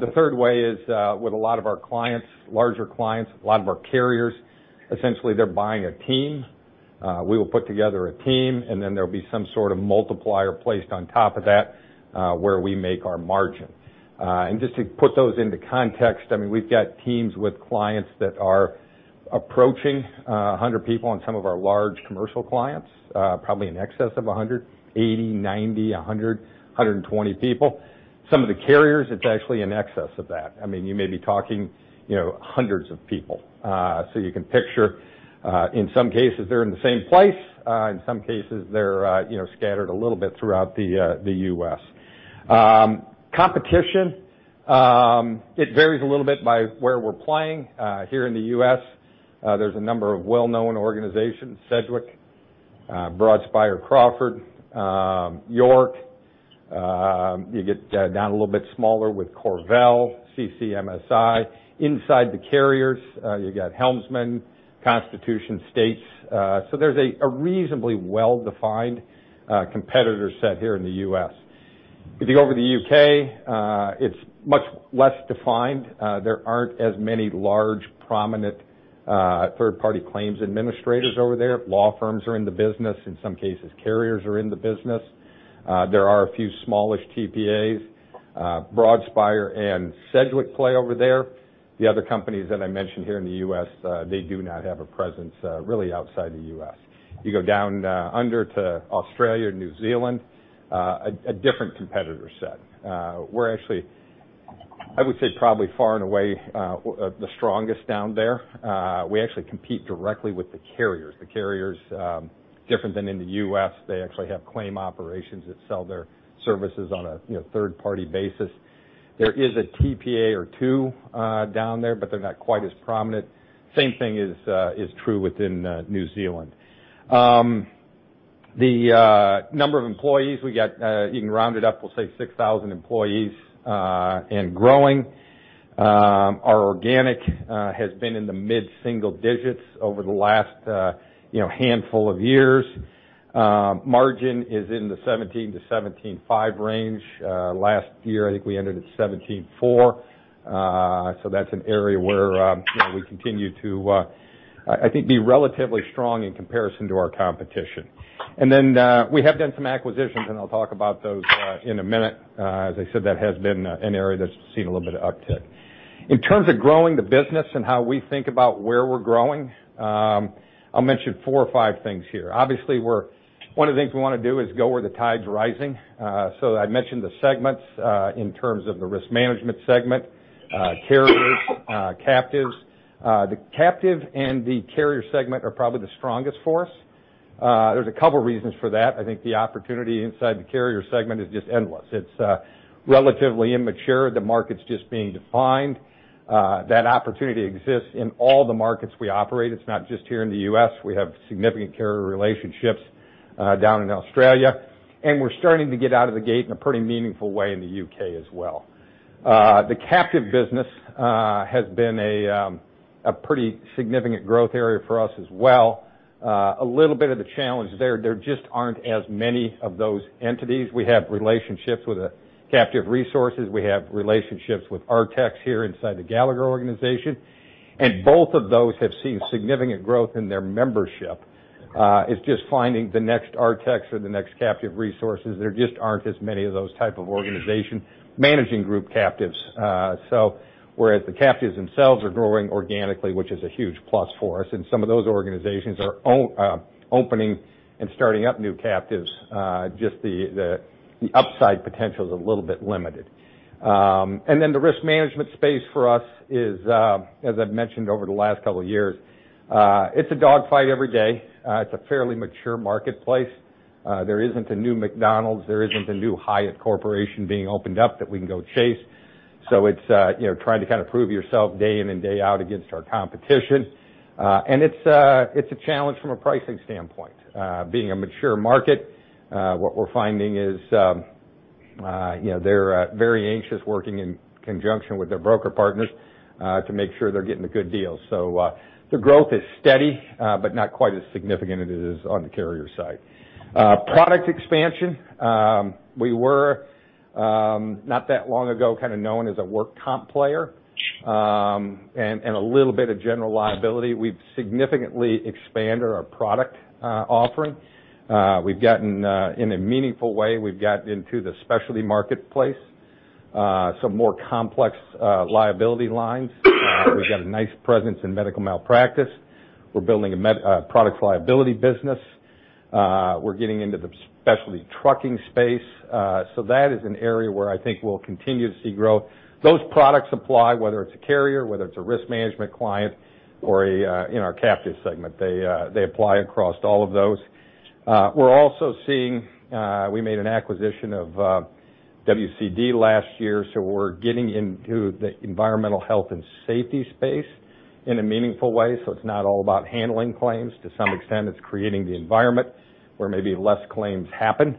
The third way is with a lot of our clients, larger clients, a lot of our carriers, essentially they're buying a team. We will put together a team, then there'll be some sort of multiplier placed on top of that, where we make our margin. Just to put those into context, we've got teams with clients that are approaching 100 people on some of our large commercial clients, probably in excess of 100, 80, 90, 100, 120 people. Some of the carriers, it's actually in excess of that. You may be talking hundreds of people. You can picture, in some cases, they're in the same place. In some cases, they're scattered a little bit throughout the U.S. Competition varies a little bit by where we're playing. Here in the U.S., there's a number of well-known organizations, Sedgwick, Broadspire, Crawford, York. You get down a little bit smaller with CorVel, CCMSI. Inside the carriers, you got Helmsman, Constitution States. There's a reasonably well-defined competitor set here in the U.S. If you go over to the U.K., it's much less defined. There aren't as many large, prominent third-party claims administrators over there. Law firms are in the business. In some cases, carriers are in the business. There are a few smallish TPAs. Broadspire and Sedgwick play over there. The other companies that I mentioned here in the U.S., they do not have a presence really outside the U.S. You go down under to Australia, New Zealand, a different competitor set. We're actually, I would say, probably far and away the strongest down there. We actually compete directly with the carriers. The carriers, different than in the U.S., they actually have claim operations that sell their services on a third-party basis. There is a TPA or two down there, but they're not quite as prominent. Same thing is true within New Zealand. The number of employees we got, you can round it up, we'll say 6,000 employees and growing. Our organic has been in the mid-single digits over the last handful of years. Margin is in the 17%-17.5% range. Last year, I think we ended at 17.4%. That's an area where we continue to, I think, be relatively strong in comparison to our competition. We have done some acquisitions, and I'll talk about those in a minute. As I said, that has been an area that's seen a little bit of uptick. In terms of growing the business and how we think about where we're growing, I'll mention four or five things here. Obviously, one of the things we want to do is go where the tide's rising. I mentioned the segments in terms of the risk management segment, carriers, captives. The captive and the carrier segment are probably the strongest for us. There's a couple reasons for that. I think the opportunity inside the carrier segment is just endless. It's relatively immature. The market's just being defined. That opportunity exists in all the markets we operate. It's not just here in the U.S. We have significant carrier relationships down in Australia, and we're starting to get out of the gate in a pretty meaningful way in the U.K. as well. The captive business has been a pretty significant growth area for us as well. A little bit of the challenge there just aren't as many of those entities. We have relationships with the Captive Resources. We have relationships with Artex here inside the Gallagher organization, and both of those have seen significant growth in their membership. It's just finding the next Artex or the next Captive Resources. There just aren't as many of those type of organization managing group captives. Whereas the captives themselves are growing organically, which is a huge plus for us, and some of those organizations are opening and starting up new captives, just the upside potential is a little bit limited. The risk management space for us is, as I've mentioned over the last couple of years, it's a dog fight every day. It's a fairly mature marketplace. There isn't a new McDonald's, there isn't a new Hyatt Corporation being opened up that we can go chase. It's trying to kind of prove yourself day in and day out against our competition. It's a challenge from a pricing standpoint. Being a mature market, what we're finding is, they're very anxious working in conjunction with their broker partners to make sure they're getting a good deal. The growth is steady, but not quite as significant as it is on the carrier side. Product expansion. We were, not that long ago, kind of known as a work comp player, and a little bit of general liability. We've significantly expanded our product offering. In a meaningful way, we've gotten into the specialty marketplace. Some more complex liability lines. We've got a nice presence in medical malpractice. We're building a products liability business. We're getting into the specialty trucking space. That is an area where I think we'll continue to see growth. Those products apply, whether it's a carrier, whether it's a risk management client or in our captive segment. They apply across all of those. We made an acquisition of WCD last year, so we're getting into the environmental health and safety space in a meaningful way. It's not all about handling claims. To some extent, it's creating the environment where maybe less claims happen.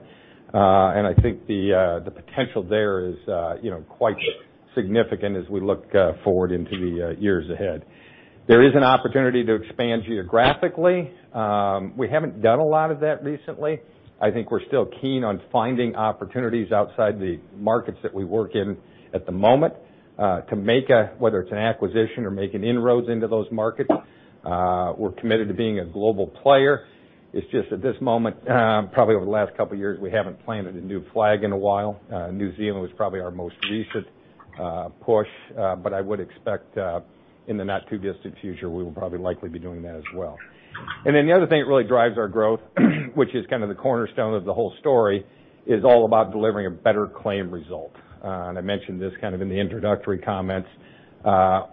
I think the potential there is quite significant as we look forward into the years ahead. There is an opportunity to expand geographically. We haven't done a lot of that recently. I think we're still keen on finding opportunities outside the markets that we work in at the moment, whether it's an acquisition or making inroads into those markets. We're committed to being a global player. It's just at this moment, probably over the last couple of years, we haven't planted a new flag in a while. New Zealand was probably our most recent push. I would expect in the not-too-distant future, we will probably likely be doing that as well. The other thing that really drives our growth, which is kind of the cornerstone of the whole story, is all about delivering a better claim result. I mentioned this kind of in the introductory comments.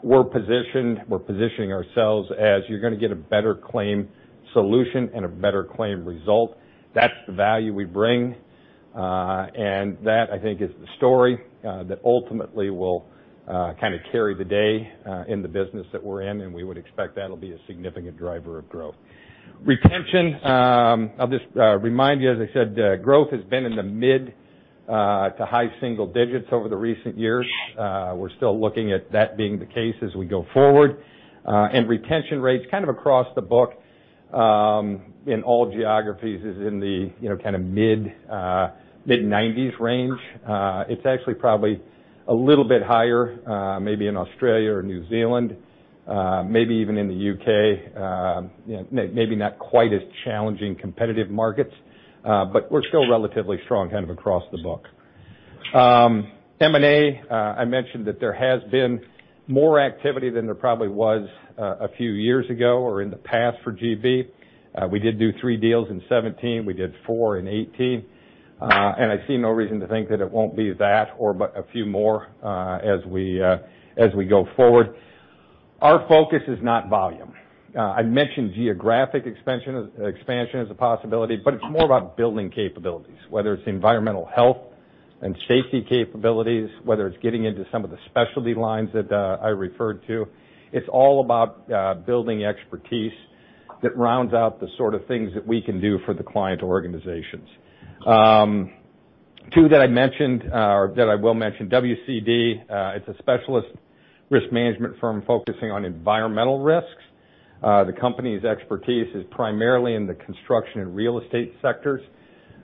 We're positioning ourselves as you're going to get a better claim solution and a better claim result. That's the value we bring. That, I think, is the story that ultimately will kind of carry the day in the business that we're in, and we would expect that'll be a significant driver of growth. Retention. I'll just remind you, as I said, growth has been in the mid to high single digits over the recent years. We're still looking at that being the case as we go forward. Retention rates kind of across the book, in all geographies is in the kind of mid-90s range. It's actually probably a little bit higher, maybe in Australia or New Zealand, maybe even in the U.K. Maybe not quite as challenging competitive markets, but we're still relatively strong kind of across the book. M&A, I mentioned that there has been more activity than there probably was a few years ago or in the past for GB. We did do three deals in 2017, we did four in 2018, I see no reason to think that it won't be that or a few more as we go forward. Our focus is not volume. I mentioned geographic expansion as a possibility, it's more about building capabilities, whether it's environmental health and safety capabilities, whether it's getting into some of the specialty lines that I referred to. It's all about building expertise that rounds out the sort of things that we can do for the client organizations. Two that I mentioned or that I will mention, WCD, it's a specialist risk management firm focusing on environmental risks. The company's expertise is primarily in the construction and real estate sectors.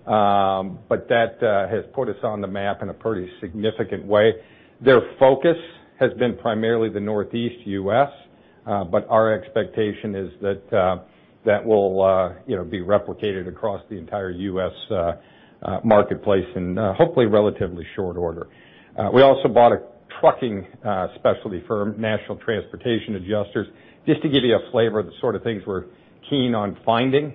That has put us on the map in a pretty significant way. Their focus has been primarily the Northeast U.S. Our expectation is that that will be replicated across the entire U.S. marketplace in hopefully relatively short order. We also bought a trucking specialty firm, National Transportation Adjusters, just to give you a flavor of the sort of things we're keen on finding.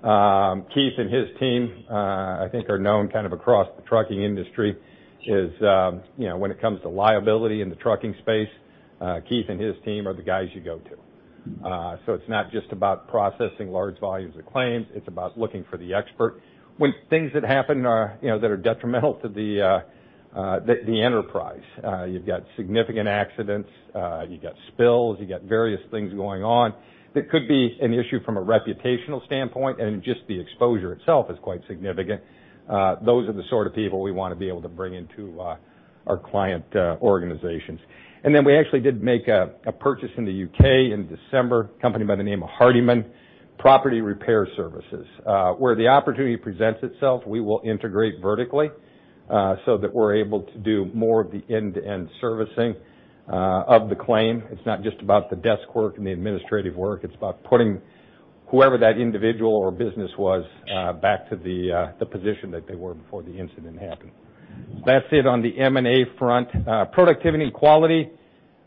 Keith and his team, I think are known kind of across the trucking industry as when it comes to liability in the trucking space, Keith and his team are the guys you go to. It's not just about processing large volumes of claims, it's about looking for the expert when things that happen that are detrimental to the enterprise. You've got significant accidents, you've got spills, you've got various things going on that could be an issue from a reputational standpoint, and just the exposure itself is quite significant. Those are the sort of people we want to be able to bring into our client organizations. We actually did make a purchase in the U.K. in December, a company by the name of Hardiman Property Repair Services. Where the opportunity presents itself, we will integrate vertically, so that we're able to do more of the end-to-end servicing of the claim. It's not just about the desk work and the administrative work, it's about putting whoever that individual or business was back to the position that they were before the incident happened. That's it on the M&A front. Productivity and quality.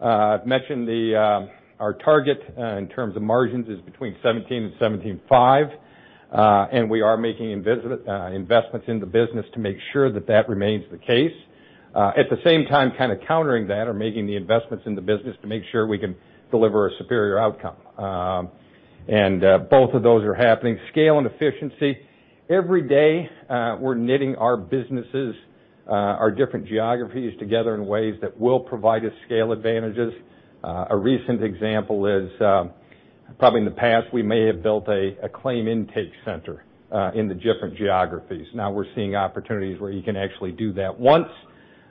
I've mentioned our target in terms of margins is between 17%-17.5%, and we are making investments in the business to make sure that that remains the case. At the same time, kind of countering that or making the investments in the business to make sure we can deliver a superior outcome. Both of those are happening. Scale and efficiency. Every day, we're knitting our businesses, our different geographies together in ways that will provide us scale advantages. A recent example is, probably in the past, we may have built a claim intake center in the different geographies. Now we're seeing opportunities where you can actually do that once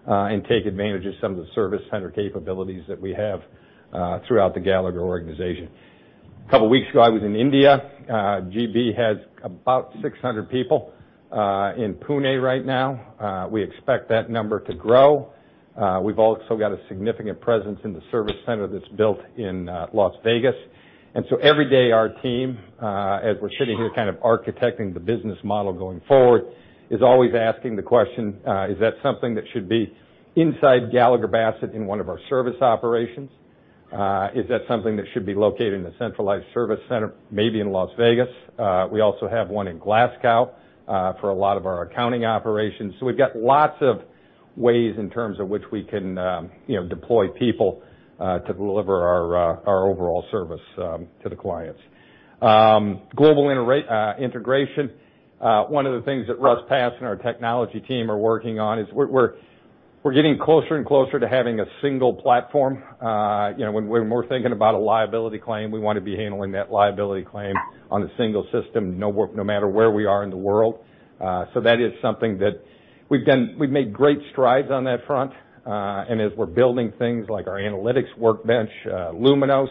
and take advantage of some of the service center capabilities that we have throughout the Gallagher organization. A couple of weeks ago, I was in India. GB has about 600 people in Pune right now. We expect that number to grow. We've also got a significant presence in the service center that's built in Las Vegas. Every day our team, as we're sitting here kind of architecting the business model going forward, is always asking the question, is that something that should be inside Gallagher Bassett in one of our service operations? Is that something that should be located in a centralized service center, maybe in Las Vegas? We also have one in Glasgow for a lot of our accounting operations. We've got lots of ways in terms of which we can deploy people to deliver our overall service to the clients. Global integration. One of the things that Russ Pass and our technology team are working on is we're getting closer and closer to having a single platform. We're thinking about a liability claim, we want to be handling that liability claim on a single system, no matter where we are in the world. That is something that we've done. We've made great strides on that front. As we're building things like our analytics workbench, LUMINOS,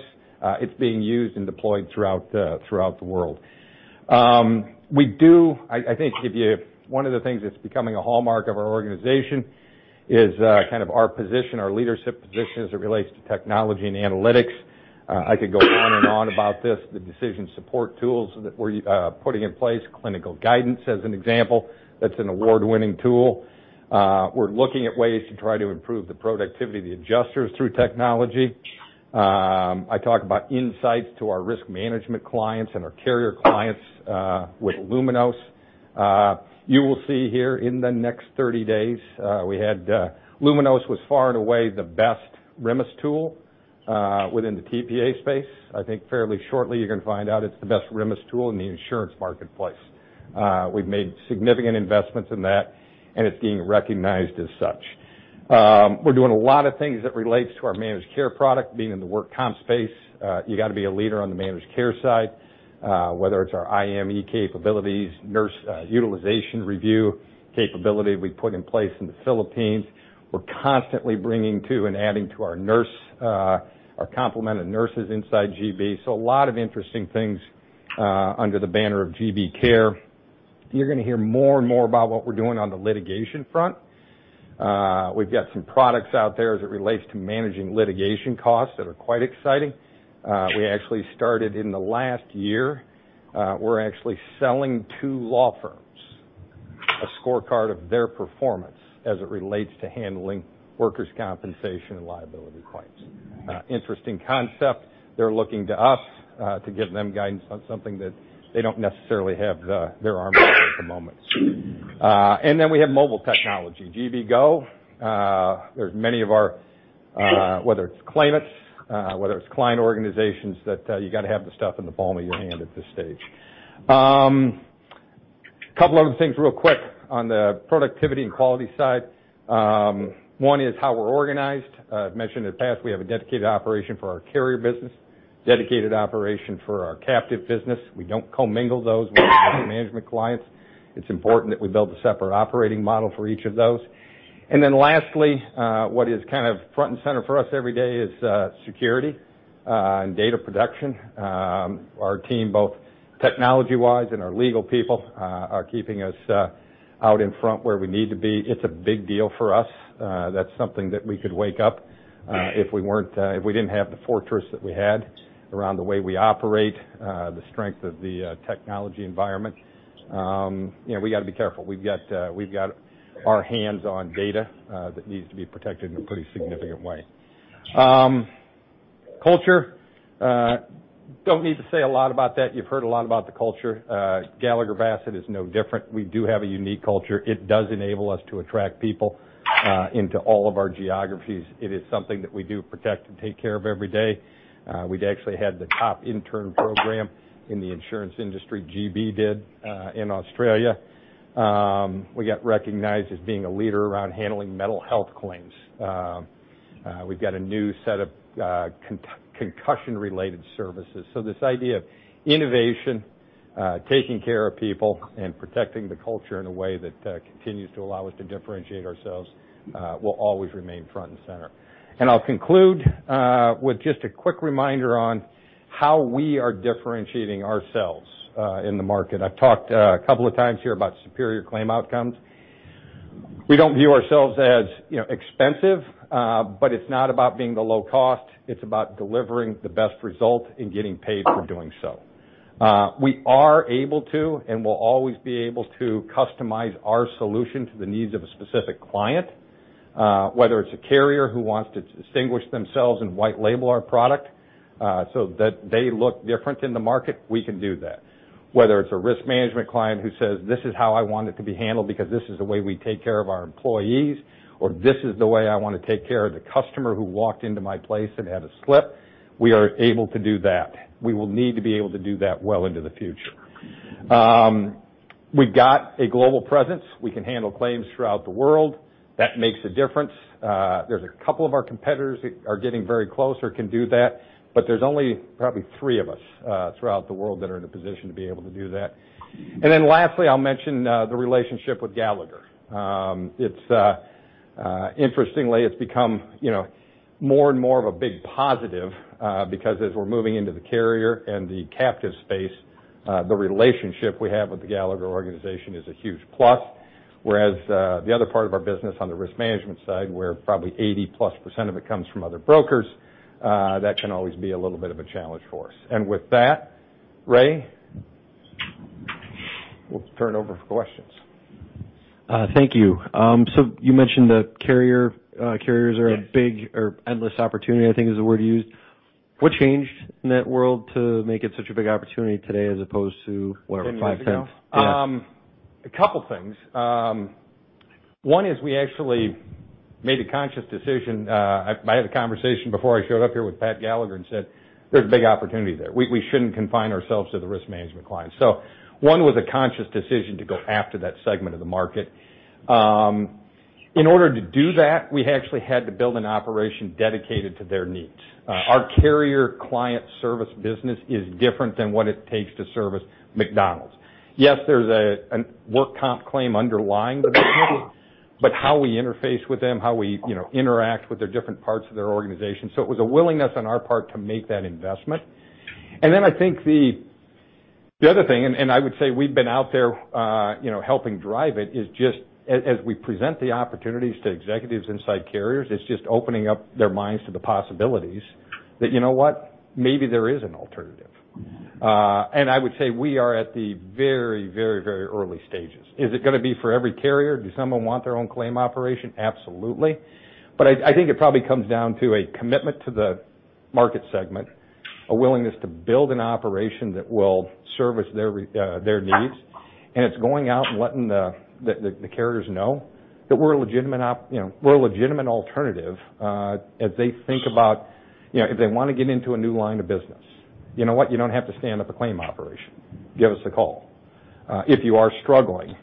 it's being used and deployed throughout the world. I think one of the things that's becoming a hallmark of our organization is our position, our leadership position, as it relates to technology and analytics. I could go on and on about this, the decision support tools that we're putting in place, clinical guidance, as an example. That's an award-winning tool. We're looking at ways to try to improve the productivity of the adjusters through technology. I talk about insights to our risk management clients and our carrier clients with LUMINOS. You will see here in the next 30 days, LUMINOS was far and away the best RMIS tool within the TPA space. I think fairly shortly, you're going to find out it's the best RMIS tool in the insurance marketplace. We've made significant investments in that, and it's being recognized as such. We're doing a lot of things that relates to our managed care product. Being in the work comp space, you got to be a leader on the managed care side, whether it's our IME capabilities, nurse utilization review capability we put in place in the Philippines. We're constantly bringing to and adding to our complement of nurses inside GB. A lot of interesting things under the banner of GB Care. You're going to hear more and more about what we're doing on the litigation front. We've got some products out there as it relates to managing litigation costs that are quite exciting. We actually started in the last year. We're actually selling to law firms a scorecard of their performance as it relates to handling workers' compensation and liability claims. Interesting concept. They're looking to us to give them guidance on something that they don't necessarily have their arms around at the moment. Then we have mobile technology, GB GO. There's many of our, whether it's claimants, whether it's client organizations, that you got to have the stuff in the palm of your hand at this stage. Couple other things real quick on the productivity and quality side. One is how we're organized. I've mentioned in the past, we have a dedicated operation for our carrier business, dedicated operation for our captive business. We don't commingle those with our management clients. It's important that we build a separate operating model for each of those. Then lastly, what is front and center for us every day is security and data protection. Our team, both technology-wise and our legal people, are keeping us out in front where we need to be. It's a big deal for us. That's something that we could wake up if we didn't have the fortress that we had around the way we operate, the strength of the technology environment. We got to be careful. We've got our hands on data that needs to be protected in a pretty significant way. Culture, don't need to say a lot about that. You've heard a lot about the culture. Gallagher Bassett is no different. We do have a unique culture. It does enable us to attract people into all of our geographies. It is something that we do protect and take care of every day. We'd actually had the top intern program in the insurance industry, GB did in Australia. We got recognized as being a leader around handling mental health claims. We've got a new set of concussion-related services. This idea of innovation, taking care of people, and protecting the culture in a way that continues to allow us to differentiate ourselves will always remain front and center. I'll conclude with just a quick reminder on how we are differentiating ourselves in the market. I've talked a couple of times here about superior claim outcomes. We don't view ourselves as expensive, but it's not about being the low cost. It's about delivering the best result and getting paid for doing so. We are able to, and will always be able to, customize our solution to the needs of a specific client, whether it's a carrier who wants to distinguish themselves and white label our product, so that they look different in the market, we can do that. Whether it's a risk management client who says, "This is how I want it to be handled because this is the way we take care of our employees," or, "This is the way I want to take care of the customer who walked into my place and had a slip," we are able to do that. We will need to be able to do that well into the future. We've got a global presence. We can handle claims throughout the world. That makes a difference. There's a couple of our competitors that are getting very close or can do that, but there's only probably three of us throughout the world that are in a position to be able to do that. Lastly, I'll mention the relationship with Gallagher. Interestingly, it's become more and more of a big positive because as we're moving into the carrier and the captive space, the relationship we have with the Gallagher organization is a huge plus. Whereas the other part of our business on the risk management side, where probably 80-plus% of it comes from other brokers, that can always be a little bit of a challenge for us. With that, Ray, we'll turn it over for questions. Thank you. You mentioned that carriers are. Yes. a big or endless opportunity, I think is the word you used. What changed in that world to make it such a big opportunity today as opposed to whatever, five, 10- 10 years ago? Yeah. A couple things. One is we actually made a conscious decision. I had a conversation before I showed up here with Pat Gallagher and said, "There's a big opportunity there. We shouldn't confine ourselves to the risk management clients." One was a conscious decision to go after that segment of the market. In order to do that, we actually had to build an operation dedicated to their needs. Our carrier client service business is different than what it takes to service McDonald's. Yes, there's a work comp claim underlying the business, but how we interface with them, how we interact with their different parts of their organization. It was a willingness on our part to make that investment. I think the other thing, and I would say we've been out there helping drive it, is just as we present the opportunities to executives inside carriers, it's just opening up their minds to the possibilities that, you know what, maybe there is an alternative. I would say we are at the very early stages. Is it going to be for every carrier? Do some of them want their own claim operation? Absolutely. I think it probably comes down to a commitment to the market segment, a willingness to build an operation that will service their needs, and it's going out and letting the carriers know that we're a legitimate alternative as they think about if they want to get into a new line of business. You know what? You don't have to stand up a claim operation. Give us a call. If you are struggling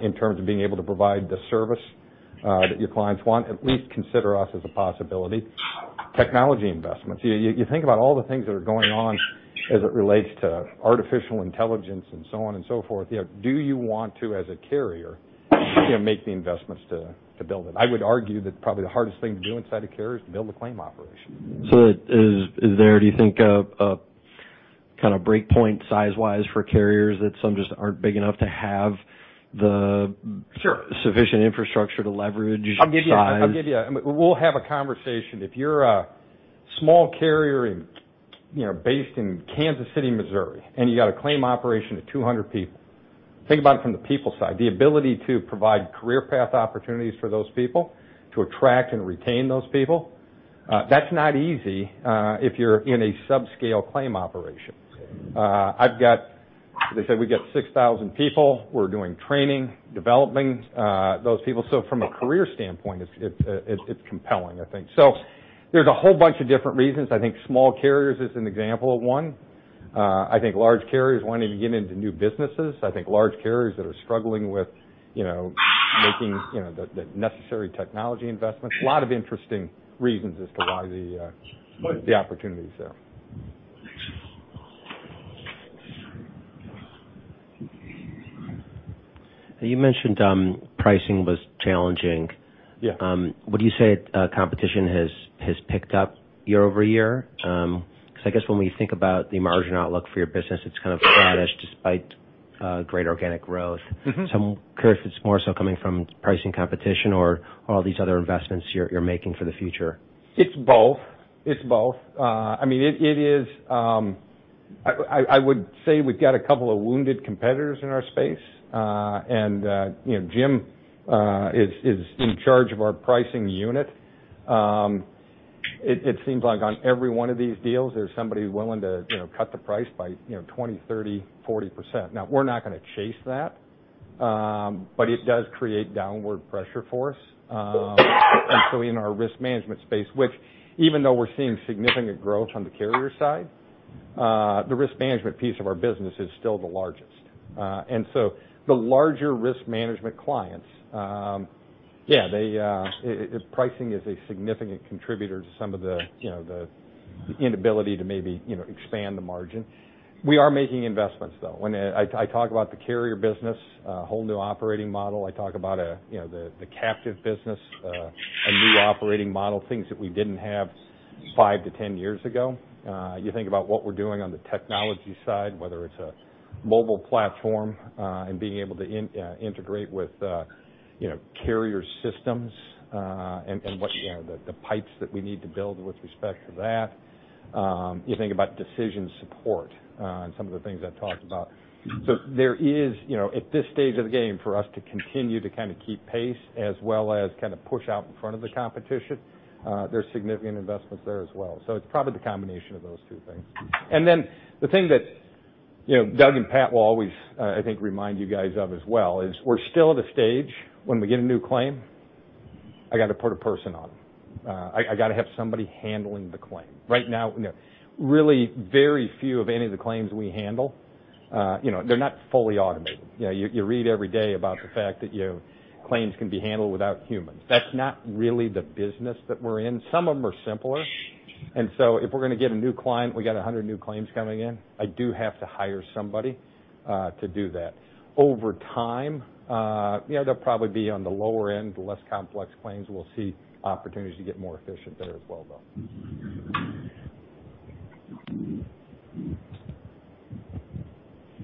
in terms of being able to provide the service that your clients want, at least consider us as a possibility. Technology investments. You think about all the things that are going on as it relates to artificial intelligence and so on and so forth. Do you want to, as a carrier, make the investments to build it? I would argue that probably the hardest thing to do inside a carrier is to build a claim operation. Is there, do you think, a kind of breakpoint size-wise for carriers that some just aren't big enough to have the- Sure sufficient infrastructure to leverage size? We'll have a conversation. If you're a small carrier based in Kansas City, Missouri, and you've got a claim operation of 200 people, think about it from the people side, the ability to provide career path opportunities for those people, to attract and retain those people. That's not easy if you're in a sub-scale claim operation. As I said, we got 6,000 people. We're doing training, developing those people. From a career standpoint, it's compelling, I think. There's a whole bunch of different reasons. I think small carriers is an example of one. I think large carriers wanting to get into new businesses. I think large carriers that are struggling with making the necessary technology investments. A lot of interesting reasons as to why the opportunity is there. You mentioned pricing was challenging. Yeah. Would you say competition has picked up year-over-year? I guess when we think about the margin outlook for your business, it's kind of flattish despite great organic growth. I'm curious if it's more so coming from pricing competition or all these other investments you're making for the future. It's both. I would say we've got a couple of wounded competitors in our space. Jim is in charge of our pricing unit. It seems like on every one of these deals, there's somebody who's willing to cut the price by 20, 30, 40%. Now, we're not going to chase that. It does create downward pressure for us. In our risk management space, which even though we're seeing significant growth on the carrier side, the risk management piece of our business is still the largest. The larger risk management clients, pricing is a significant contributor to some of the inability to maybe expand the margin. We are making investments, though. When I talk about the carrier business, a whole new operating model, I talk about the captive business, a new operating model, things that we didn't have five to 10 years ago. You think about what we're doing on the technology side, whether it's a mobile platform, and being able to integrate with carrier systems, and the pipes that we need to build with respect to that. You think about decision support, and some of the things I've talked about. There is, at this stage of the game, for us to continue to kind of keep pace as well as kind of push out in front of the competition, there's significant investments there as well. It's probably the combination of those two things. The thing that Doug and Pat will always, I think, remind you guys of as well is we're still at a stage when we get a new claim, I got to put a person on it. I got to have somebody handling the claim. Right now, really very few of any of the claims we handle, they're not fully automated. You read every day about the fact that claims can be handled without humans. That's not really the business that we're in. Some of them are simpler, if we're going to get a new client, we got 100 new claims coming in, I do have to hire somebody to do that. Over time, they'll probably be on the lower end, the less complex claims. We'll see opportunities to get more efficient there as well, though.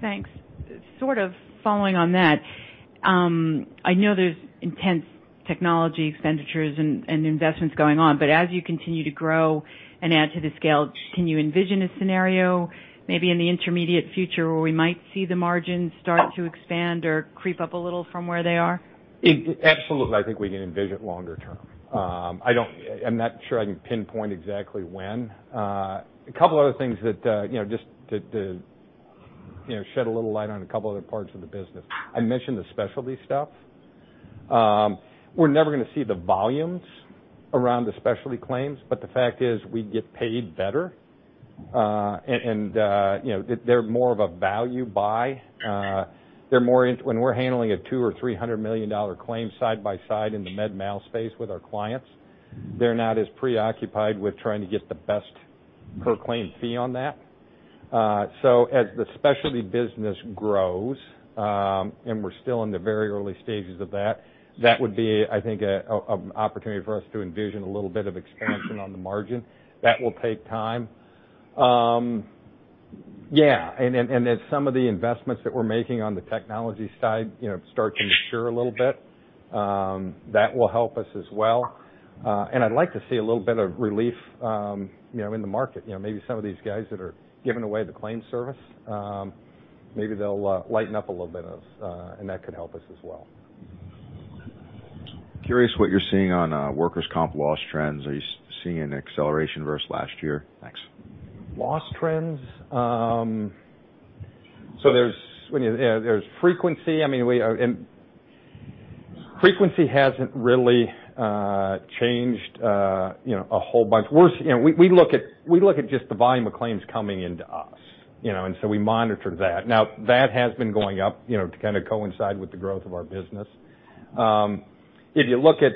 Thanks. Sort of following on that I know there's intense technology expenditures and investments going on, as you continue to grow and add to the scale, can you envision a scenario maybe in the intermediate future where we might see the margins start to expand or creep up a little from where they are? Absolutely. I think we can envision longer term. I'm not sure I can pinpoint exactly when. A couple other things, just to shed a little light on a couple other parts of the business. I mentioned the specialty stuff. We're never going to see the volumes around the specialty claims, the fact is we get paid better, and they're more of a value buy. When we're handling a $200 or $300 million claim side by side in the med mal space with our clients, they're not as preoccupied with trying to get the best per claim fee on that. As the specialty business grows, and we're still in the very early stages of that would be, I think, an opportunity for us to envision a little bit of expansion on the margin. That will take time. As some of the investments that we're making on the technology side start to mature a little bit, that will help us as well. I'd like to see a little bit of relief in the market. Maybe some of these guys that are giving away the claim service, maybe they'll lighten up a little bit, and that could help us as well. Curious what you're seeing on workers' comp loss trends. Are you seeing an acceleration versus last year? Thanks. Loss trends. There's frequency. Frequency hasn't really changed a whole bunch. We look at just the volume of claims coming into us. We monitor that. Now, that has been going up to kind of coincide with the growth of our business. If you look at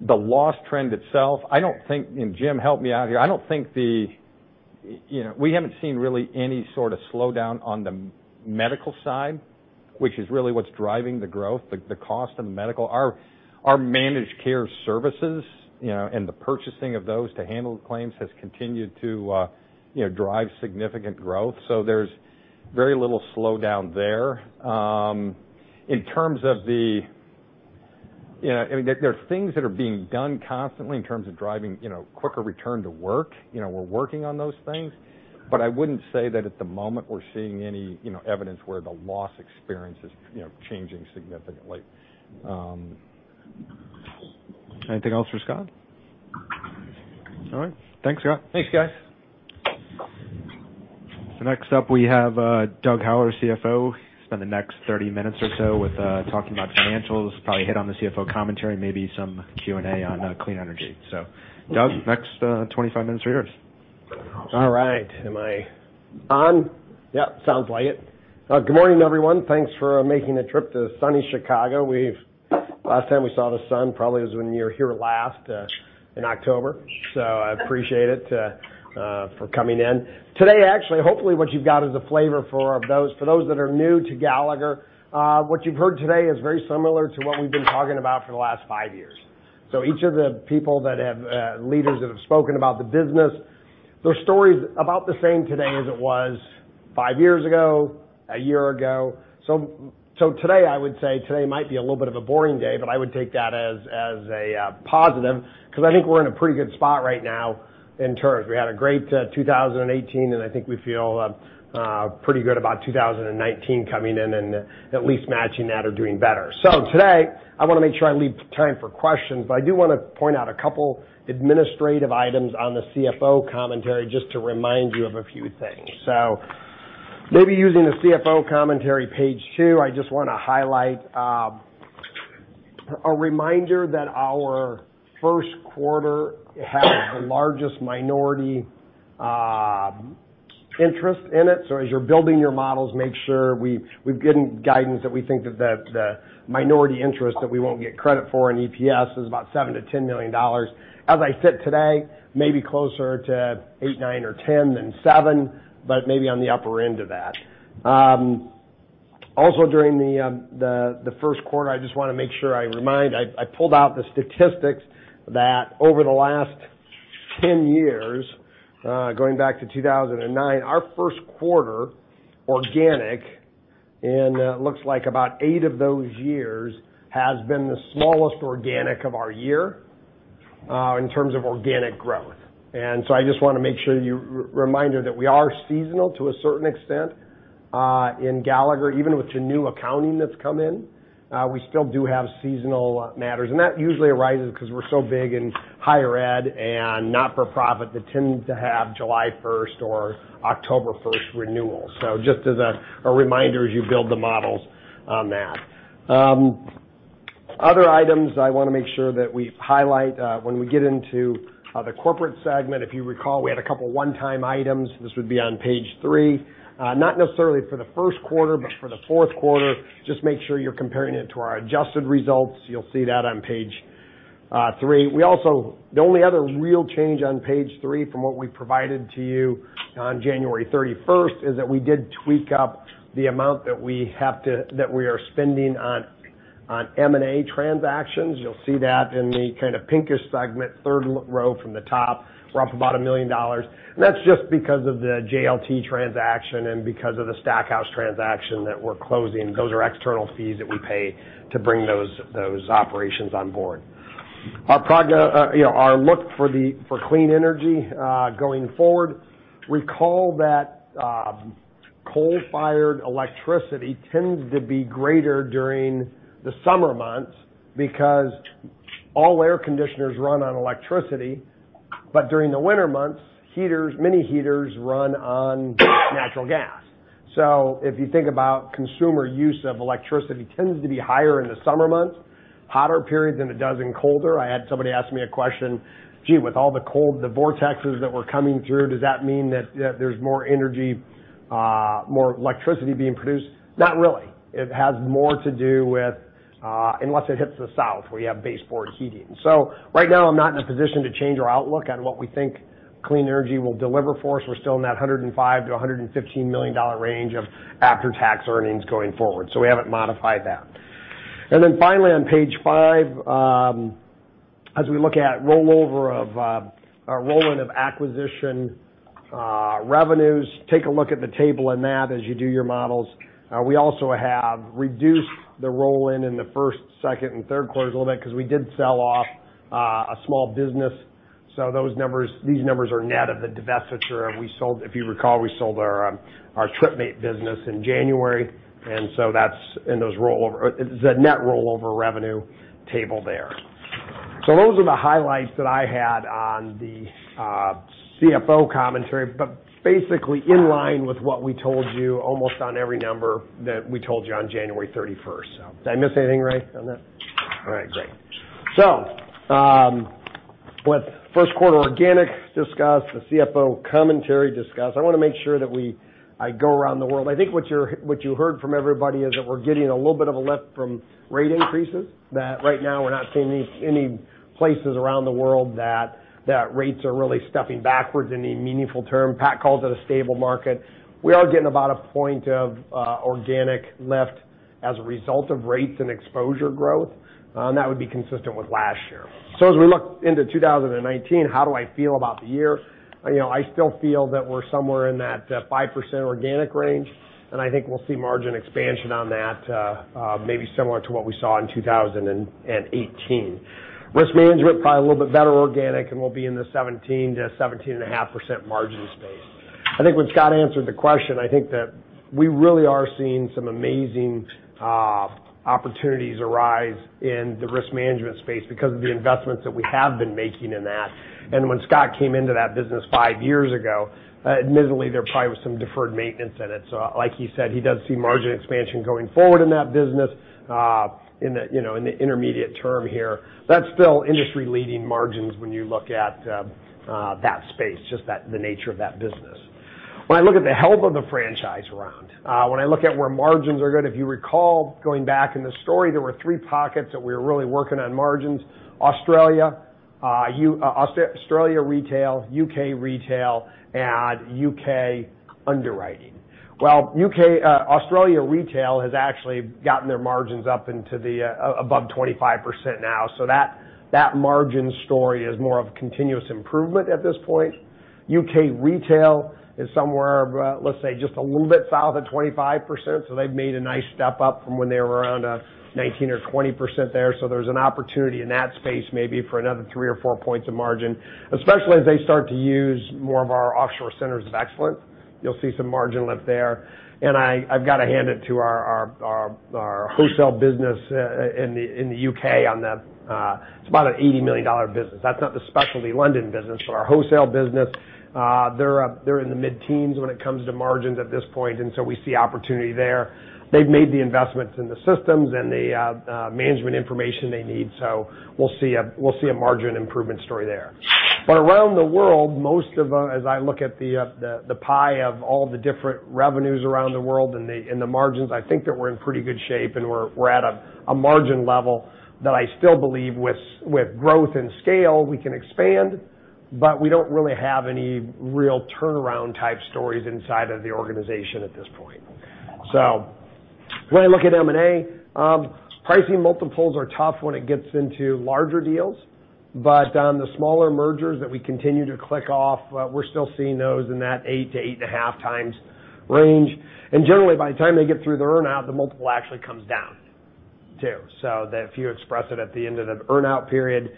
the loss trend itself, and Jim, help me out here. We haven't seen really any sort of slowdown on the medical side, which is really what's driving the growth, the cost of the medical. Our managed care services, and the purchasing of those to handle the claims has continued to drive significant growth. There's very little slowdown there. There are things that are being done constantly in terms of driving quicker return to work. We're working on those things. I wouldn't say that at the moment, we're seeing any evidence where the loss experience is changing significantly. Anything else for Scott? All right. Thanks, Scott. Thanks, guys. Next up, we have Doug Howell, CFO, spend the next 30 minutes or so with talking about financials, probably hit on the CFO Commentary, maybe some Q&A on clean energy. Doug, the next 25 minutes are yours. All right. Am I on? Yep, sounds like it. Good morning, everyone. Thanks for making the trip to sunny Chicago. Last time we saw the sun probably was when you were here last in October. I appreciate it for coming in. Today, actually, hopefully what you've got is a flavor for those that are new to Gallagher. What you've heard today is very similar to what we've been talking about for the last five years. Each of the leaders that have spoken about the business, their story's about the same today as it was five years ago, a year ago. Today, I would say today might be a little bit of a boring day, but I would take that as a positive because I think we're in a pretty good spot right now in terms. We had a great 2018, and I think we feel pretty good about 2019 coming in and at least matching that or doing better. Today, I want to make sure I leave time for questions, but I do want to point out a couple administrative items on the CFO Commentary just to remind you of a few things. Maybe using the CFO Commentary, page two, I just want to highlight a reminder that our first quarter has the largest minority interest in it. As you're building your models, make sure we've given guidance that we think that the minority interest that we won't get credit for in EPS is about $7 million-$10 million. As I sit today, maybe closer to eight, nine, or 10 than seven, but maybe on the upper end of that. I just want to make sure I pulled out the statistics that over the last 10 years, going back to 2009, our first quarter organic, in looks like about eight of those years, has been the smallest organic of our year in terms of organic growth. I just want to make sure you're reminded that we are seasonal to a certain extent in Gallagher, even with the new accounting that's come in. We still do have seasonal matters, and that usually arises because we're so big in higher ed and not-for-profit that tend to have July 1st or October 1st renewals. Just as a reminder as you build the models on that. Other items I want to make sure that we highlight, when we get into the corporate segment, if you recall, we had a couple one-time items. This would be on page three. Not necessarily for the first quarter, but for the fourth quarter. Just make sure you're comparing it to our adjusted results. You'll see that on page three. The only other real change on page three from what we provided to you on January 31st is that we did tweak up the amount that we are spending on M&A On M&A transactions, you'll see that in the kind of pinkish segment, third row from the top. We're up about $1 million. That's just because of the JLT transaction and because of the Stackhouse transaction that we're closing. Those are external fees that we pay to bring those operations on board. Our look for clean energy going forward. Recall that coal-fired electricity tends to be greater during the summer months because all air conditioners run on electricity. During the winter months, many heaters run on natural gas. If you think about consumer use of electricity tends to be higher in the summer months, hotter periods than it does in colder. I had somebody ask me a question, gee, with all the cold, the vortexes that were coming through, does that mean that there's more energy, more electricity being produced? Not really. It has more to do with, unless it hits the south, where you have baseboard heating. Right now, I'm not in a position to change our outlook on what we think clean energy will deliver for us. We're still in that $105 million-$115 million range of after-tax earnings going forward. We haven't modified that. Finally on page five, as we look at rollover of our roll-in of acquisition revenues, take a look at the table in that as you do your models. We also have reduced the roll-in in the first, second, and third quarters a little bit because we did sell off a small business. These numbers are net of the divestiture. If you recall, we sold our TripMate business in January, that's in the net rollover revenue table there. Those are the highlights that I had on the CFO Commentary, but basically in line with what we told you almost on every number that we told you on January 31st. Did I miss anything, Ray, on that? All right, great. With first quarter organic discussed, the CFO Commentary discussed, I want to make sure that I go around the world. I think what you heard from everybody is that we're getting a little bit of a lift from rate increases. Right now we're not seeing any places around the world that rates are really stepping backwards in any meaningful term. Pat called it a stable market. We are getting about a point of organic lift as a result of rates and exposure growth. That would be consistent with last year. As we look into 2019, how do I feel about the year? I still feel that we're somewhere in that 5% organic range, and I think we'll see margin expansion on that, maybe similar to what we saw in 2018. Risk management, probably a little bit better organic, and we'll be in the 17%-17.5% margin space. I think when Scott answered the question, I think that we really are seeing some amazing opportunities arise in the risk management space because of the investments that we have been making in that. When Scott came into that business five years ago, admittedly, there probably was some deferred maintenance in it. Like he said, he does see margin expansion going forward in that business in the intermediate term here. That's still industry-leading margins when you look at that space, just the nature of that business. When I look at the health of the franchise round, when I look at where margins are good, if you recall, going back in the story, there were three pockets that we were really working on margins. Australia Retail, U.K. Retail, and U.K. Underwriting. Australia Retail has actually gotten their margins up above 25% now. That margin story is more of continuous improvement at this point. U.K. Retail is somewhere, let's say, just a little bit south of 25%, so they've made a nice step up from when they were around 19% or 20% there. There's an opportunity in that space maybe for another three or four points of margin. Especially as they start to use more of our offshore centers of excellence, you'll see some margin lift there. I've got to hand it to our wholesale business in the U.K. on that. It's about an $80 million business. That's not the specialty London business, but our wholesale business, they're in the mid-teens when it comes to margins at this point, and we see opportunity there. They've made the investments in the systems and the management information they need. We'll see a margin improvement story there. Around the world, as I look at the pie of all the different revenues around the world and the margins, I think that we're in pretty good shape, and we're at a margin level that I still believe with growth and scale, we can expand, but we don't really have any real turnaround-type stories inside of the organization at this point. When I look at M&A, pricing multiples are tough when it gets into larger deals, but on the smaller mergers that we continue to click off, we're still seeing those in that 8 to 8.5 times range. Generally, by the time they get through the earn-out, the multiple actually comes down too. If you express it at the end of an earn-out period,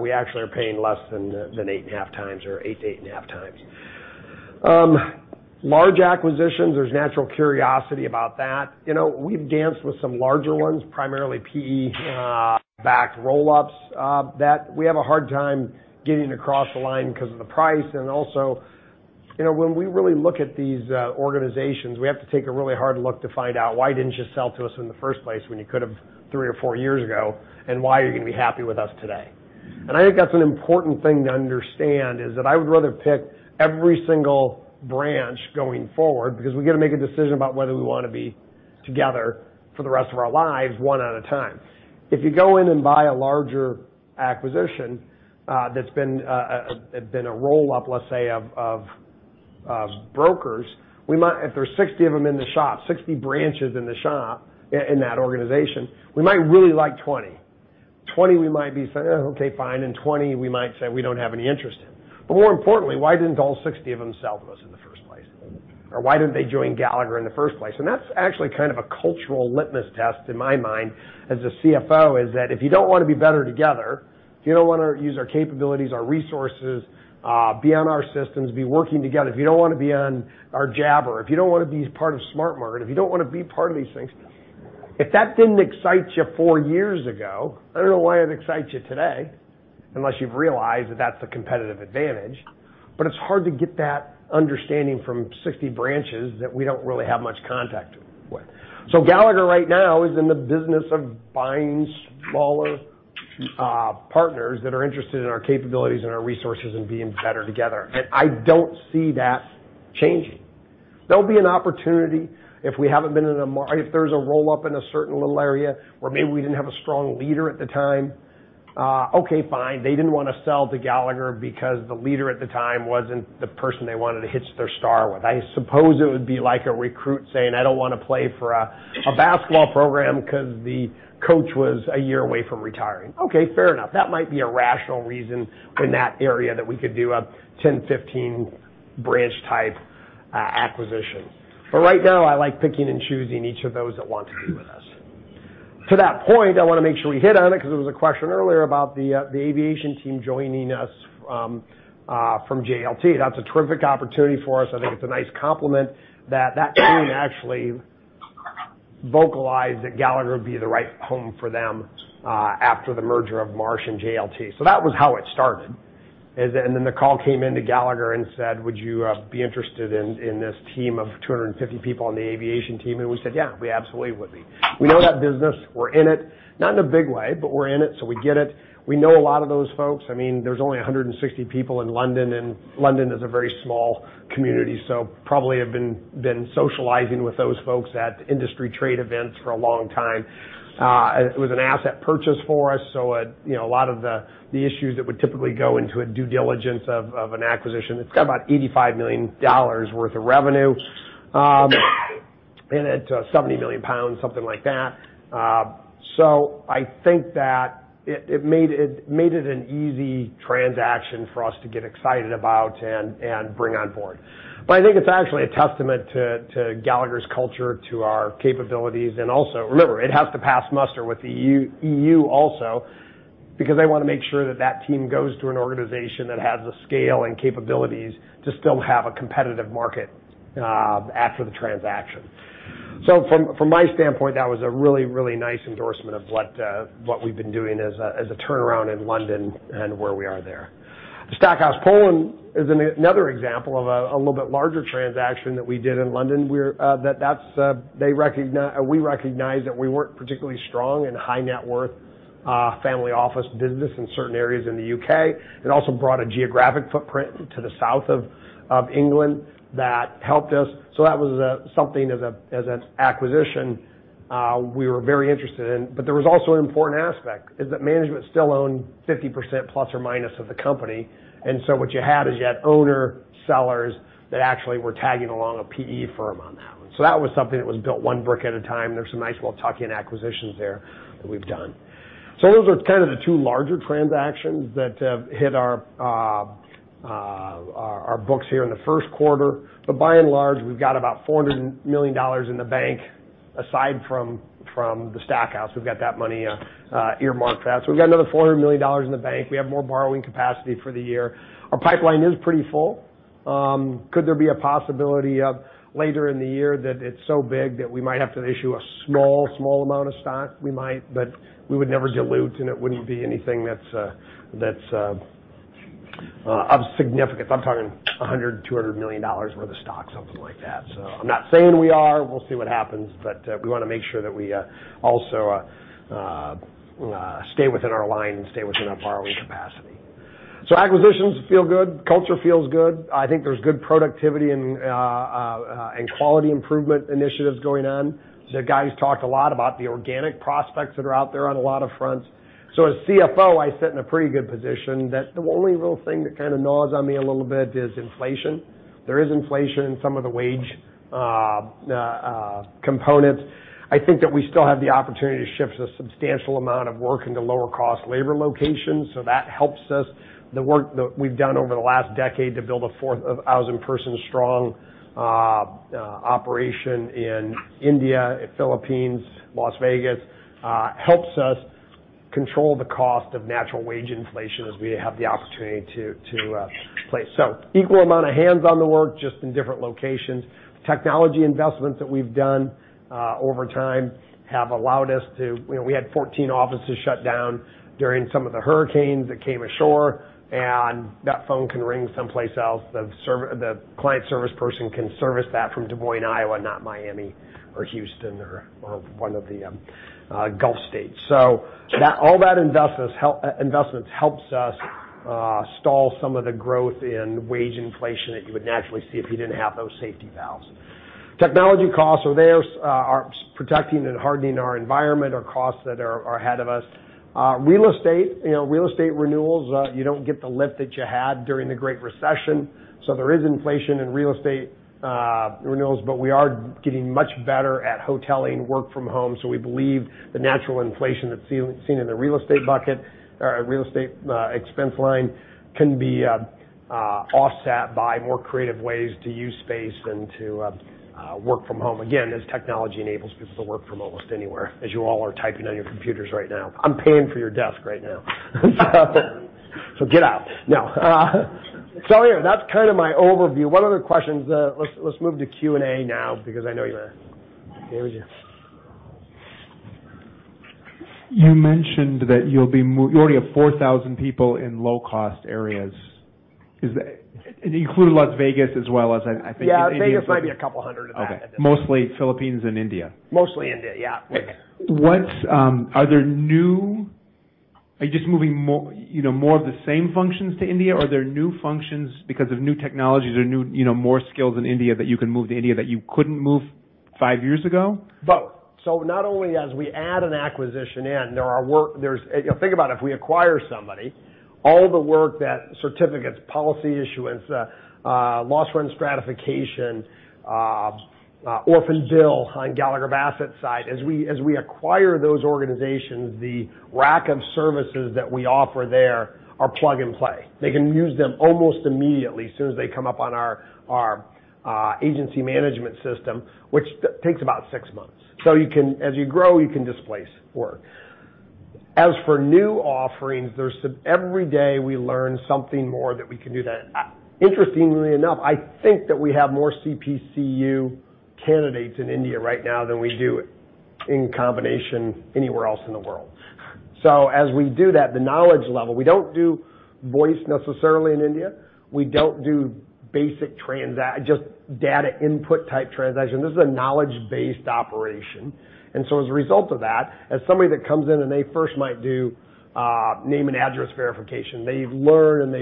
we actually are paying less than 8.5 times or 8 to 8.5 times. Large acquisitions, there's natural curiosity about that. We've danced with some larger ones, primarily PE-backed roll-ups, that we have a hard time getting across the line because of the price. Also, when we really look at these organizations, we have to take a really hard look to find out why didn't you sell to us in the first place when you could have three or four years ago, why are you going to be happy with us today? I think that's an important thing to understand is that I would rather pick every single branch going forward because we got to make a decision about whether we want to be together for the rest of our lives, one at a time. If you go in and buy a larger acquisition that's been a roll-up, let's say of brokers, if there's 60 of them in the shop, 60 branches in the shop in that organization, we might really like 20. 20 we might be saying, "Okay, fine." 20 we might say we don't have any interest in. More importantly, why didn't all 60 of them sell to us in the first place? Why didn't they join Gallagher in the first place? That's actually kind of a cultural litmus test in my mind as a CFO, is that if you don't want to be better together, if you don't want to use our capabilities, our resources, be on our systems, be working together. If you don't want to be on our Jabber, if you don't want to be part of SmartMarket, if you don't want to be part of these things. If that didn't excite you four years ago, I don't know why it excites you today, unless you've realized that that's a competitive advantage. It's hard to get that understanding from 60 branches that we don't really have much contact with. Gallagher right now is in the business of buying smaller partners that are interested in our capabilities and our resources and being better together. I don't see that changing. There'll be an opportunity if there's a roll-up in a certain little area where maybe we didn't have a strong leader at the time. Okay, fine. They didn't want to sell to Gallagher because the leader at the time wasn't the person they wanted to hitch their star with. I suppose it would be like a recruit saying, "I don't want to play for a basketball program because the coach was a year away from retiring." Okay, fair enough. That might be a rational reason in that area that we could do a 10, 15 branch type acquisition. Right now, I like picking and choosing each of those that want to be with us. To that point, I want to make sure we hit on it because there was a question earlier about the aviation team joining us from JLT. That's a terrific opportunity for us. I think it's a nice compliment that that team actually vocalized that Gallagher would be the right home for them after the merger of Marsh and JLT. That was how it started. The call came into Gallagher and said, "Would you be interested in this team of 250 people on the aviation team?" We said, "Yeah, we absolutely would be." We know that business. We're in it. Not in a big way, but we're in it, so we get it. We know a lot of those folks. There's only 160 people in London, and London is a very small community, probably have been socializing with those folks at industry trade events for a long time. It was an asset purchase for us, a lot of the issues that would typically go into a due diligence of an acquisition. It's got about $85 million worth of revenue in it, 70 million pounds, something like that. I think that it made it an easy transaction for us to get excited about and bring on board. I think it's actually a testament to Gallagher's culture, to our capabilities, and also, remember, it has to pass muster with the EU also because they want to make sure that that team goes to an organization that has the scale and capabilities to still have a competitive market after the transaction. From my standpoint, that was a really, really nice endorsement of what we've been doing as a turnaround in London and where we are there. Stackhouse Poland is another example of a little bit larger transaction that we did in London. We recognized that we weren't particularly strong in high net worth family office business in certain areas in the U.K. It also brought a geographic footprint to the south of England that helped us. That was something as an acquisition we were very interested in. There was also an important aspect, is that management still owned 50% plus or minus of the company, what you had is you had owner sellers that actually were tagging along a PE firm on that one. That was something that was built one brick at a time. There's some nice little tuck-in acquisitions there that we've done. Those are kind of the two larger transactions that have hit our books here in the first quarter. By and large, we've got about $400 million in the bank aside from the Stackhouse. We've got that money earmarked for that. We've got another $400 million in the bank. We have more borrowing capacity for the year. Our pipeline is pretty full. Could there be a possibility of later in the year that it's so big that we might have to issue a small amount of stock? We might, but we would never dilute, and it wouldn't be anything that's of significance. I'm talking $100, $200 million worth of stock, something like that. I'm not saying we are. We'll see what happens, we want to make sure that we also stay within our line and stay within our borrowing capacity. Acquisitions feel good. Culture feels good. I think there's good productivity and quality improvement initiatives going on. Pat's talked a lot about the organic prospects that are out there on a lot of fronts. As CFO, I sit in a pretty good position that the only real thing that kind of gnaws on me a little bit is inflation. There is inflation in some of the wage components. I think that we still have the opportunity to shift a substantial amount of work into lower cost labor locations, so that helps us. The work that we've done over the last decade to build a 4,000-person strong operation in India, Philippines, Las Vegas helps us control the cost of natural wage inflation as we have the opportunity to place. Equal amount of hands on the work, just in different locations. Technology investments that we've done over time have allowed us to. We had 14 offices shut down during some of the hurricanes that came ashore, and that phone can ring someplace else. The client service person can service that from Des Moines, Iowa, not Miami or Houston or one of the Gulf states. All that investments helps us stall some of the growth in wage inflation that you would naturally see if you didn't have those safety valves. Technology costs are there, are protecting and hardening our environment are costs that are ahead of us. Real estate renewals, you don't get the lift that you had during the Great Recession. There is inflation in real estate renewals, but we are getting much better at hoteling work from home. We believe the natural inflation that's seen in the real estate bucket or real estate expense line can be offset by more creative ways to use space than to work from home, again, as technology enables people to work from almost anywhere, as you all are typing on your computers right now. I'm paying for your desk right now. Get out. No. Anyway, that's kind of my overview. One other questions, let's move to Q&A now because I know you. David, you. You mentioned that you already have 4,000 people in low-cost areas. You include Las Vegas as well, I think- Yeah, Vegas might be a couple hundred of that at this point. Okay. Mostly Philippines and India. Mostly India, yeah. Are you just moving more of the same functions to India or are there new functions because of new technologies or more skills in India that you can move to India that you couldn't move five years ago? Both. Not only as we add an acquisition in, think about it, if we acquire somebody, all the work, the certificates, policy issuance, loss run stratification, orphan bill on Gallagher Bassett side, as we acquire those organizations, the rack of services that we offer there are plug and play. They can use them almost immediately as soon as they come up on our agency management system, which takes about six months. As you grow, you can displace work. As for new offerings, every day we learn something more that we can do that. Interestingly enough, I think that we have more CPCU candidates in India right now than we do in combination anywhere else in the world. As we do that, the knowledge level, we don't do voice necessarily in India. We don't do basic data input type transaction. This is a knowledge-based operation. As a result of that, as somebody that comes in and they first might do name and address verification, they learn, and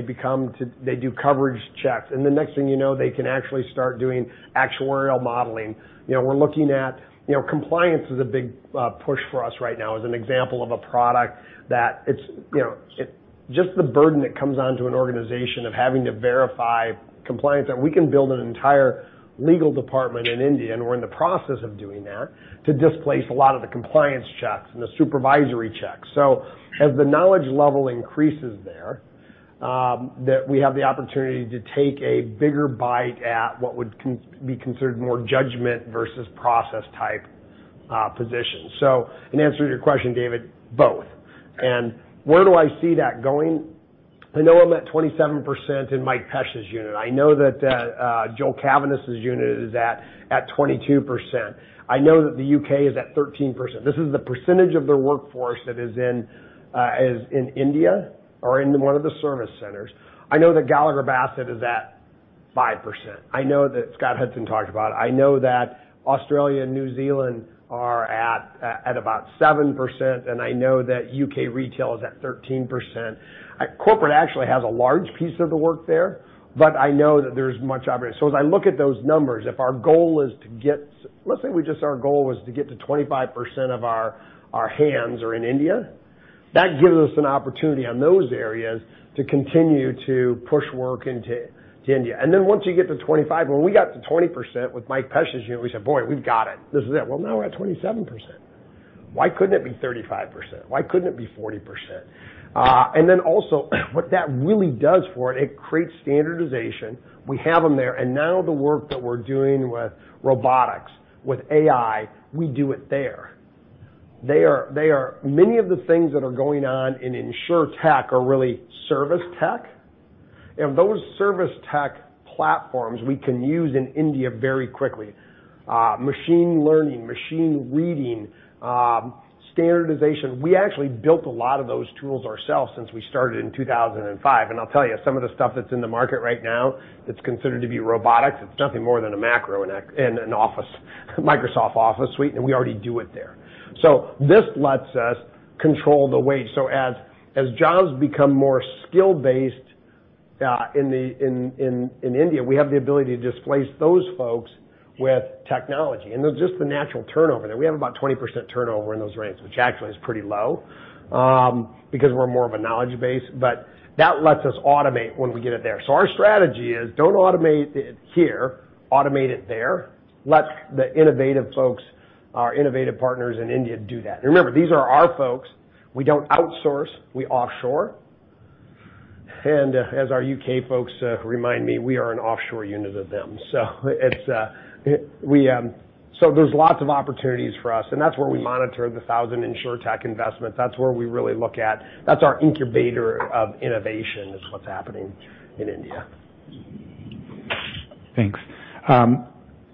they do coverage checks. The next thing you know, they can actually start doing actuarial modeling. Compliance is a big push for us right now as an example of a product. Just the burden that comes onto an organization of having to verify compliance, and we can build an entire legal department in India, and we're in the process of doing that, to displace a lot of the compliance checks and the supervisory checks. As the knowledge level increases there, we have the opportunity to take a bigger bite at what would be considered more judgment versus process type positions. In answer to your question, David, both. Where do I see that going? I know I'm at 27% in Mike Pesch's unit. I know that Joel Cavaness's unit is at 22%. I know that the U.K. is at 13%. This is the percentage of their workforce that is in India or in one of the service centers. I know that Gallagher Bassett is at 5%. I know that Scott Hudson talked about it. I know that Australia and New Zealand are at about 7%, and I know that U.K. retail is at 13%. Corporate actually has a large piece of the work there, but I know that there's much opportunity. As I look at those numbers, let's say our goal was to get to 25% of our hands are in India. That gives us an opportunity on those areas to continue to push work into India. Then once you get to 25, when we got to 20% with Mike Pesch's unit, we said, "Boy, we've got it. This is it." Now we're at 27%. Why couldn't it be 35%? Why couldn't it be 40%? Also what that really does for it creates standardization. We have them there, and now the work that we're doing with robotics, with AI, we do it there. Many of the things that are going on in Insurtech are really service tech. Those service tech platforms we can use in India very quickly. Machine learning, machine reading, standardization. We actually built a lot of those tools ourselves since we started in 2005. I'll tell you, some of the stuff that's in the market right now that's considered to be robotics, it's nothing more than a macro in a Microsoft Office suite, and we already do it there. This lets us control the wage. As jobs become more skill-based in India, we have the ability to displace those folks with technology. There's just the natural turnover there. We have about 20% turnover in those ranks, which actually is pretty low because we're more of a knowledge base, but that lets us automate when we get it there. Our strategy is don't automate it here, automate it there. Let the innovative folks, our innovative partners in India do that. Remember, these are our folks. We don't outsource, we offshore. As our U.K. folks remind me, we are an offshore unit of them. There's lots of opportunities for us, and that's where we monitor the 1,000 insurtech investments. That's where we really look at. That's our incubator of innovation is what's happening in India. Thanks.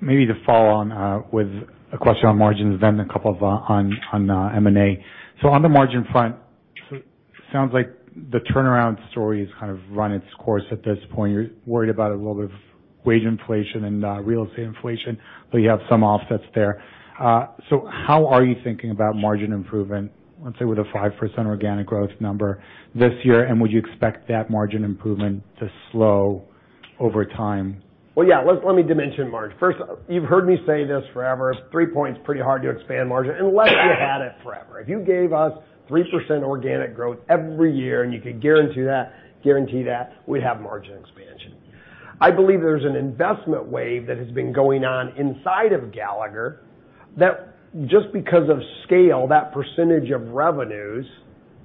Maybe to follow on with a question on margins then a couple on M&A. On the margin front, sounds like the turnaround story has kind of run its course at this point. You're worried about a little bit of wage inflation and real estate inflation, but you have some offsets there. How are you thinking about margin improvement, let's say, with a 5% organic growth number this year, and would you expect that margin improvement to slow over time. Yeah. Let me dimension margin. First, you've heard me say this forever, three points, pretty hard to expand margin unless you had it forever. If you gave us 3% organic growth every year and you could guarantee that, we'd have margin expansion. I believe there's an investment wave that has been going on inside of Gallagher, that just because of scale, that percentage of revenues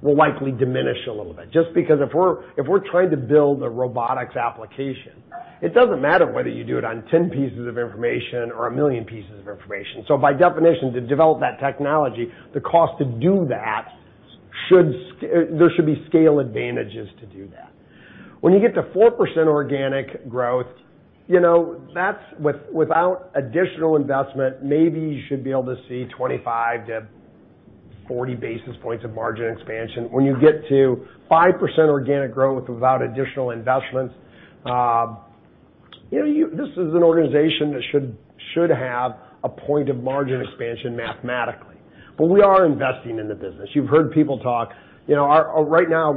will likely diminish a little bit. Just because if we're trying to build a robotics application, it doesn't matter whether you do it on 10 pieces of information or 1 million pieces of information. By definition, to develop that technology, the cost to do that, there should be scale advantages to do that. When you get to 4% organic growth, without additional investment, maybe you should be able to see 25-40 basis points of margin expansion. When you get to 5% organic growth without additional investments, this is an organization that should have a point of margin expansion mathematically. We are investing in the business. You've heard people talk. Right now,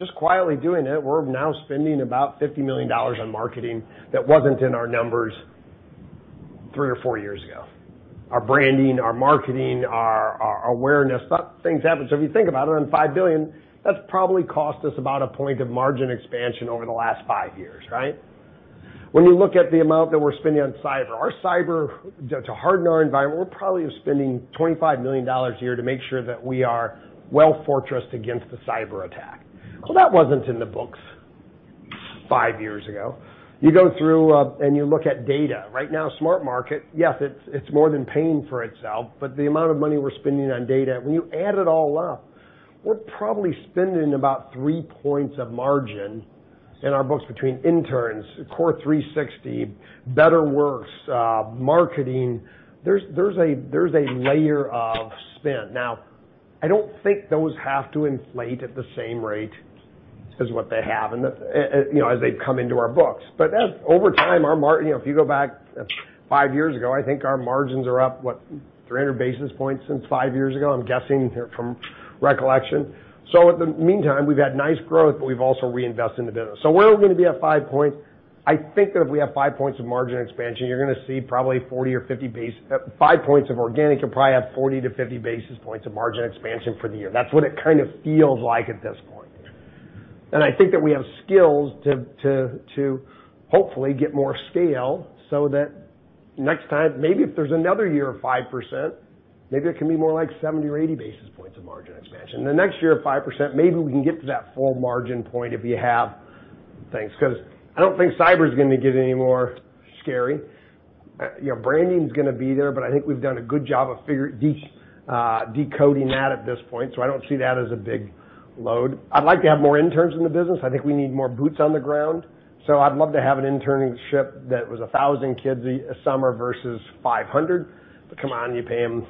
just quietly doing it, we're now spending about $50 million on marketing that wasn't in our numbers three or four years ago. Our branding, our marketing, our awareness. Things happen. If you think about it, on $5 billion, that's probably cost us about a point of margin expansion over the last five years, right? When you look at the amount that we're spending on cyber. To harden our environment, we're probably spending $25 million a year to make sure that we are well-fortressed against the cyberattack. That wasn't in the books five years ago. You go through, and you look at data. Right now, SmartMarket, yes, it's more than paying for itself, the amount of money we're spending on data, when you add it all up, we're probably spending about three points of margin in our books between interns, CORE360, Gallagher Better Works, marketing. There's a layer of spend. I don't think those have to inflate at the same rate as what they have as they've come into our books. Over time, if you go back five years ago, I think our margins are up, what, 300 basis points since five years ago, I'm guessing here from recollection. In the meantime, we've had nice growth, we've also reinvested in the business. Where are we going to be at five points? I think that if we have five points of margin expansion, you're going to see probably five points of organic, you'll probably have 40 to 50 basis points of margin expansion for the year. That's what it kind of feels like at this point. I think that we have skills to hopefully get more scale so that next time, maybe if there's another year of 5%, maybe it can be more like 70 or 80 basis points of margin expansion. The next year of 5%, maybe we can get to that full margin point if you have things. I don't think cyber's going to get any more scary. Branding's going to be there, I think we've done a good job of decoding that at this point, I don't see that as a big load. I'd like to have more interns in the business. I think we need more boots on the ground, I'd love to have an internship that was 1,000 kids a summer versus 500. Come on, you pay them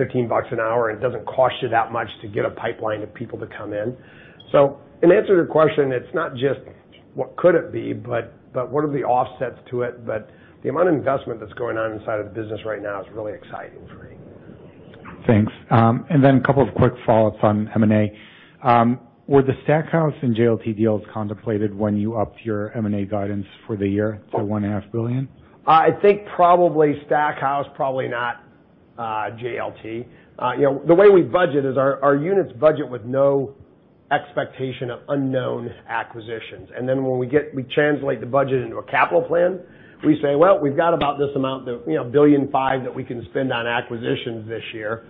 $15 an hour and it doesn't cost you that much to get a pipeline of people to come in. In answer to your question, it's not just what could it be, what are the offsets to it? The amount of investment that's going on inside of the business right now is really exciting for me. Thanks. A couple of quick follow-ups on M&A. Were the Stackhouse and JLT deals contemplated when you upped your M&A guidance for the year to one and a half billion? I think probably Stackhouse, probably not JLT. The way we budget is our units budget with no expectation of unknown acquisitions. When we translate the budget into a capital plan, we say, "We've got about this amount, $1.5 billion that we can spend on acquisitions this year."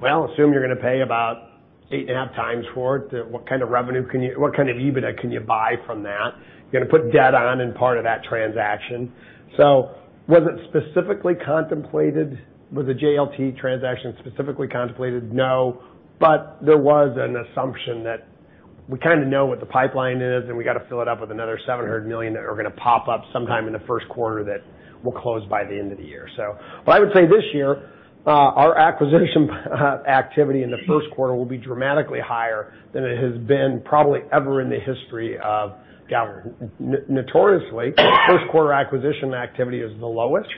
Assume you're going to pay about 8.5x for it. What kind of EBITDA can you buy from that? You're going to put debt on in part of that transaction. Was it specifically contemplated? Was the JLT transaction specifically contemplated? No. There was an assumption that we kind of know what the pipeline is, and we got to fill it up with another $700 million that are going to pop up sometime in the first quarter that will close by the end of the year. What I would say this year, our acquisition activity in the first quarter will be dramatically higher than it has been probably ever in the history of Gallagher. Notoriously, first quarter acquisition activity is the lowest.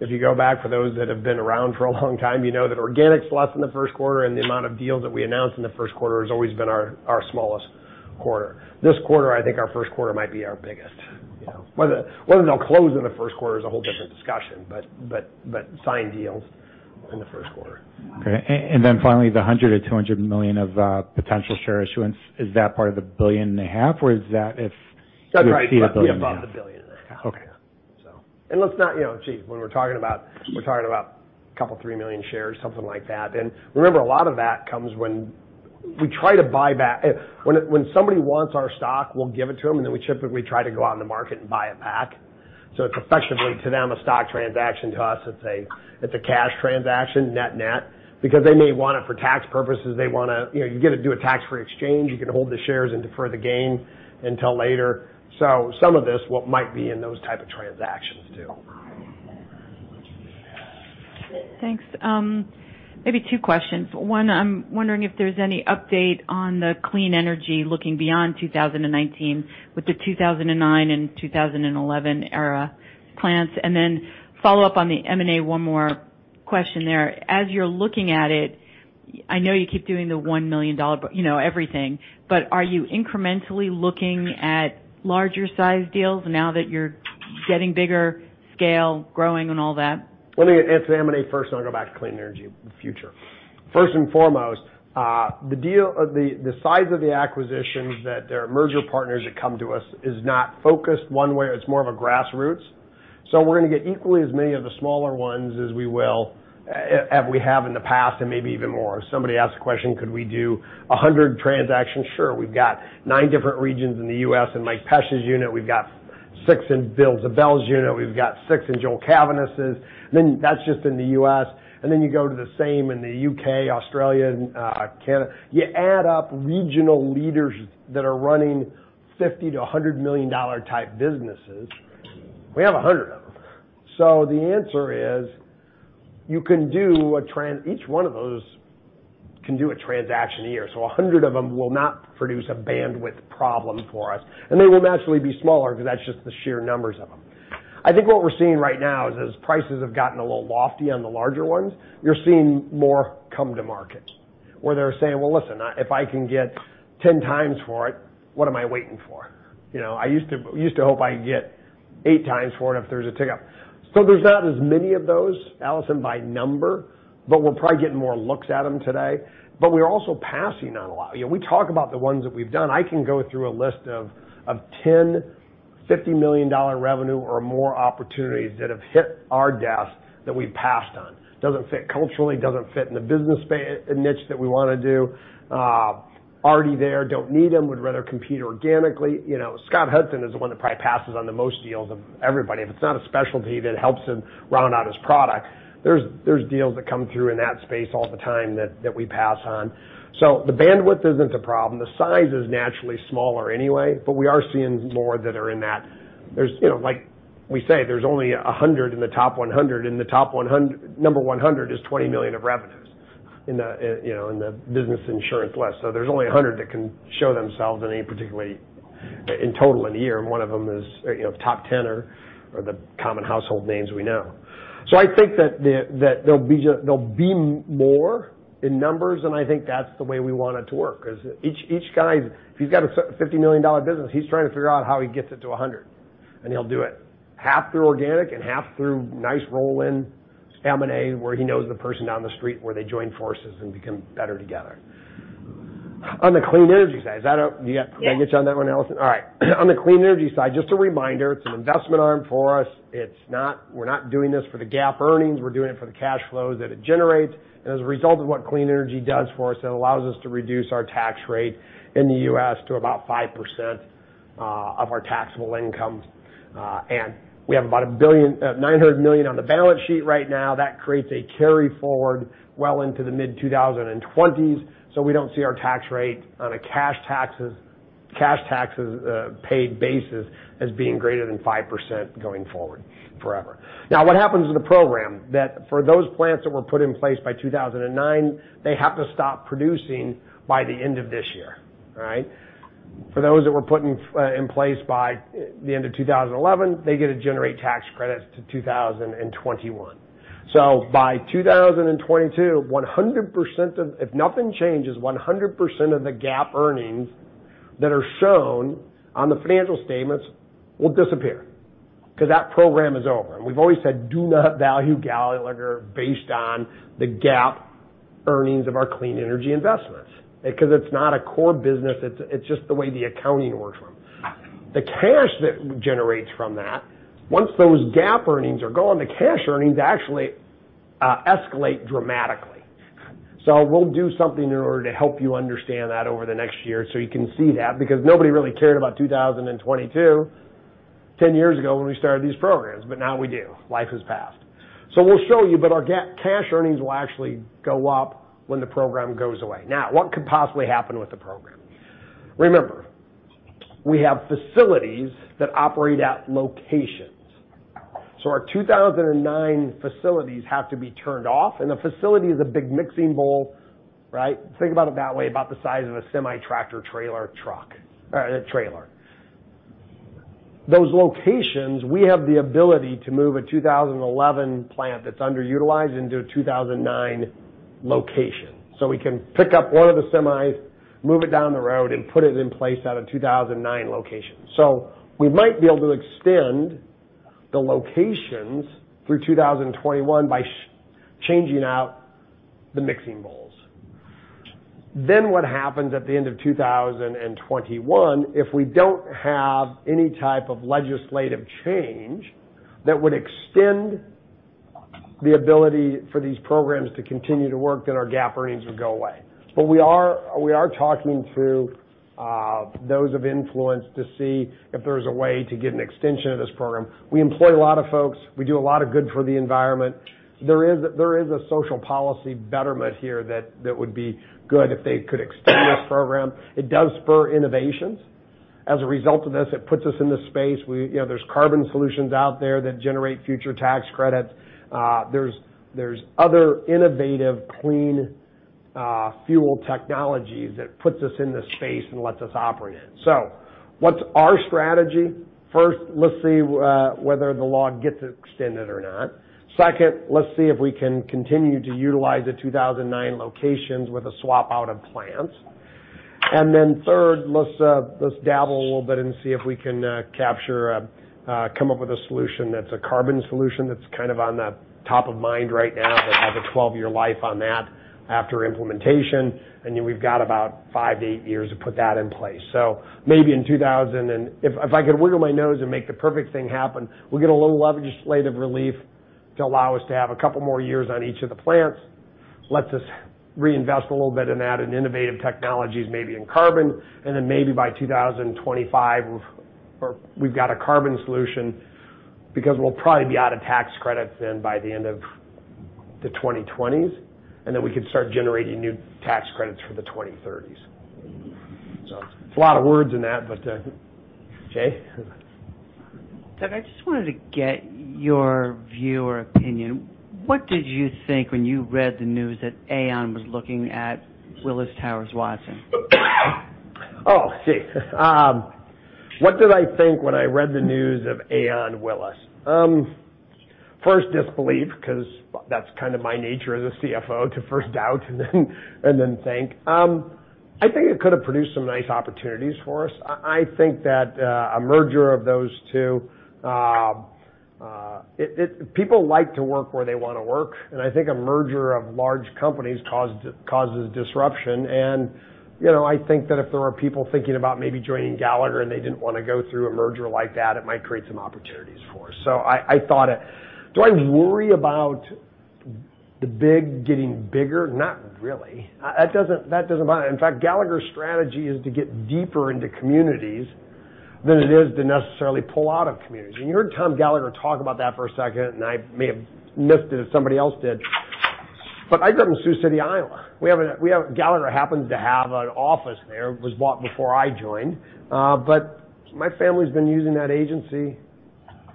If you go back, for those that have been around for a long time, you know that organic's less in the first quarter, and the amount of deals that we announce in the first quarter has always been our smallest quarter. This quarter, I think our first quarter might be our biggest. Whether they'll close in the first quarter is a whole different discussion, sign deals in the first quarter. Okay. Finally, the $100 million to $200 million of potential share issuance, is that part of the billion and a half? Or is that if you exceed a billion and a half? That's right above the $ billion and a half. Okay. Gee, when we're talking about a couple, three million shares, something like that. Remember, a lot of that comes when we try to buy back. When somebody wants our stock, we'll give it to them, we typically try to go out in the market and buy it back. It's effectively, to them, a stock transaction. To us, it's a cash transaction, net-net. Because they may want it for tax purposes. You get to do a tax-free exchange. You can hold the shares and defer the gain until later. Some of this might be in those type of transactions, too. Thanks. Maybe two questions. One, I'm wondering if there's any update on the clean energy looking beyond 2019 with the 2009 and 2011 era plants. Follow up on the M&A, one more question there. As you're looking at it I know you keep doing the $1 million, everything. Are you incrementally looking at larger size deals now that you're getting bigger scale, growing and all that? Let me answer M&A first, then I'll go back to clean energy future. First and foremost, the size of the acquisitions that their merger partners that come to us is not focused one way. It's more of a grassroots. We're going to get equally as many of the smaller ones as we have in the past, and maybe even more. If somebody asks a question, could we do 100 transactions? Sure. We've got nine different regions in the U.S. in Mike Pesch's unit. We've got six in Bill Ziebell's unit. We've got six in Joel Cavaness's. That's just in the U.S., you go to the same in the U.K., Australia, and Canada. You add up regional leaders that are running $50 million to $100 million type businesses. We have 100 of them. The answer is, each one of those can do a transaction a year. 100 of them will not produce a bandwidth problem for us, they will naturally be smaller because that's just the sheer numbers of them. I think what we're seeing right now is, as prices have gotten a little lofty on the larger ones, you're seeing more come to market where they're saying, "Well, listen, if I can get 10 times for it, what am I waiting for? I used to hope I could get eight times for it if there's a ticket." There's not as many of those, Allison, by number, but we're probably getting more looks at them today. We're also passing on a lot. We talk about the ones that we've done. I can go through a list of 10 $50 million revenue or more opportunities that have hit our desk that we've passed on. Doesn't fit culturally, doesn't fit in the business niche that we want to do. Already there, don't need them, would rather compete organically. Scott Hudson is the one that probably passes on the most deals of everybody. If it's not a specialty that helps him round out his product. There's deals that come through in that space all the time that we pass on. The bandwidth isn't a problem. The size is naturally smaller anyway, but we are seeing more that are in that. Like we say, there's only 100 in the top 100. In the top 100, number 100 is $20 million of revenues in the business insurance list. There's only 100 that can show themselves in any particularly in total in a year, and one of them is top 10 or the common household names we know. I think that there'll be more in numbers, I think that's the way we want it to work because each guy, if he's got a $50 million business, he's trying to figure out how he gets it to 100, he'll do it half through organic and half through nice roll-in, M&A where he knows the person down the street where they join forces and become better together. On the clean energy side. Did I get you on that one, Allison? Yeah. All right. On the clean energy side, just a reminder, it's an investment arm for us. We're not doing this for the GAAP earnings. We're doing it for the cash flows that it generates. As a result of what clean energy does for us, it allows us to reduce our tax rate in the U.S. to about 5% of our taxable income. We have about $900 million on the balance sheet right now. That creates a carry forward well into the mid 2020s. We don't see our tax rate on a cash taxes paid basis as being greater than 5% going forward forever. Now what happens to the program that for those plants that were put in place by 2009, they have to stop producing by the end of this year. For those that were put in place by the end of 2011, they get to generate tax credits to 2021. By 2022, if nothing changes, 100% of the GAAP earnings that are shown on the financial statements will disappear because that program is over. We've always said, do not value Gallagher based on the GAAP earnings of our clean energy investments because it's not a core business. It's just the way the accounting works for them. The cash that generates from that, once those GAAP earnings are gone, the cash earnings actually escalate dramatically. We'll do something in order to help you understand that over the next year so you can see that, because nobody really cared about 2022 10 years ago when we started these programs, but now we do. Life has passed. We'll show you, but our cash earnings will actually go up when the program goes away. Now, what could possibly happen with the program? Remember, we have facilities that operate at locations. Our 2009 facilities have to be turned off, and the facility is a big mixing bowl. Think about it that way, about the size of a semi-tractor trailer trailer. Those locations, we have the ability to move a 2011 plant that's underutilized into a 2009 location. We can pick up one of the semis, move it down the road, and put it in place at a 2009 location. We might be able to extend the locations through 2021 by changing out the mixing bowls. What happens at the end of 2021, if we don't have any type of legislative change that would extend the ability for these programs to continue to work, then our GAAP earnings would go away. We are talking through those of influence to see if there's a way to get an extension of this program. We employ a lot of folks. We do a lot of good for the environment. There is a social policy betterment here that would be good if they could extend this program. It does spur innovations as a result of this. It puts us in the space. There's carbon solutions out there that generate future tax credits. There's other innovative clean fuel technologies that puts us in the space and lets us operate in. What's our strategy? First, let's see whether the law gets extended or not. Second, let's see if we can continue to utilize the 2009 locations with a swap out of plants. Third, let's dabble a little bit and see if we can come up with a solution that's a carbon solution that's kind of on the top of mind right now that has a 12-year life on that after implementation, then we've got about five to eight years to put that in place. Maybe in 2000 and if I could wiggle my nose and make the perfect thing happen, we'll get a little legislative relief to allow us to have a couple more years on each of the plants, lets us reinvest a little bit in that, in innovative technologies, maybe in carbon, then maybe by 2025, we've got a carbon solution because we'll probably be out of tax credits then by the end of the 2020s, then we could start generating new tax credits for the 2030s. It's a lot of words in that, but, Jay? Doug, I just wanted to get your view or opinion. What did you think when you read the news that Aon was looking at Willis Towers Watson? What did I think when I read the news of Aon/Willis? First, disbelief, because that's kind of my nature as a CFO, to first doubt and then think. I think it could've produced some nice opportunities for us. I think that a merger of those two People like to work where they want to work, and I think a merger of large companies causes disruption, and I think that if there are people thinking about maybe joining Gallagher and they didn't want to go through a merger like that, it might create some opportunities for us. I thought it. Do I worry about the big getting bigger? Not really. That doesn't bother me. Gallagher's strategy is to get deeper into communities than it is to necessarily pull out of communities. You heard Tom Gallagher talk about that for a second, and I may have missed it if somebody else did. But I grew up in Sioux City, Iowa. Gallagher happens to have an office there. It was bought before I joined. But my family's been using that agency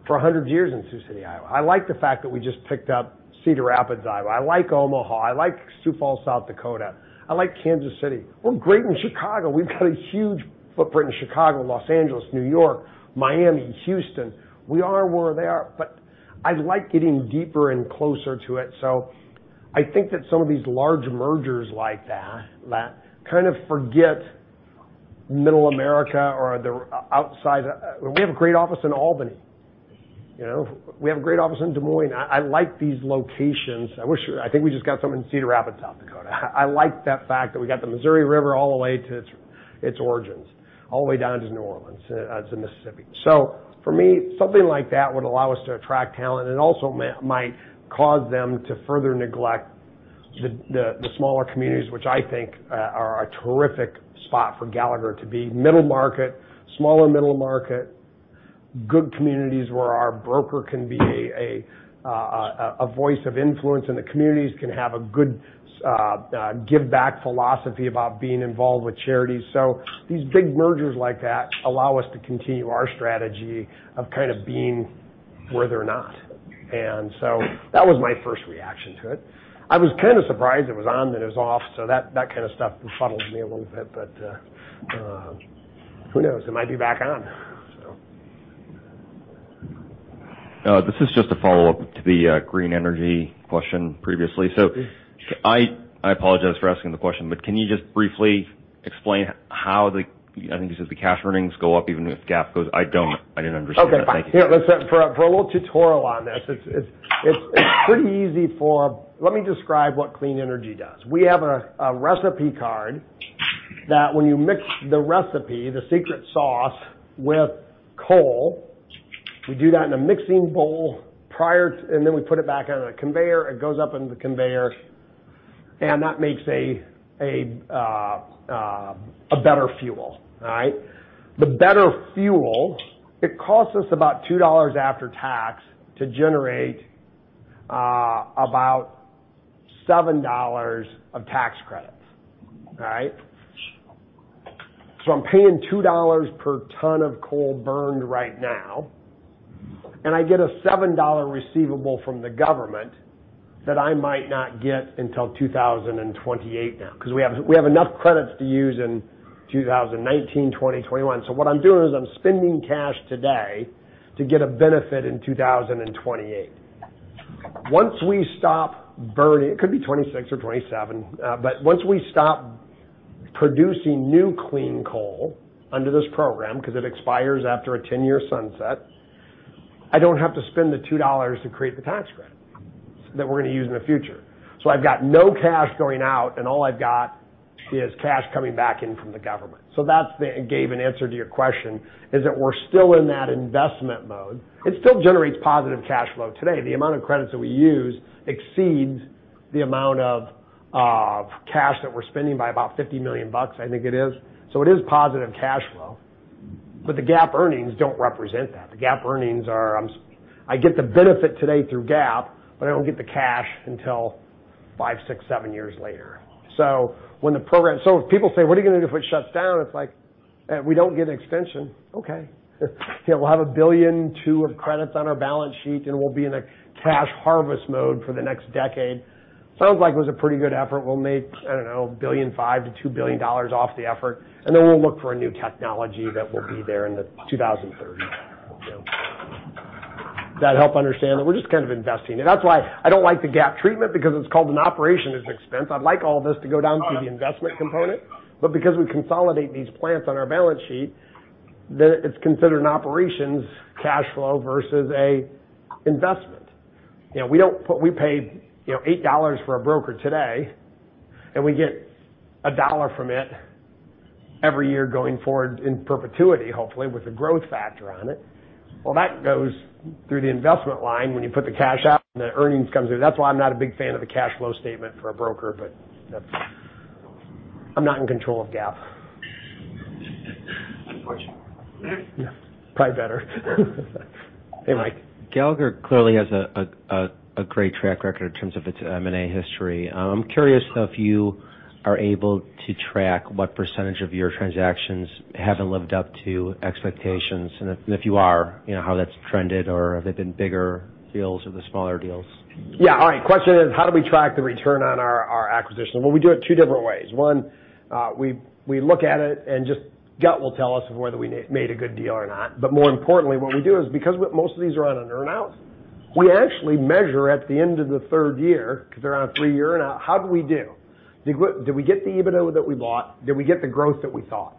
for 100 years in Sioux City, Iowa. I like the fact that we just picked up Cedar Rapids, Iowa. I like Omaha. I like Sioux Falls, South Dakota. I like Kansas City. We're great in Chicago. We've got a huge footprint in Chicago, Los Angeles, New York, Miami, Houston. We are where they are, but I like getting deeper and closer to it. I think that some of these large mergers like that kind of forget Middle America or the outside. We have a great office in Albany. We have a great office in Des Moines. I like these locations. I think we just got something in Cedar Rapids, South Dakota. I like that fact that we got the Missouri River all the way to its origins, all the way down to New Orleans, to Mississippi. For me, something like that would allow us to attract talent and also might cause them to further neglect the smaller communities, which I think are a terrific spot for Gallagher to be. Middle market, smaller middle market, good communities where our broker can be a voice of influence, and the communities can have a good giveback philosophy about being involved with charities. These big mergers like that allow us to continue our strategy of kind of being where they're not. That was my first reaction to it. I was kind of surprised it was on, then it was off, so that kind of stuff befuddled me a little bit, but who knows? It might be back on. This is just a follow-up to the green energy question previously. Sure. I apologize for asking the question, but can you just briefly explain how the, I think you said, the cash earnings go up even if GAAP goes I don't. I didn't understand that. Thank you. Okay, fine. Here, for a little tutorial on this, it's pretty easy. Let me describe what clean energy does. We have a recipe card that when you mix the recipe, the secret sauce, with coal, we do that in a mixing bowl, and then we put it back out on a conveyor. It goes up into the conveyor, that makes a better fuel. All right? The better fuel, it costs us about $2 after tax to generate about $7 of tax credits. All right? I'm paying $2 per ton of coal burned right now, and I get a $7 receivable from the government that I might not get until 2028 now, because we have enough credits to use in 2019, 2021. What I'm doing is I'm spending cash today to get a benefit in 2028. Once we stop burning. It could be 2026 or 2027, but once we stop producing new clean coal under this program, because it expires after a 10-year sunset, I don't have to spend the $2 to create the tax credit that we're going to use in the future. I've got no cash going out, and all I've got is cash coming back in from the government. That gave an answer to your question, is that we're still in that investment mode. It still generates positive cash flow today. The amount of credits that we use exceeds the amount of cash that we're spending by about $50 million, I think it is. It is positive cash flow, but the GAAP earnings don't represent that. The GAAP earnings are, I get the benefit today through GAAP, but I don't get the cash until five, six, seven years later. If people say, "What are you going to do if it shuts down?" It's like, we don't get an extension. Okay. We'll have $1.2 billion of credits on our balance sheet, and we'll be in a cash harvest mode for the next decade. Sounds like it was a pretty good effort. We'll make, I don't know, $1.5 billion-$2 billion off the effort. Then we'll look for a new technology that will be there in the 2030s. That help understand that we're just kind of investing. That's why I don't like the GAAP treatment because it's called an operation as an expense. I'd like all this to go down to the investment component. Because we consolidate these plants on our balance sheet, it's considered an operations cash flow versus an investment. We paid $8 for a broker today, and we get a dollar from it every year going forward in perpetuity, hopefully, with a growth factor on it. That goes through the investment line when you put the cash out and the earnings come through. That's why I'm not a big fan of a cash flow statement for a broker. I'm not in control of GAAP. Unfortunately. Yeah. Probably better. Hey, Mike. Gallagher clearly has a great track record in terms of its M&A history. I'm curious if you are able to track what % of your transactions haven't lived up to expectations, and if you are, how that's trended, or have they been bigger deals or the smaller deals? Yeah. All right. Question is, how do we track the return on our acquisition? Well, we do it two different ways. One, we look at it and just gut will tell us whether we made a good deal or not. More importantly, what we do is because most of these are on an earn-out, we actually measure at the end of the third year, because they're on a three-year earn-out, how did we do? Did we get the EBITDA that we bought? Did we get the growth that we thought?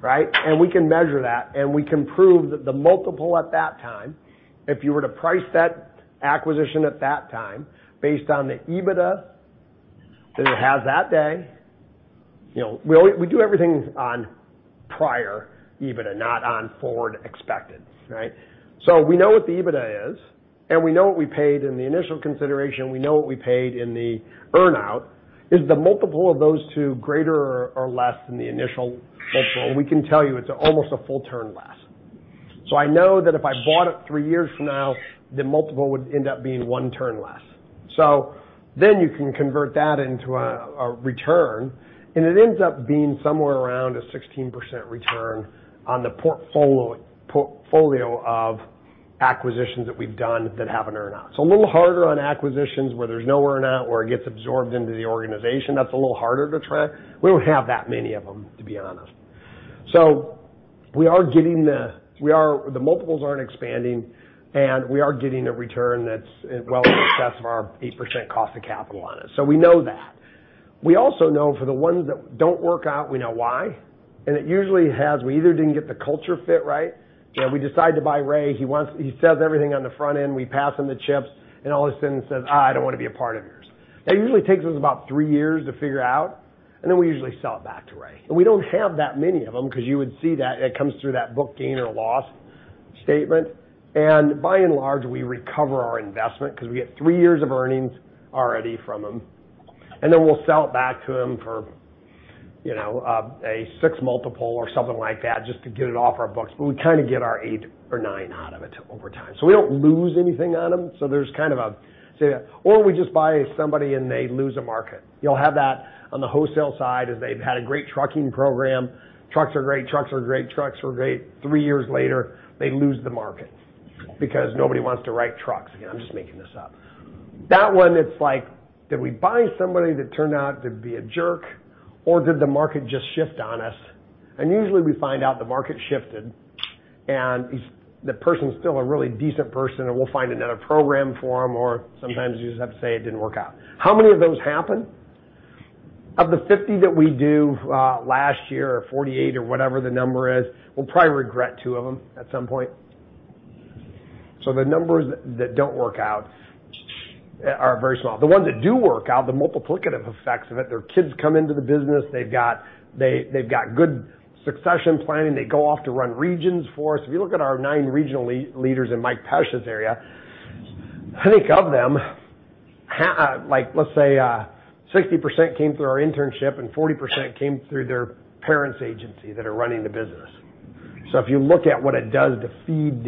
Right? We can measure that, and we can prove that the multiple at that time, if you were to price that acquisition at that time, based on the EBITDA that it has that day. We do everything on prior EBITDA, not on forward expected. Right? We know what the EBITDA is, and we know what we paid in the initial consideration. We know what we paid in the earn-out. Is the multiple of those two greater or less than the initial multiple? We can tell you it's almost a full turn less. I know that if I bought it three years from now, the multiple would end up being one turn less. You can convert that into a return, and it ends up being somewhere around a 16% return on the portfolio of acquisitions that we've done that have an earn-out. It's a little harder on acquisitions where there's no earn-out, or it gets absorbed into the organization. That's a little harder to track. We don't have that many of them, to be honest. The multiples aren't expanding, we are getting a return that's well in excess of our 8% cost of capital on it. We know that. We also know for the ones that don't work out, we know why. We either didn't get the culture fit right. We decide to buy Ray. He sells everything on the front end. We pass him the chips, all of a sudden says, "I don't want to be a part of yours." That usually takes us about three years to figure out, then we usually sell it back to Ray. We don't have that many of them because you would see that it comes through that book gain or loss statement. By and large, we recover our investment because we get three years of earnings already from him, then we'll sell it back to him for a six multiple or something like that just to get it off our books. We kind of get our eight or nine out of it over time. We don't lose anything on them. We just buy somebody, and they lose a market. You'll have that on the wholesale side as they've had a great trucking program. Trucks are great, trucks were great. Three years later, they lose the market because nobody wants to write trucks again. I'm just making this up. That one, it's like, did we buy somebody that turned out to be a jerk, or did the market just shift on us? Usually, we find out the market shifted, the person's still a really decent person, we'll find another program for them, or sometimes you just have to say it didn't work out. How many of those happen? Of the 50 that we do, last year or 48 or whatever the number is, we'll probably regret two of them at some point. The numbers that don't work out are very small. The ones that do work out, the multiplicative effects of it, their kids come into the business. They've got good succession planning. They go off to run regions for us. If you look at our nine regional leaders in Mike Pesch's area, I think of them, let's say 60% came through our internship, 40% came through their parents' agency that are running the business. If you look at what it does to feed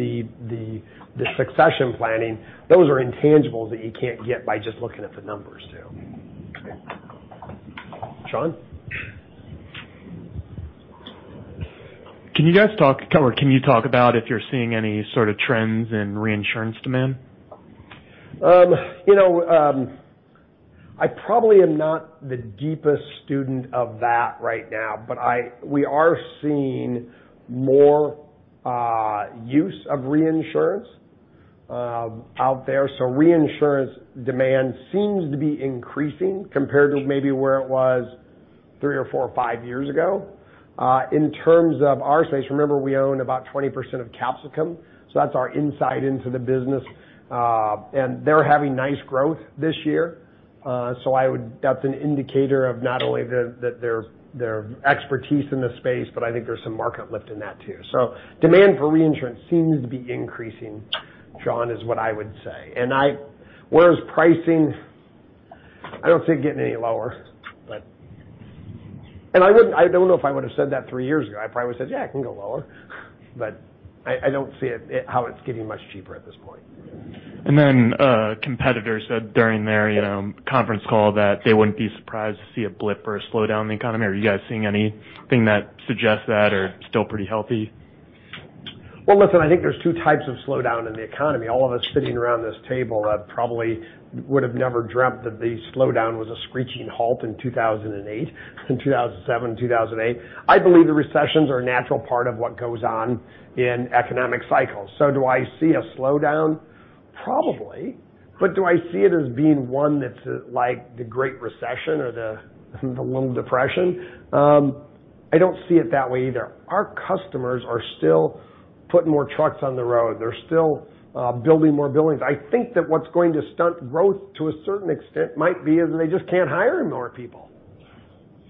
the succession planning, those are intangibles that you can't get by just looking at the numbers, too. Sean? Can you talk about if you're seeing any sort of trends in reinsurance demand? I probably am not the deepest student of that right now, but we are seeing more use of reinsurance out there. Reinsurance demand seems to be increasing compared to maybe where it was three or four or five years ago. In terms of our space, remember, we own about 20% of Capsicum, so that's our insight into the business. They're having nice growth this year. That's an indicator of not only their expertise in the space, but I think there's some market lift in that, too. Demand for reinsurance seems to be increasing, Sean, is what I would say. Whereas pricing, I don't see it getting any lower. I don't know if I would've said that three years ago. I probably would've said, "Yeah, it can go lower." I don't see how it's getting much cheaper at this point. Competitors said during their conference call that they wouldn't be surprised to see a blip or a slowdown in the economy. Are you guys seeing anything that suggests that or still pretty healthy? Well, listen, I think there's two types of slowdown in the economy. All of us sitting around this table probably would've never dreamt that the slowdown was a screeching halt in 2008, in 2007 and 2008. I believe the recessions are a natural part of what goes on in economic cycles. Do I see a slowdown? Probably. Do I see it as being one that's like the Great Recession or the Little Depression? I don't see it that way either. Our customers are still putting more trucks on the road. They're still building more buildings. I think that what's going to stunt growth to a certain extent might be is they just can't hire more people,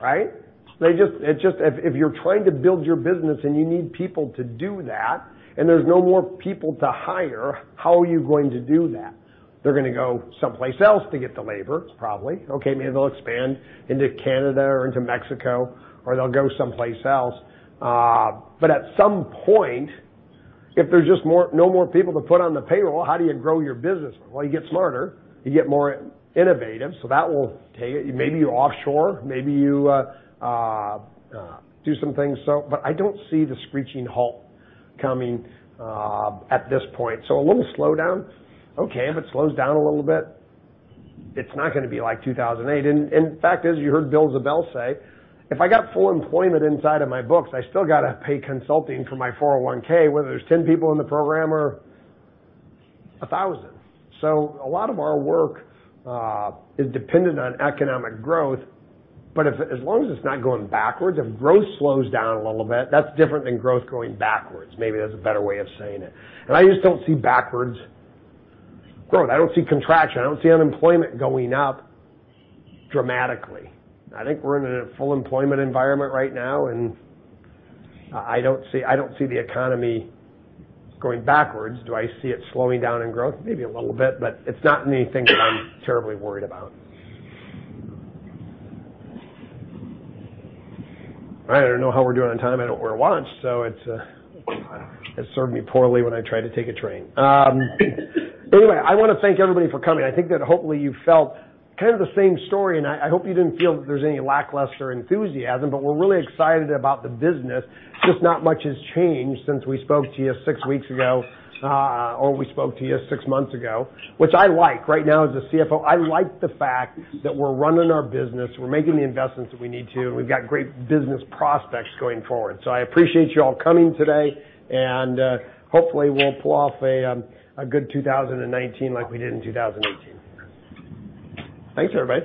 right? If you're trying to build your business and you need people to do that and there's no more people to hire, how are you going to do that? They're going to go someplace else to get the labor, probably. Maybe they'll expand into Canada or into Mexico, or they'll go someplace else. At some point, if there's just no more people to put on the payroll, how do you grow your business? You get smarter. You get more innovative, that will take it. Maybe you offshore, maybe you do some things. I don't see the screeching halt coming at this point. A little slowdown, okay. If it slows down a little bit, it's not going to be like 2008. In fact, as you heard Bill Ziebell say, if I got full employment inside of my books, I still got to pay consulting for my 401(k), whether there's 10 people in the program or 1,000. A lot of our work is dependent on economic growth. As long as it's not going backwards, if growth slows down a little bit, that's different than growth going backwards. Maybe that's a better way of saying it. I just don't see backwards growth. I don't see contraction. I don't see unemployment going up dramatically. I think we're in a full employment environment right now, I don't see the economy going backwards. Do I see it slowing down in growth? Maybe a little bit, but it's not anything that I'm terribly worried about. I don't know how we're doing on time. I don't wear a watch, so it's served me poorly when I try to take a train. I want to thank everybody for coming. I think that hopefully you felt kind of the same story, I hope you didn't feel that there's any lackluster enthusiasm, we're really excited about the business. Just not much has changed since we spoke to you six weeks ago, or we spoke to you six months ago, which I like. Right now as a CFO, I like the fact that we're running our business, we're making the investments that we need to, we've got great business prospects going forward. I appreciate you all coming today, hopefully, we'll pull off a good 2019 like we did in 2018. Thanks, everybody.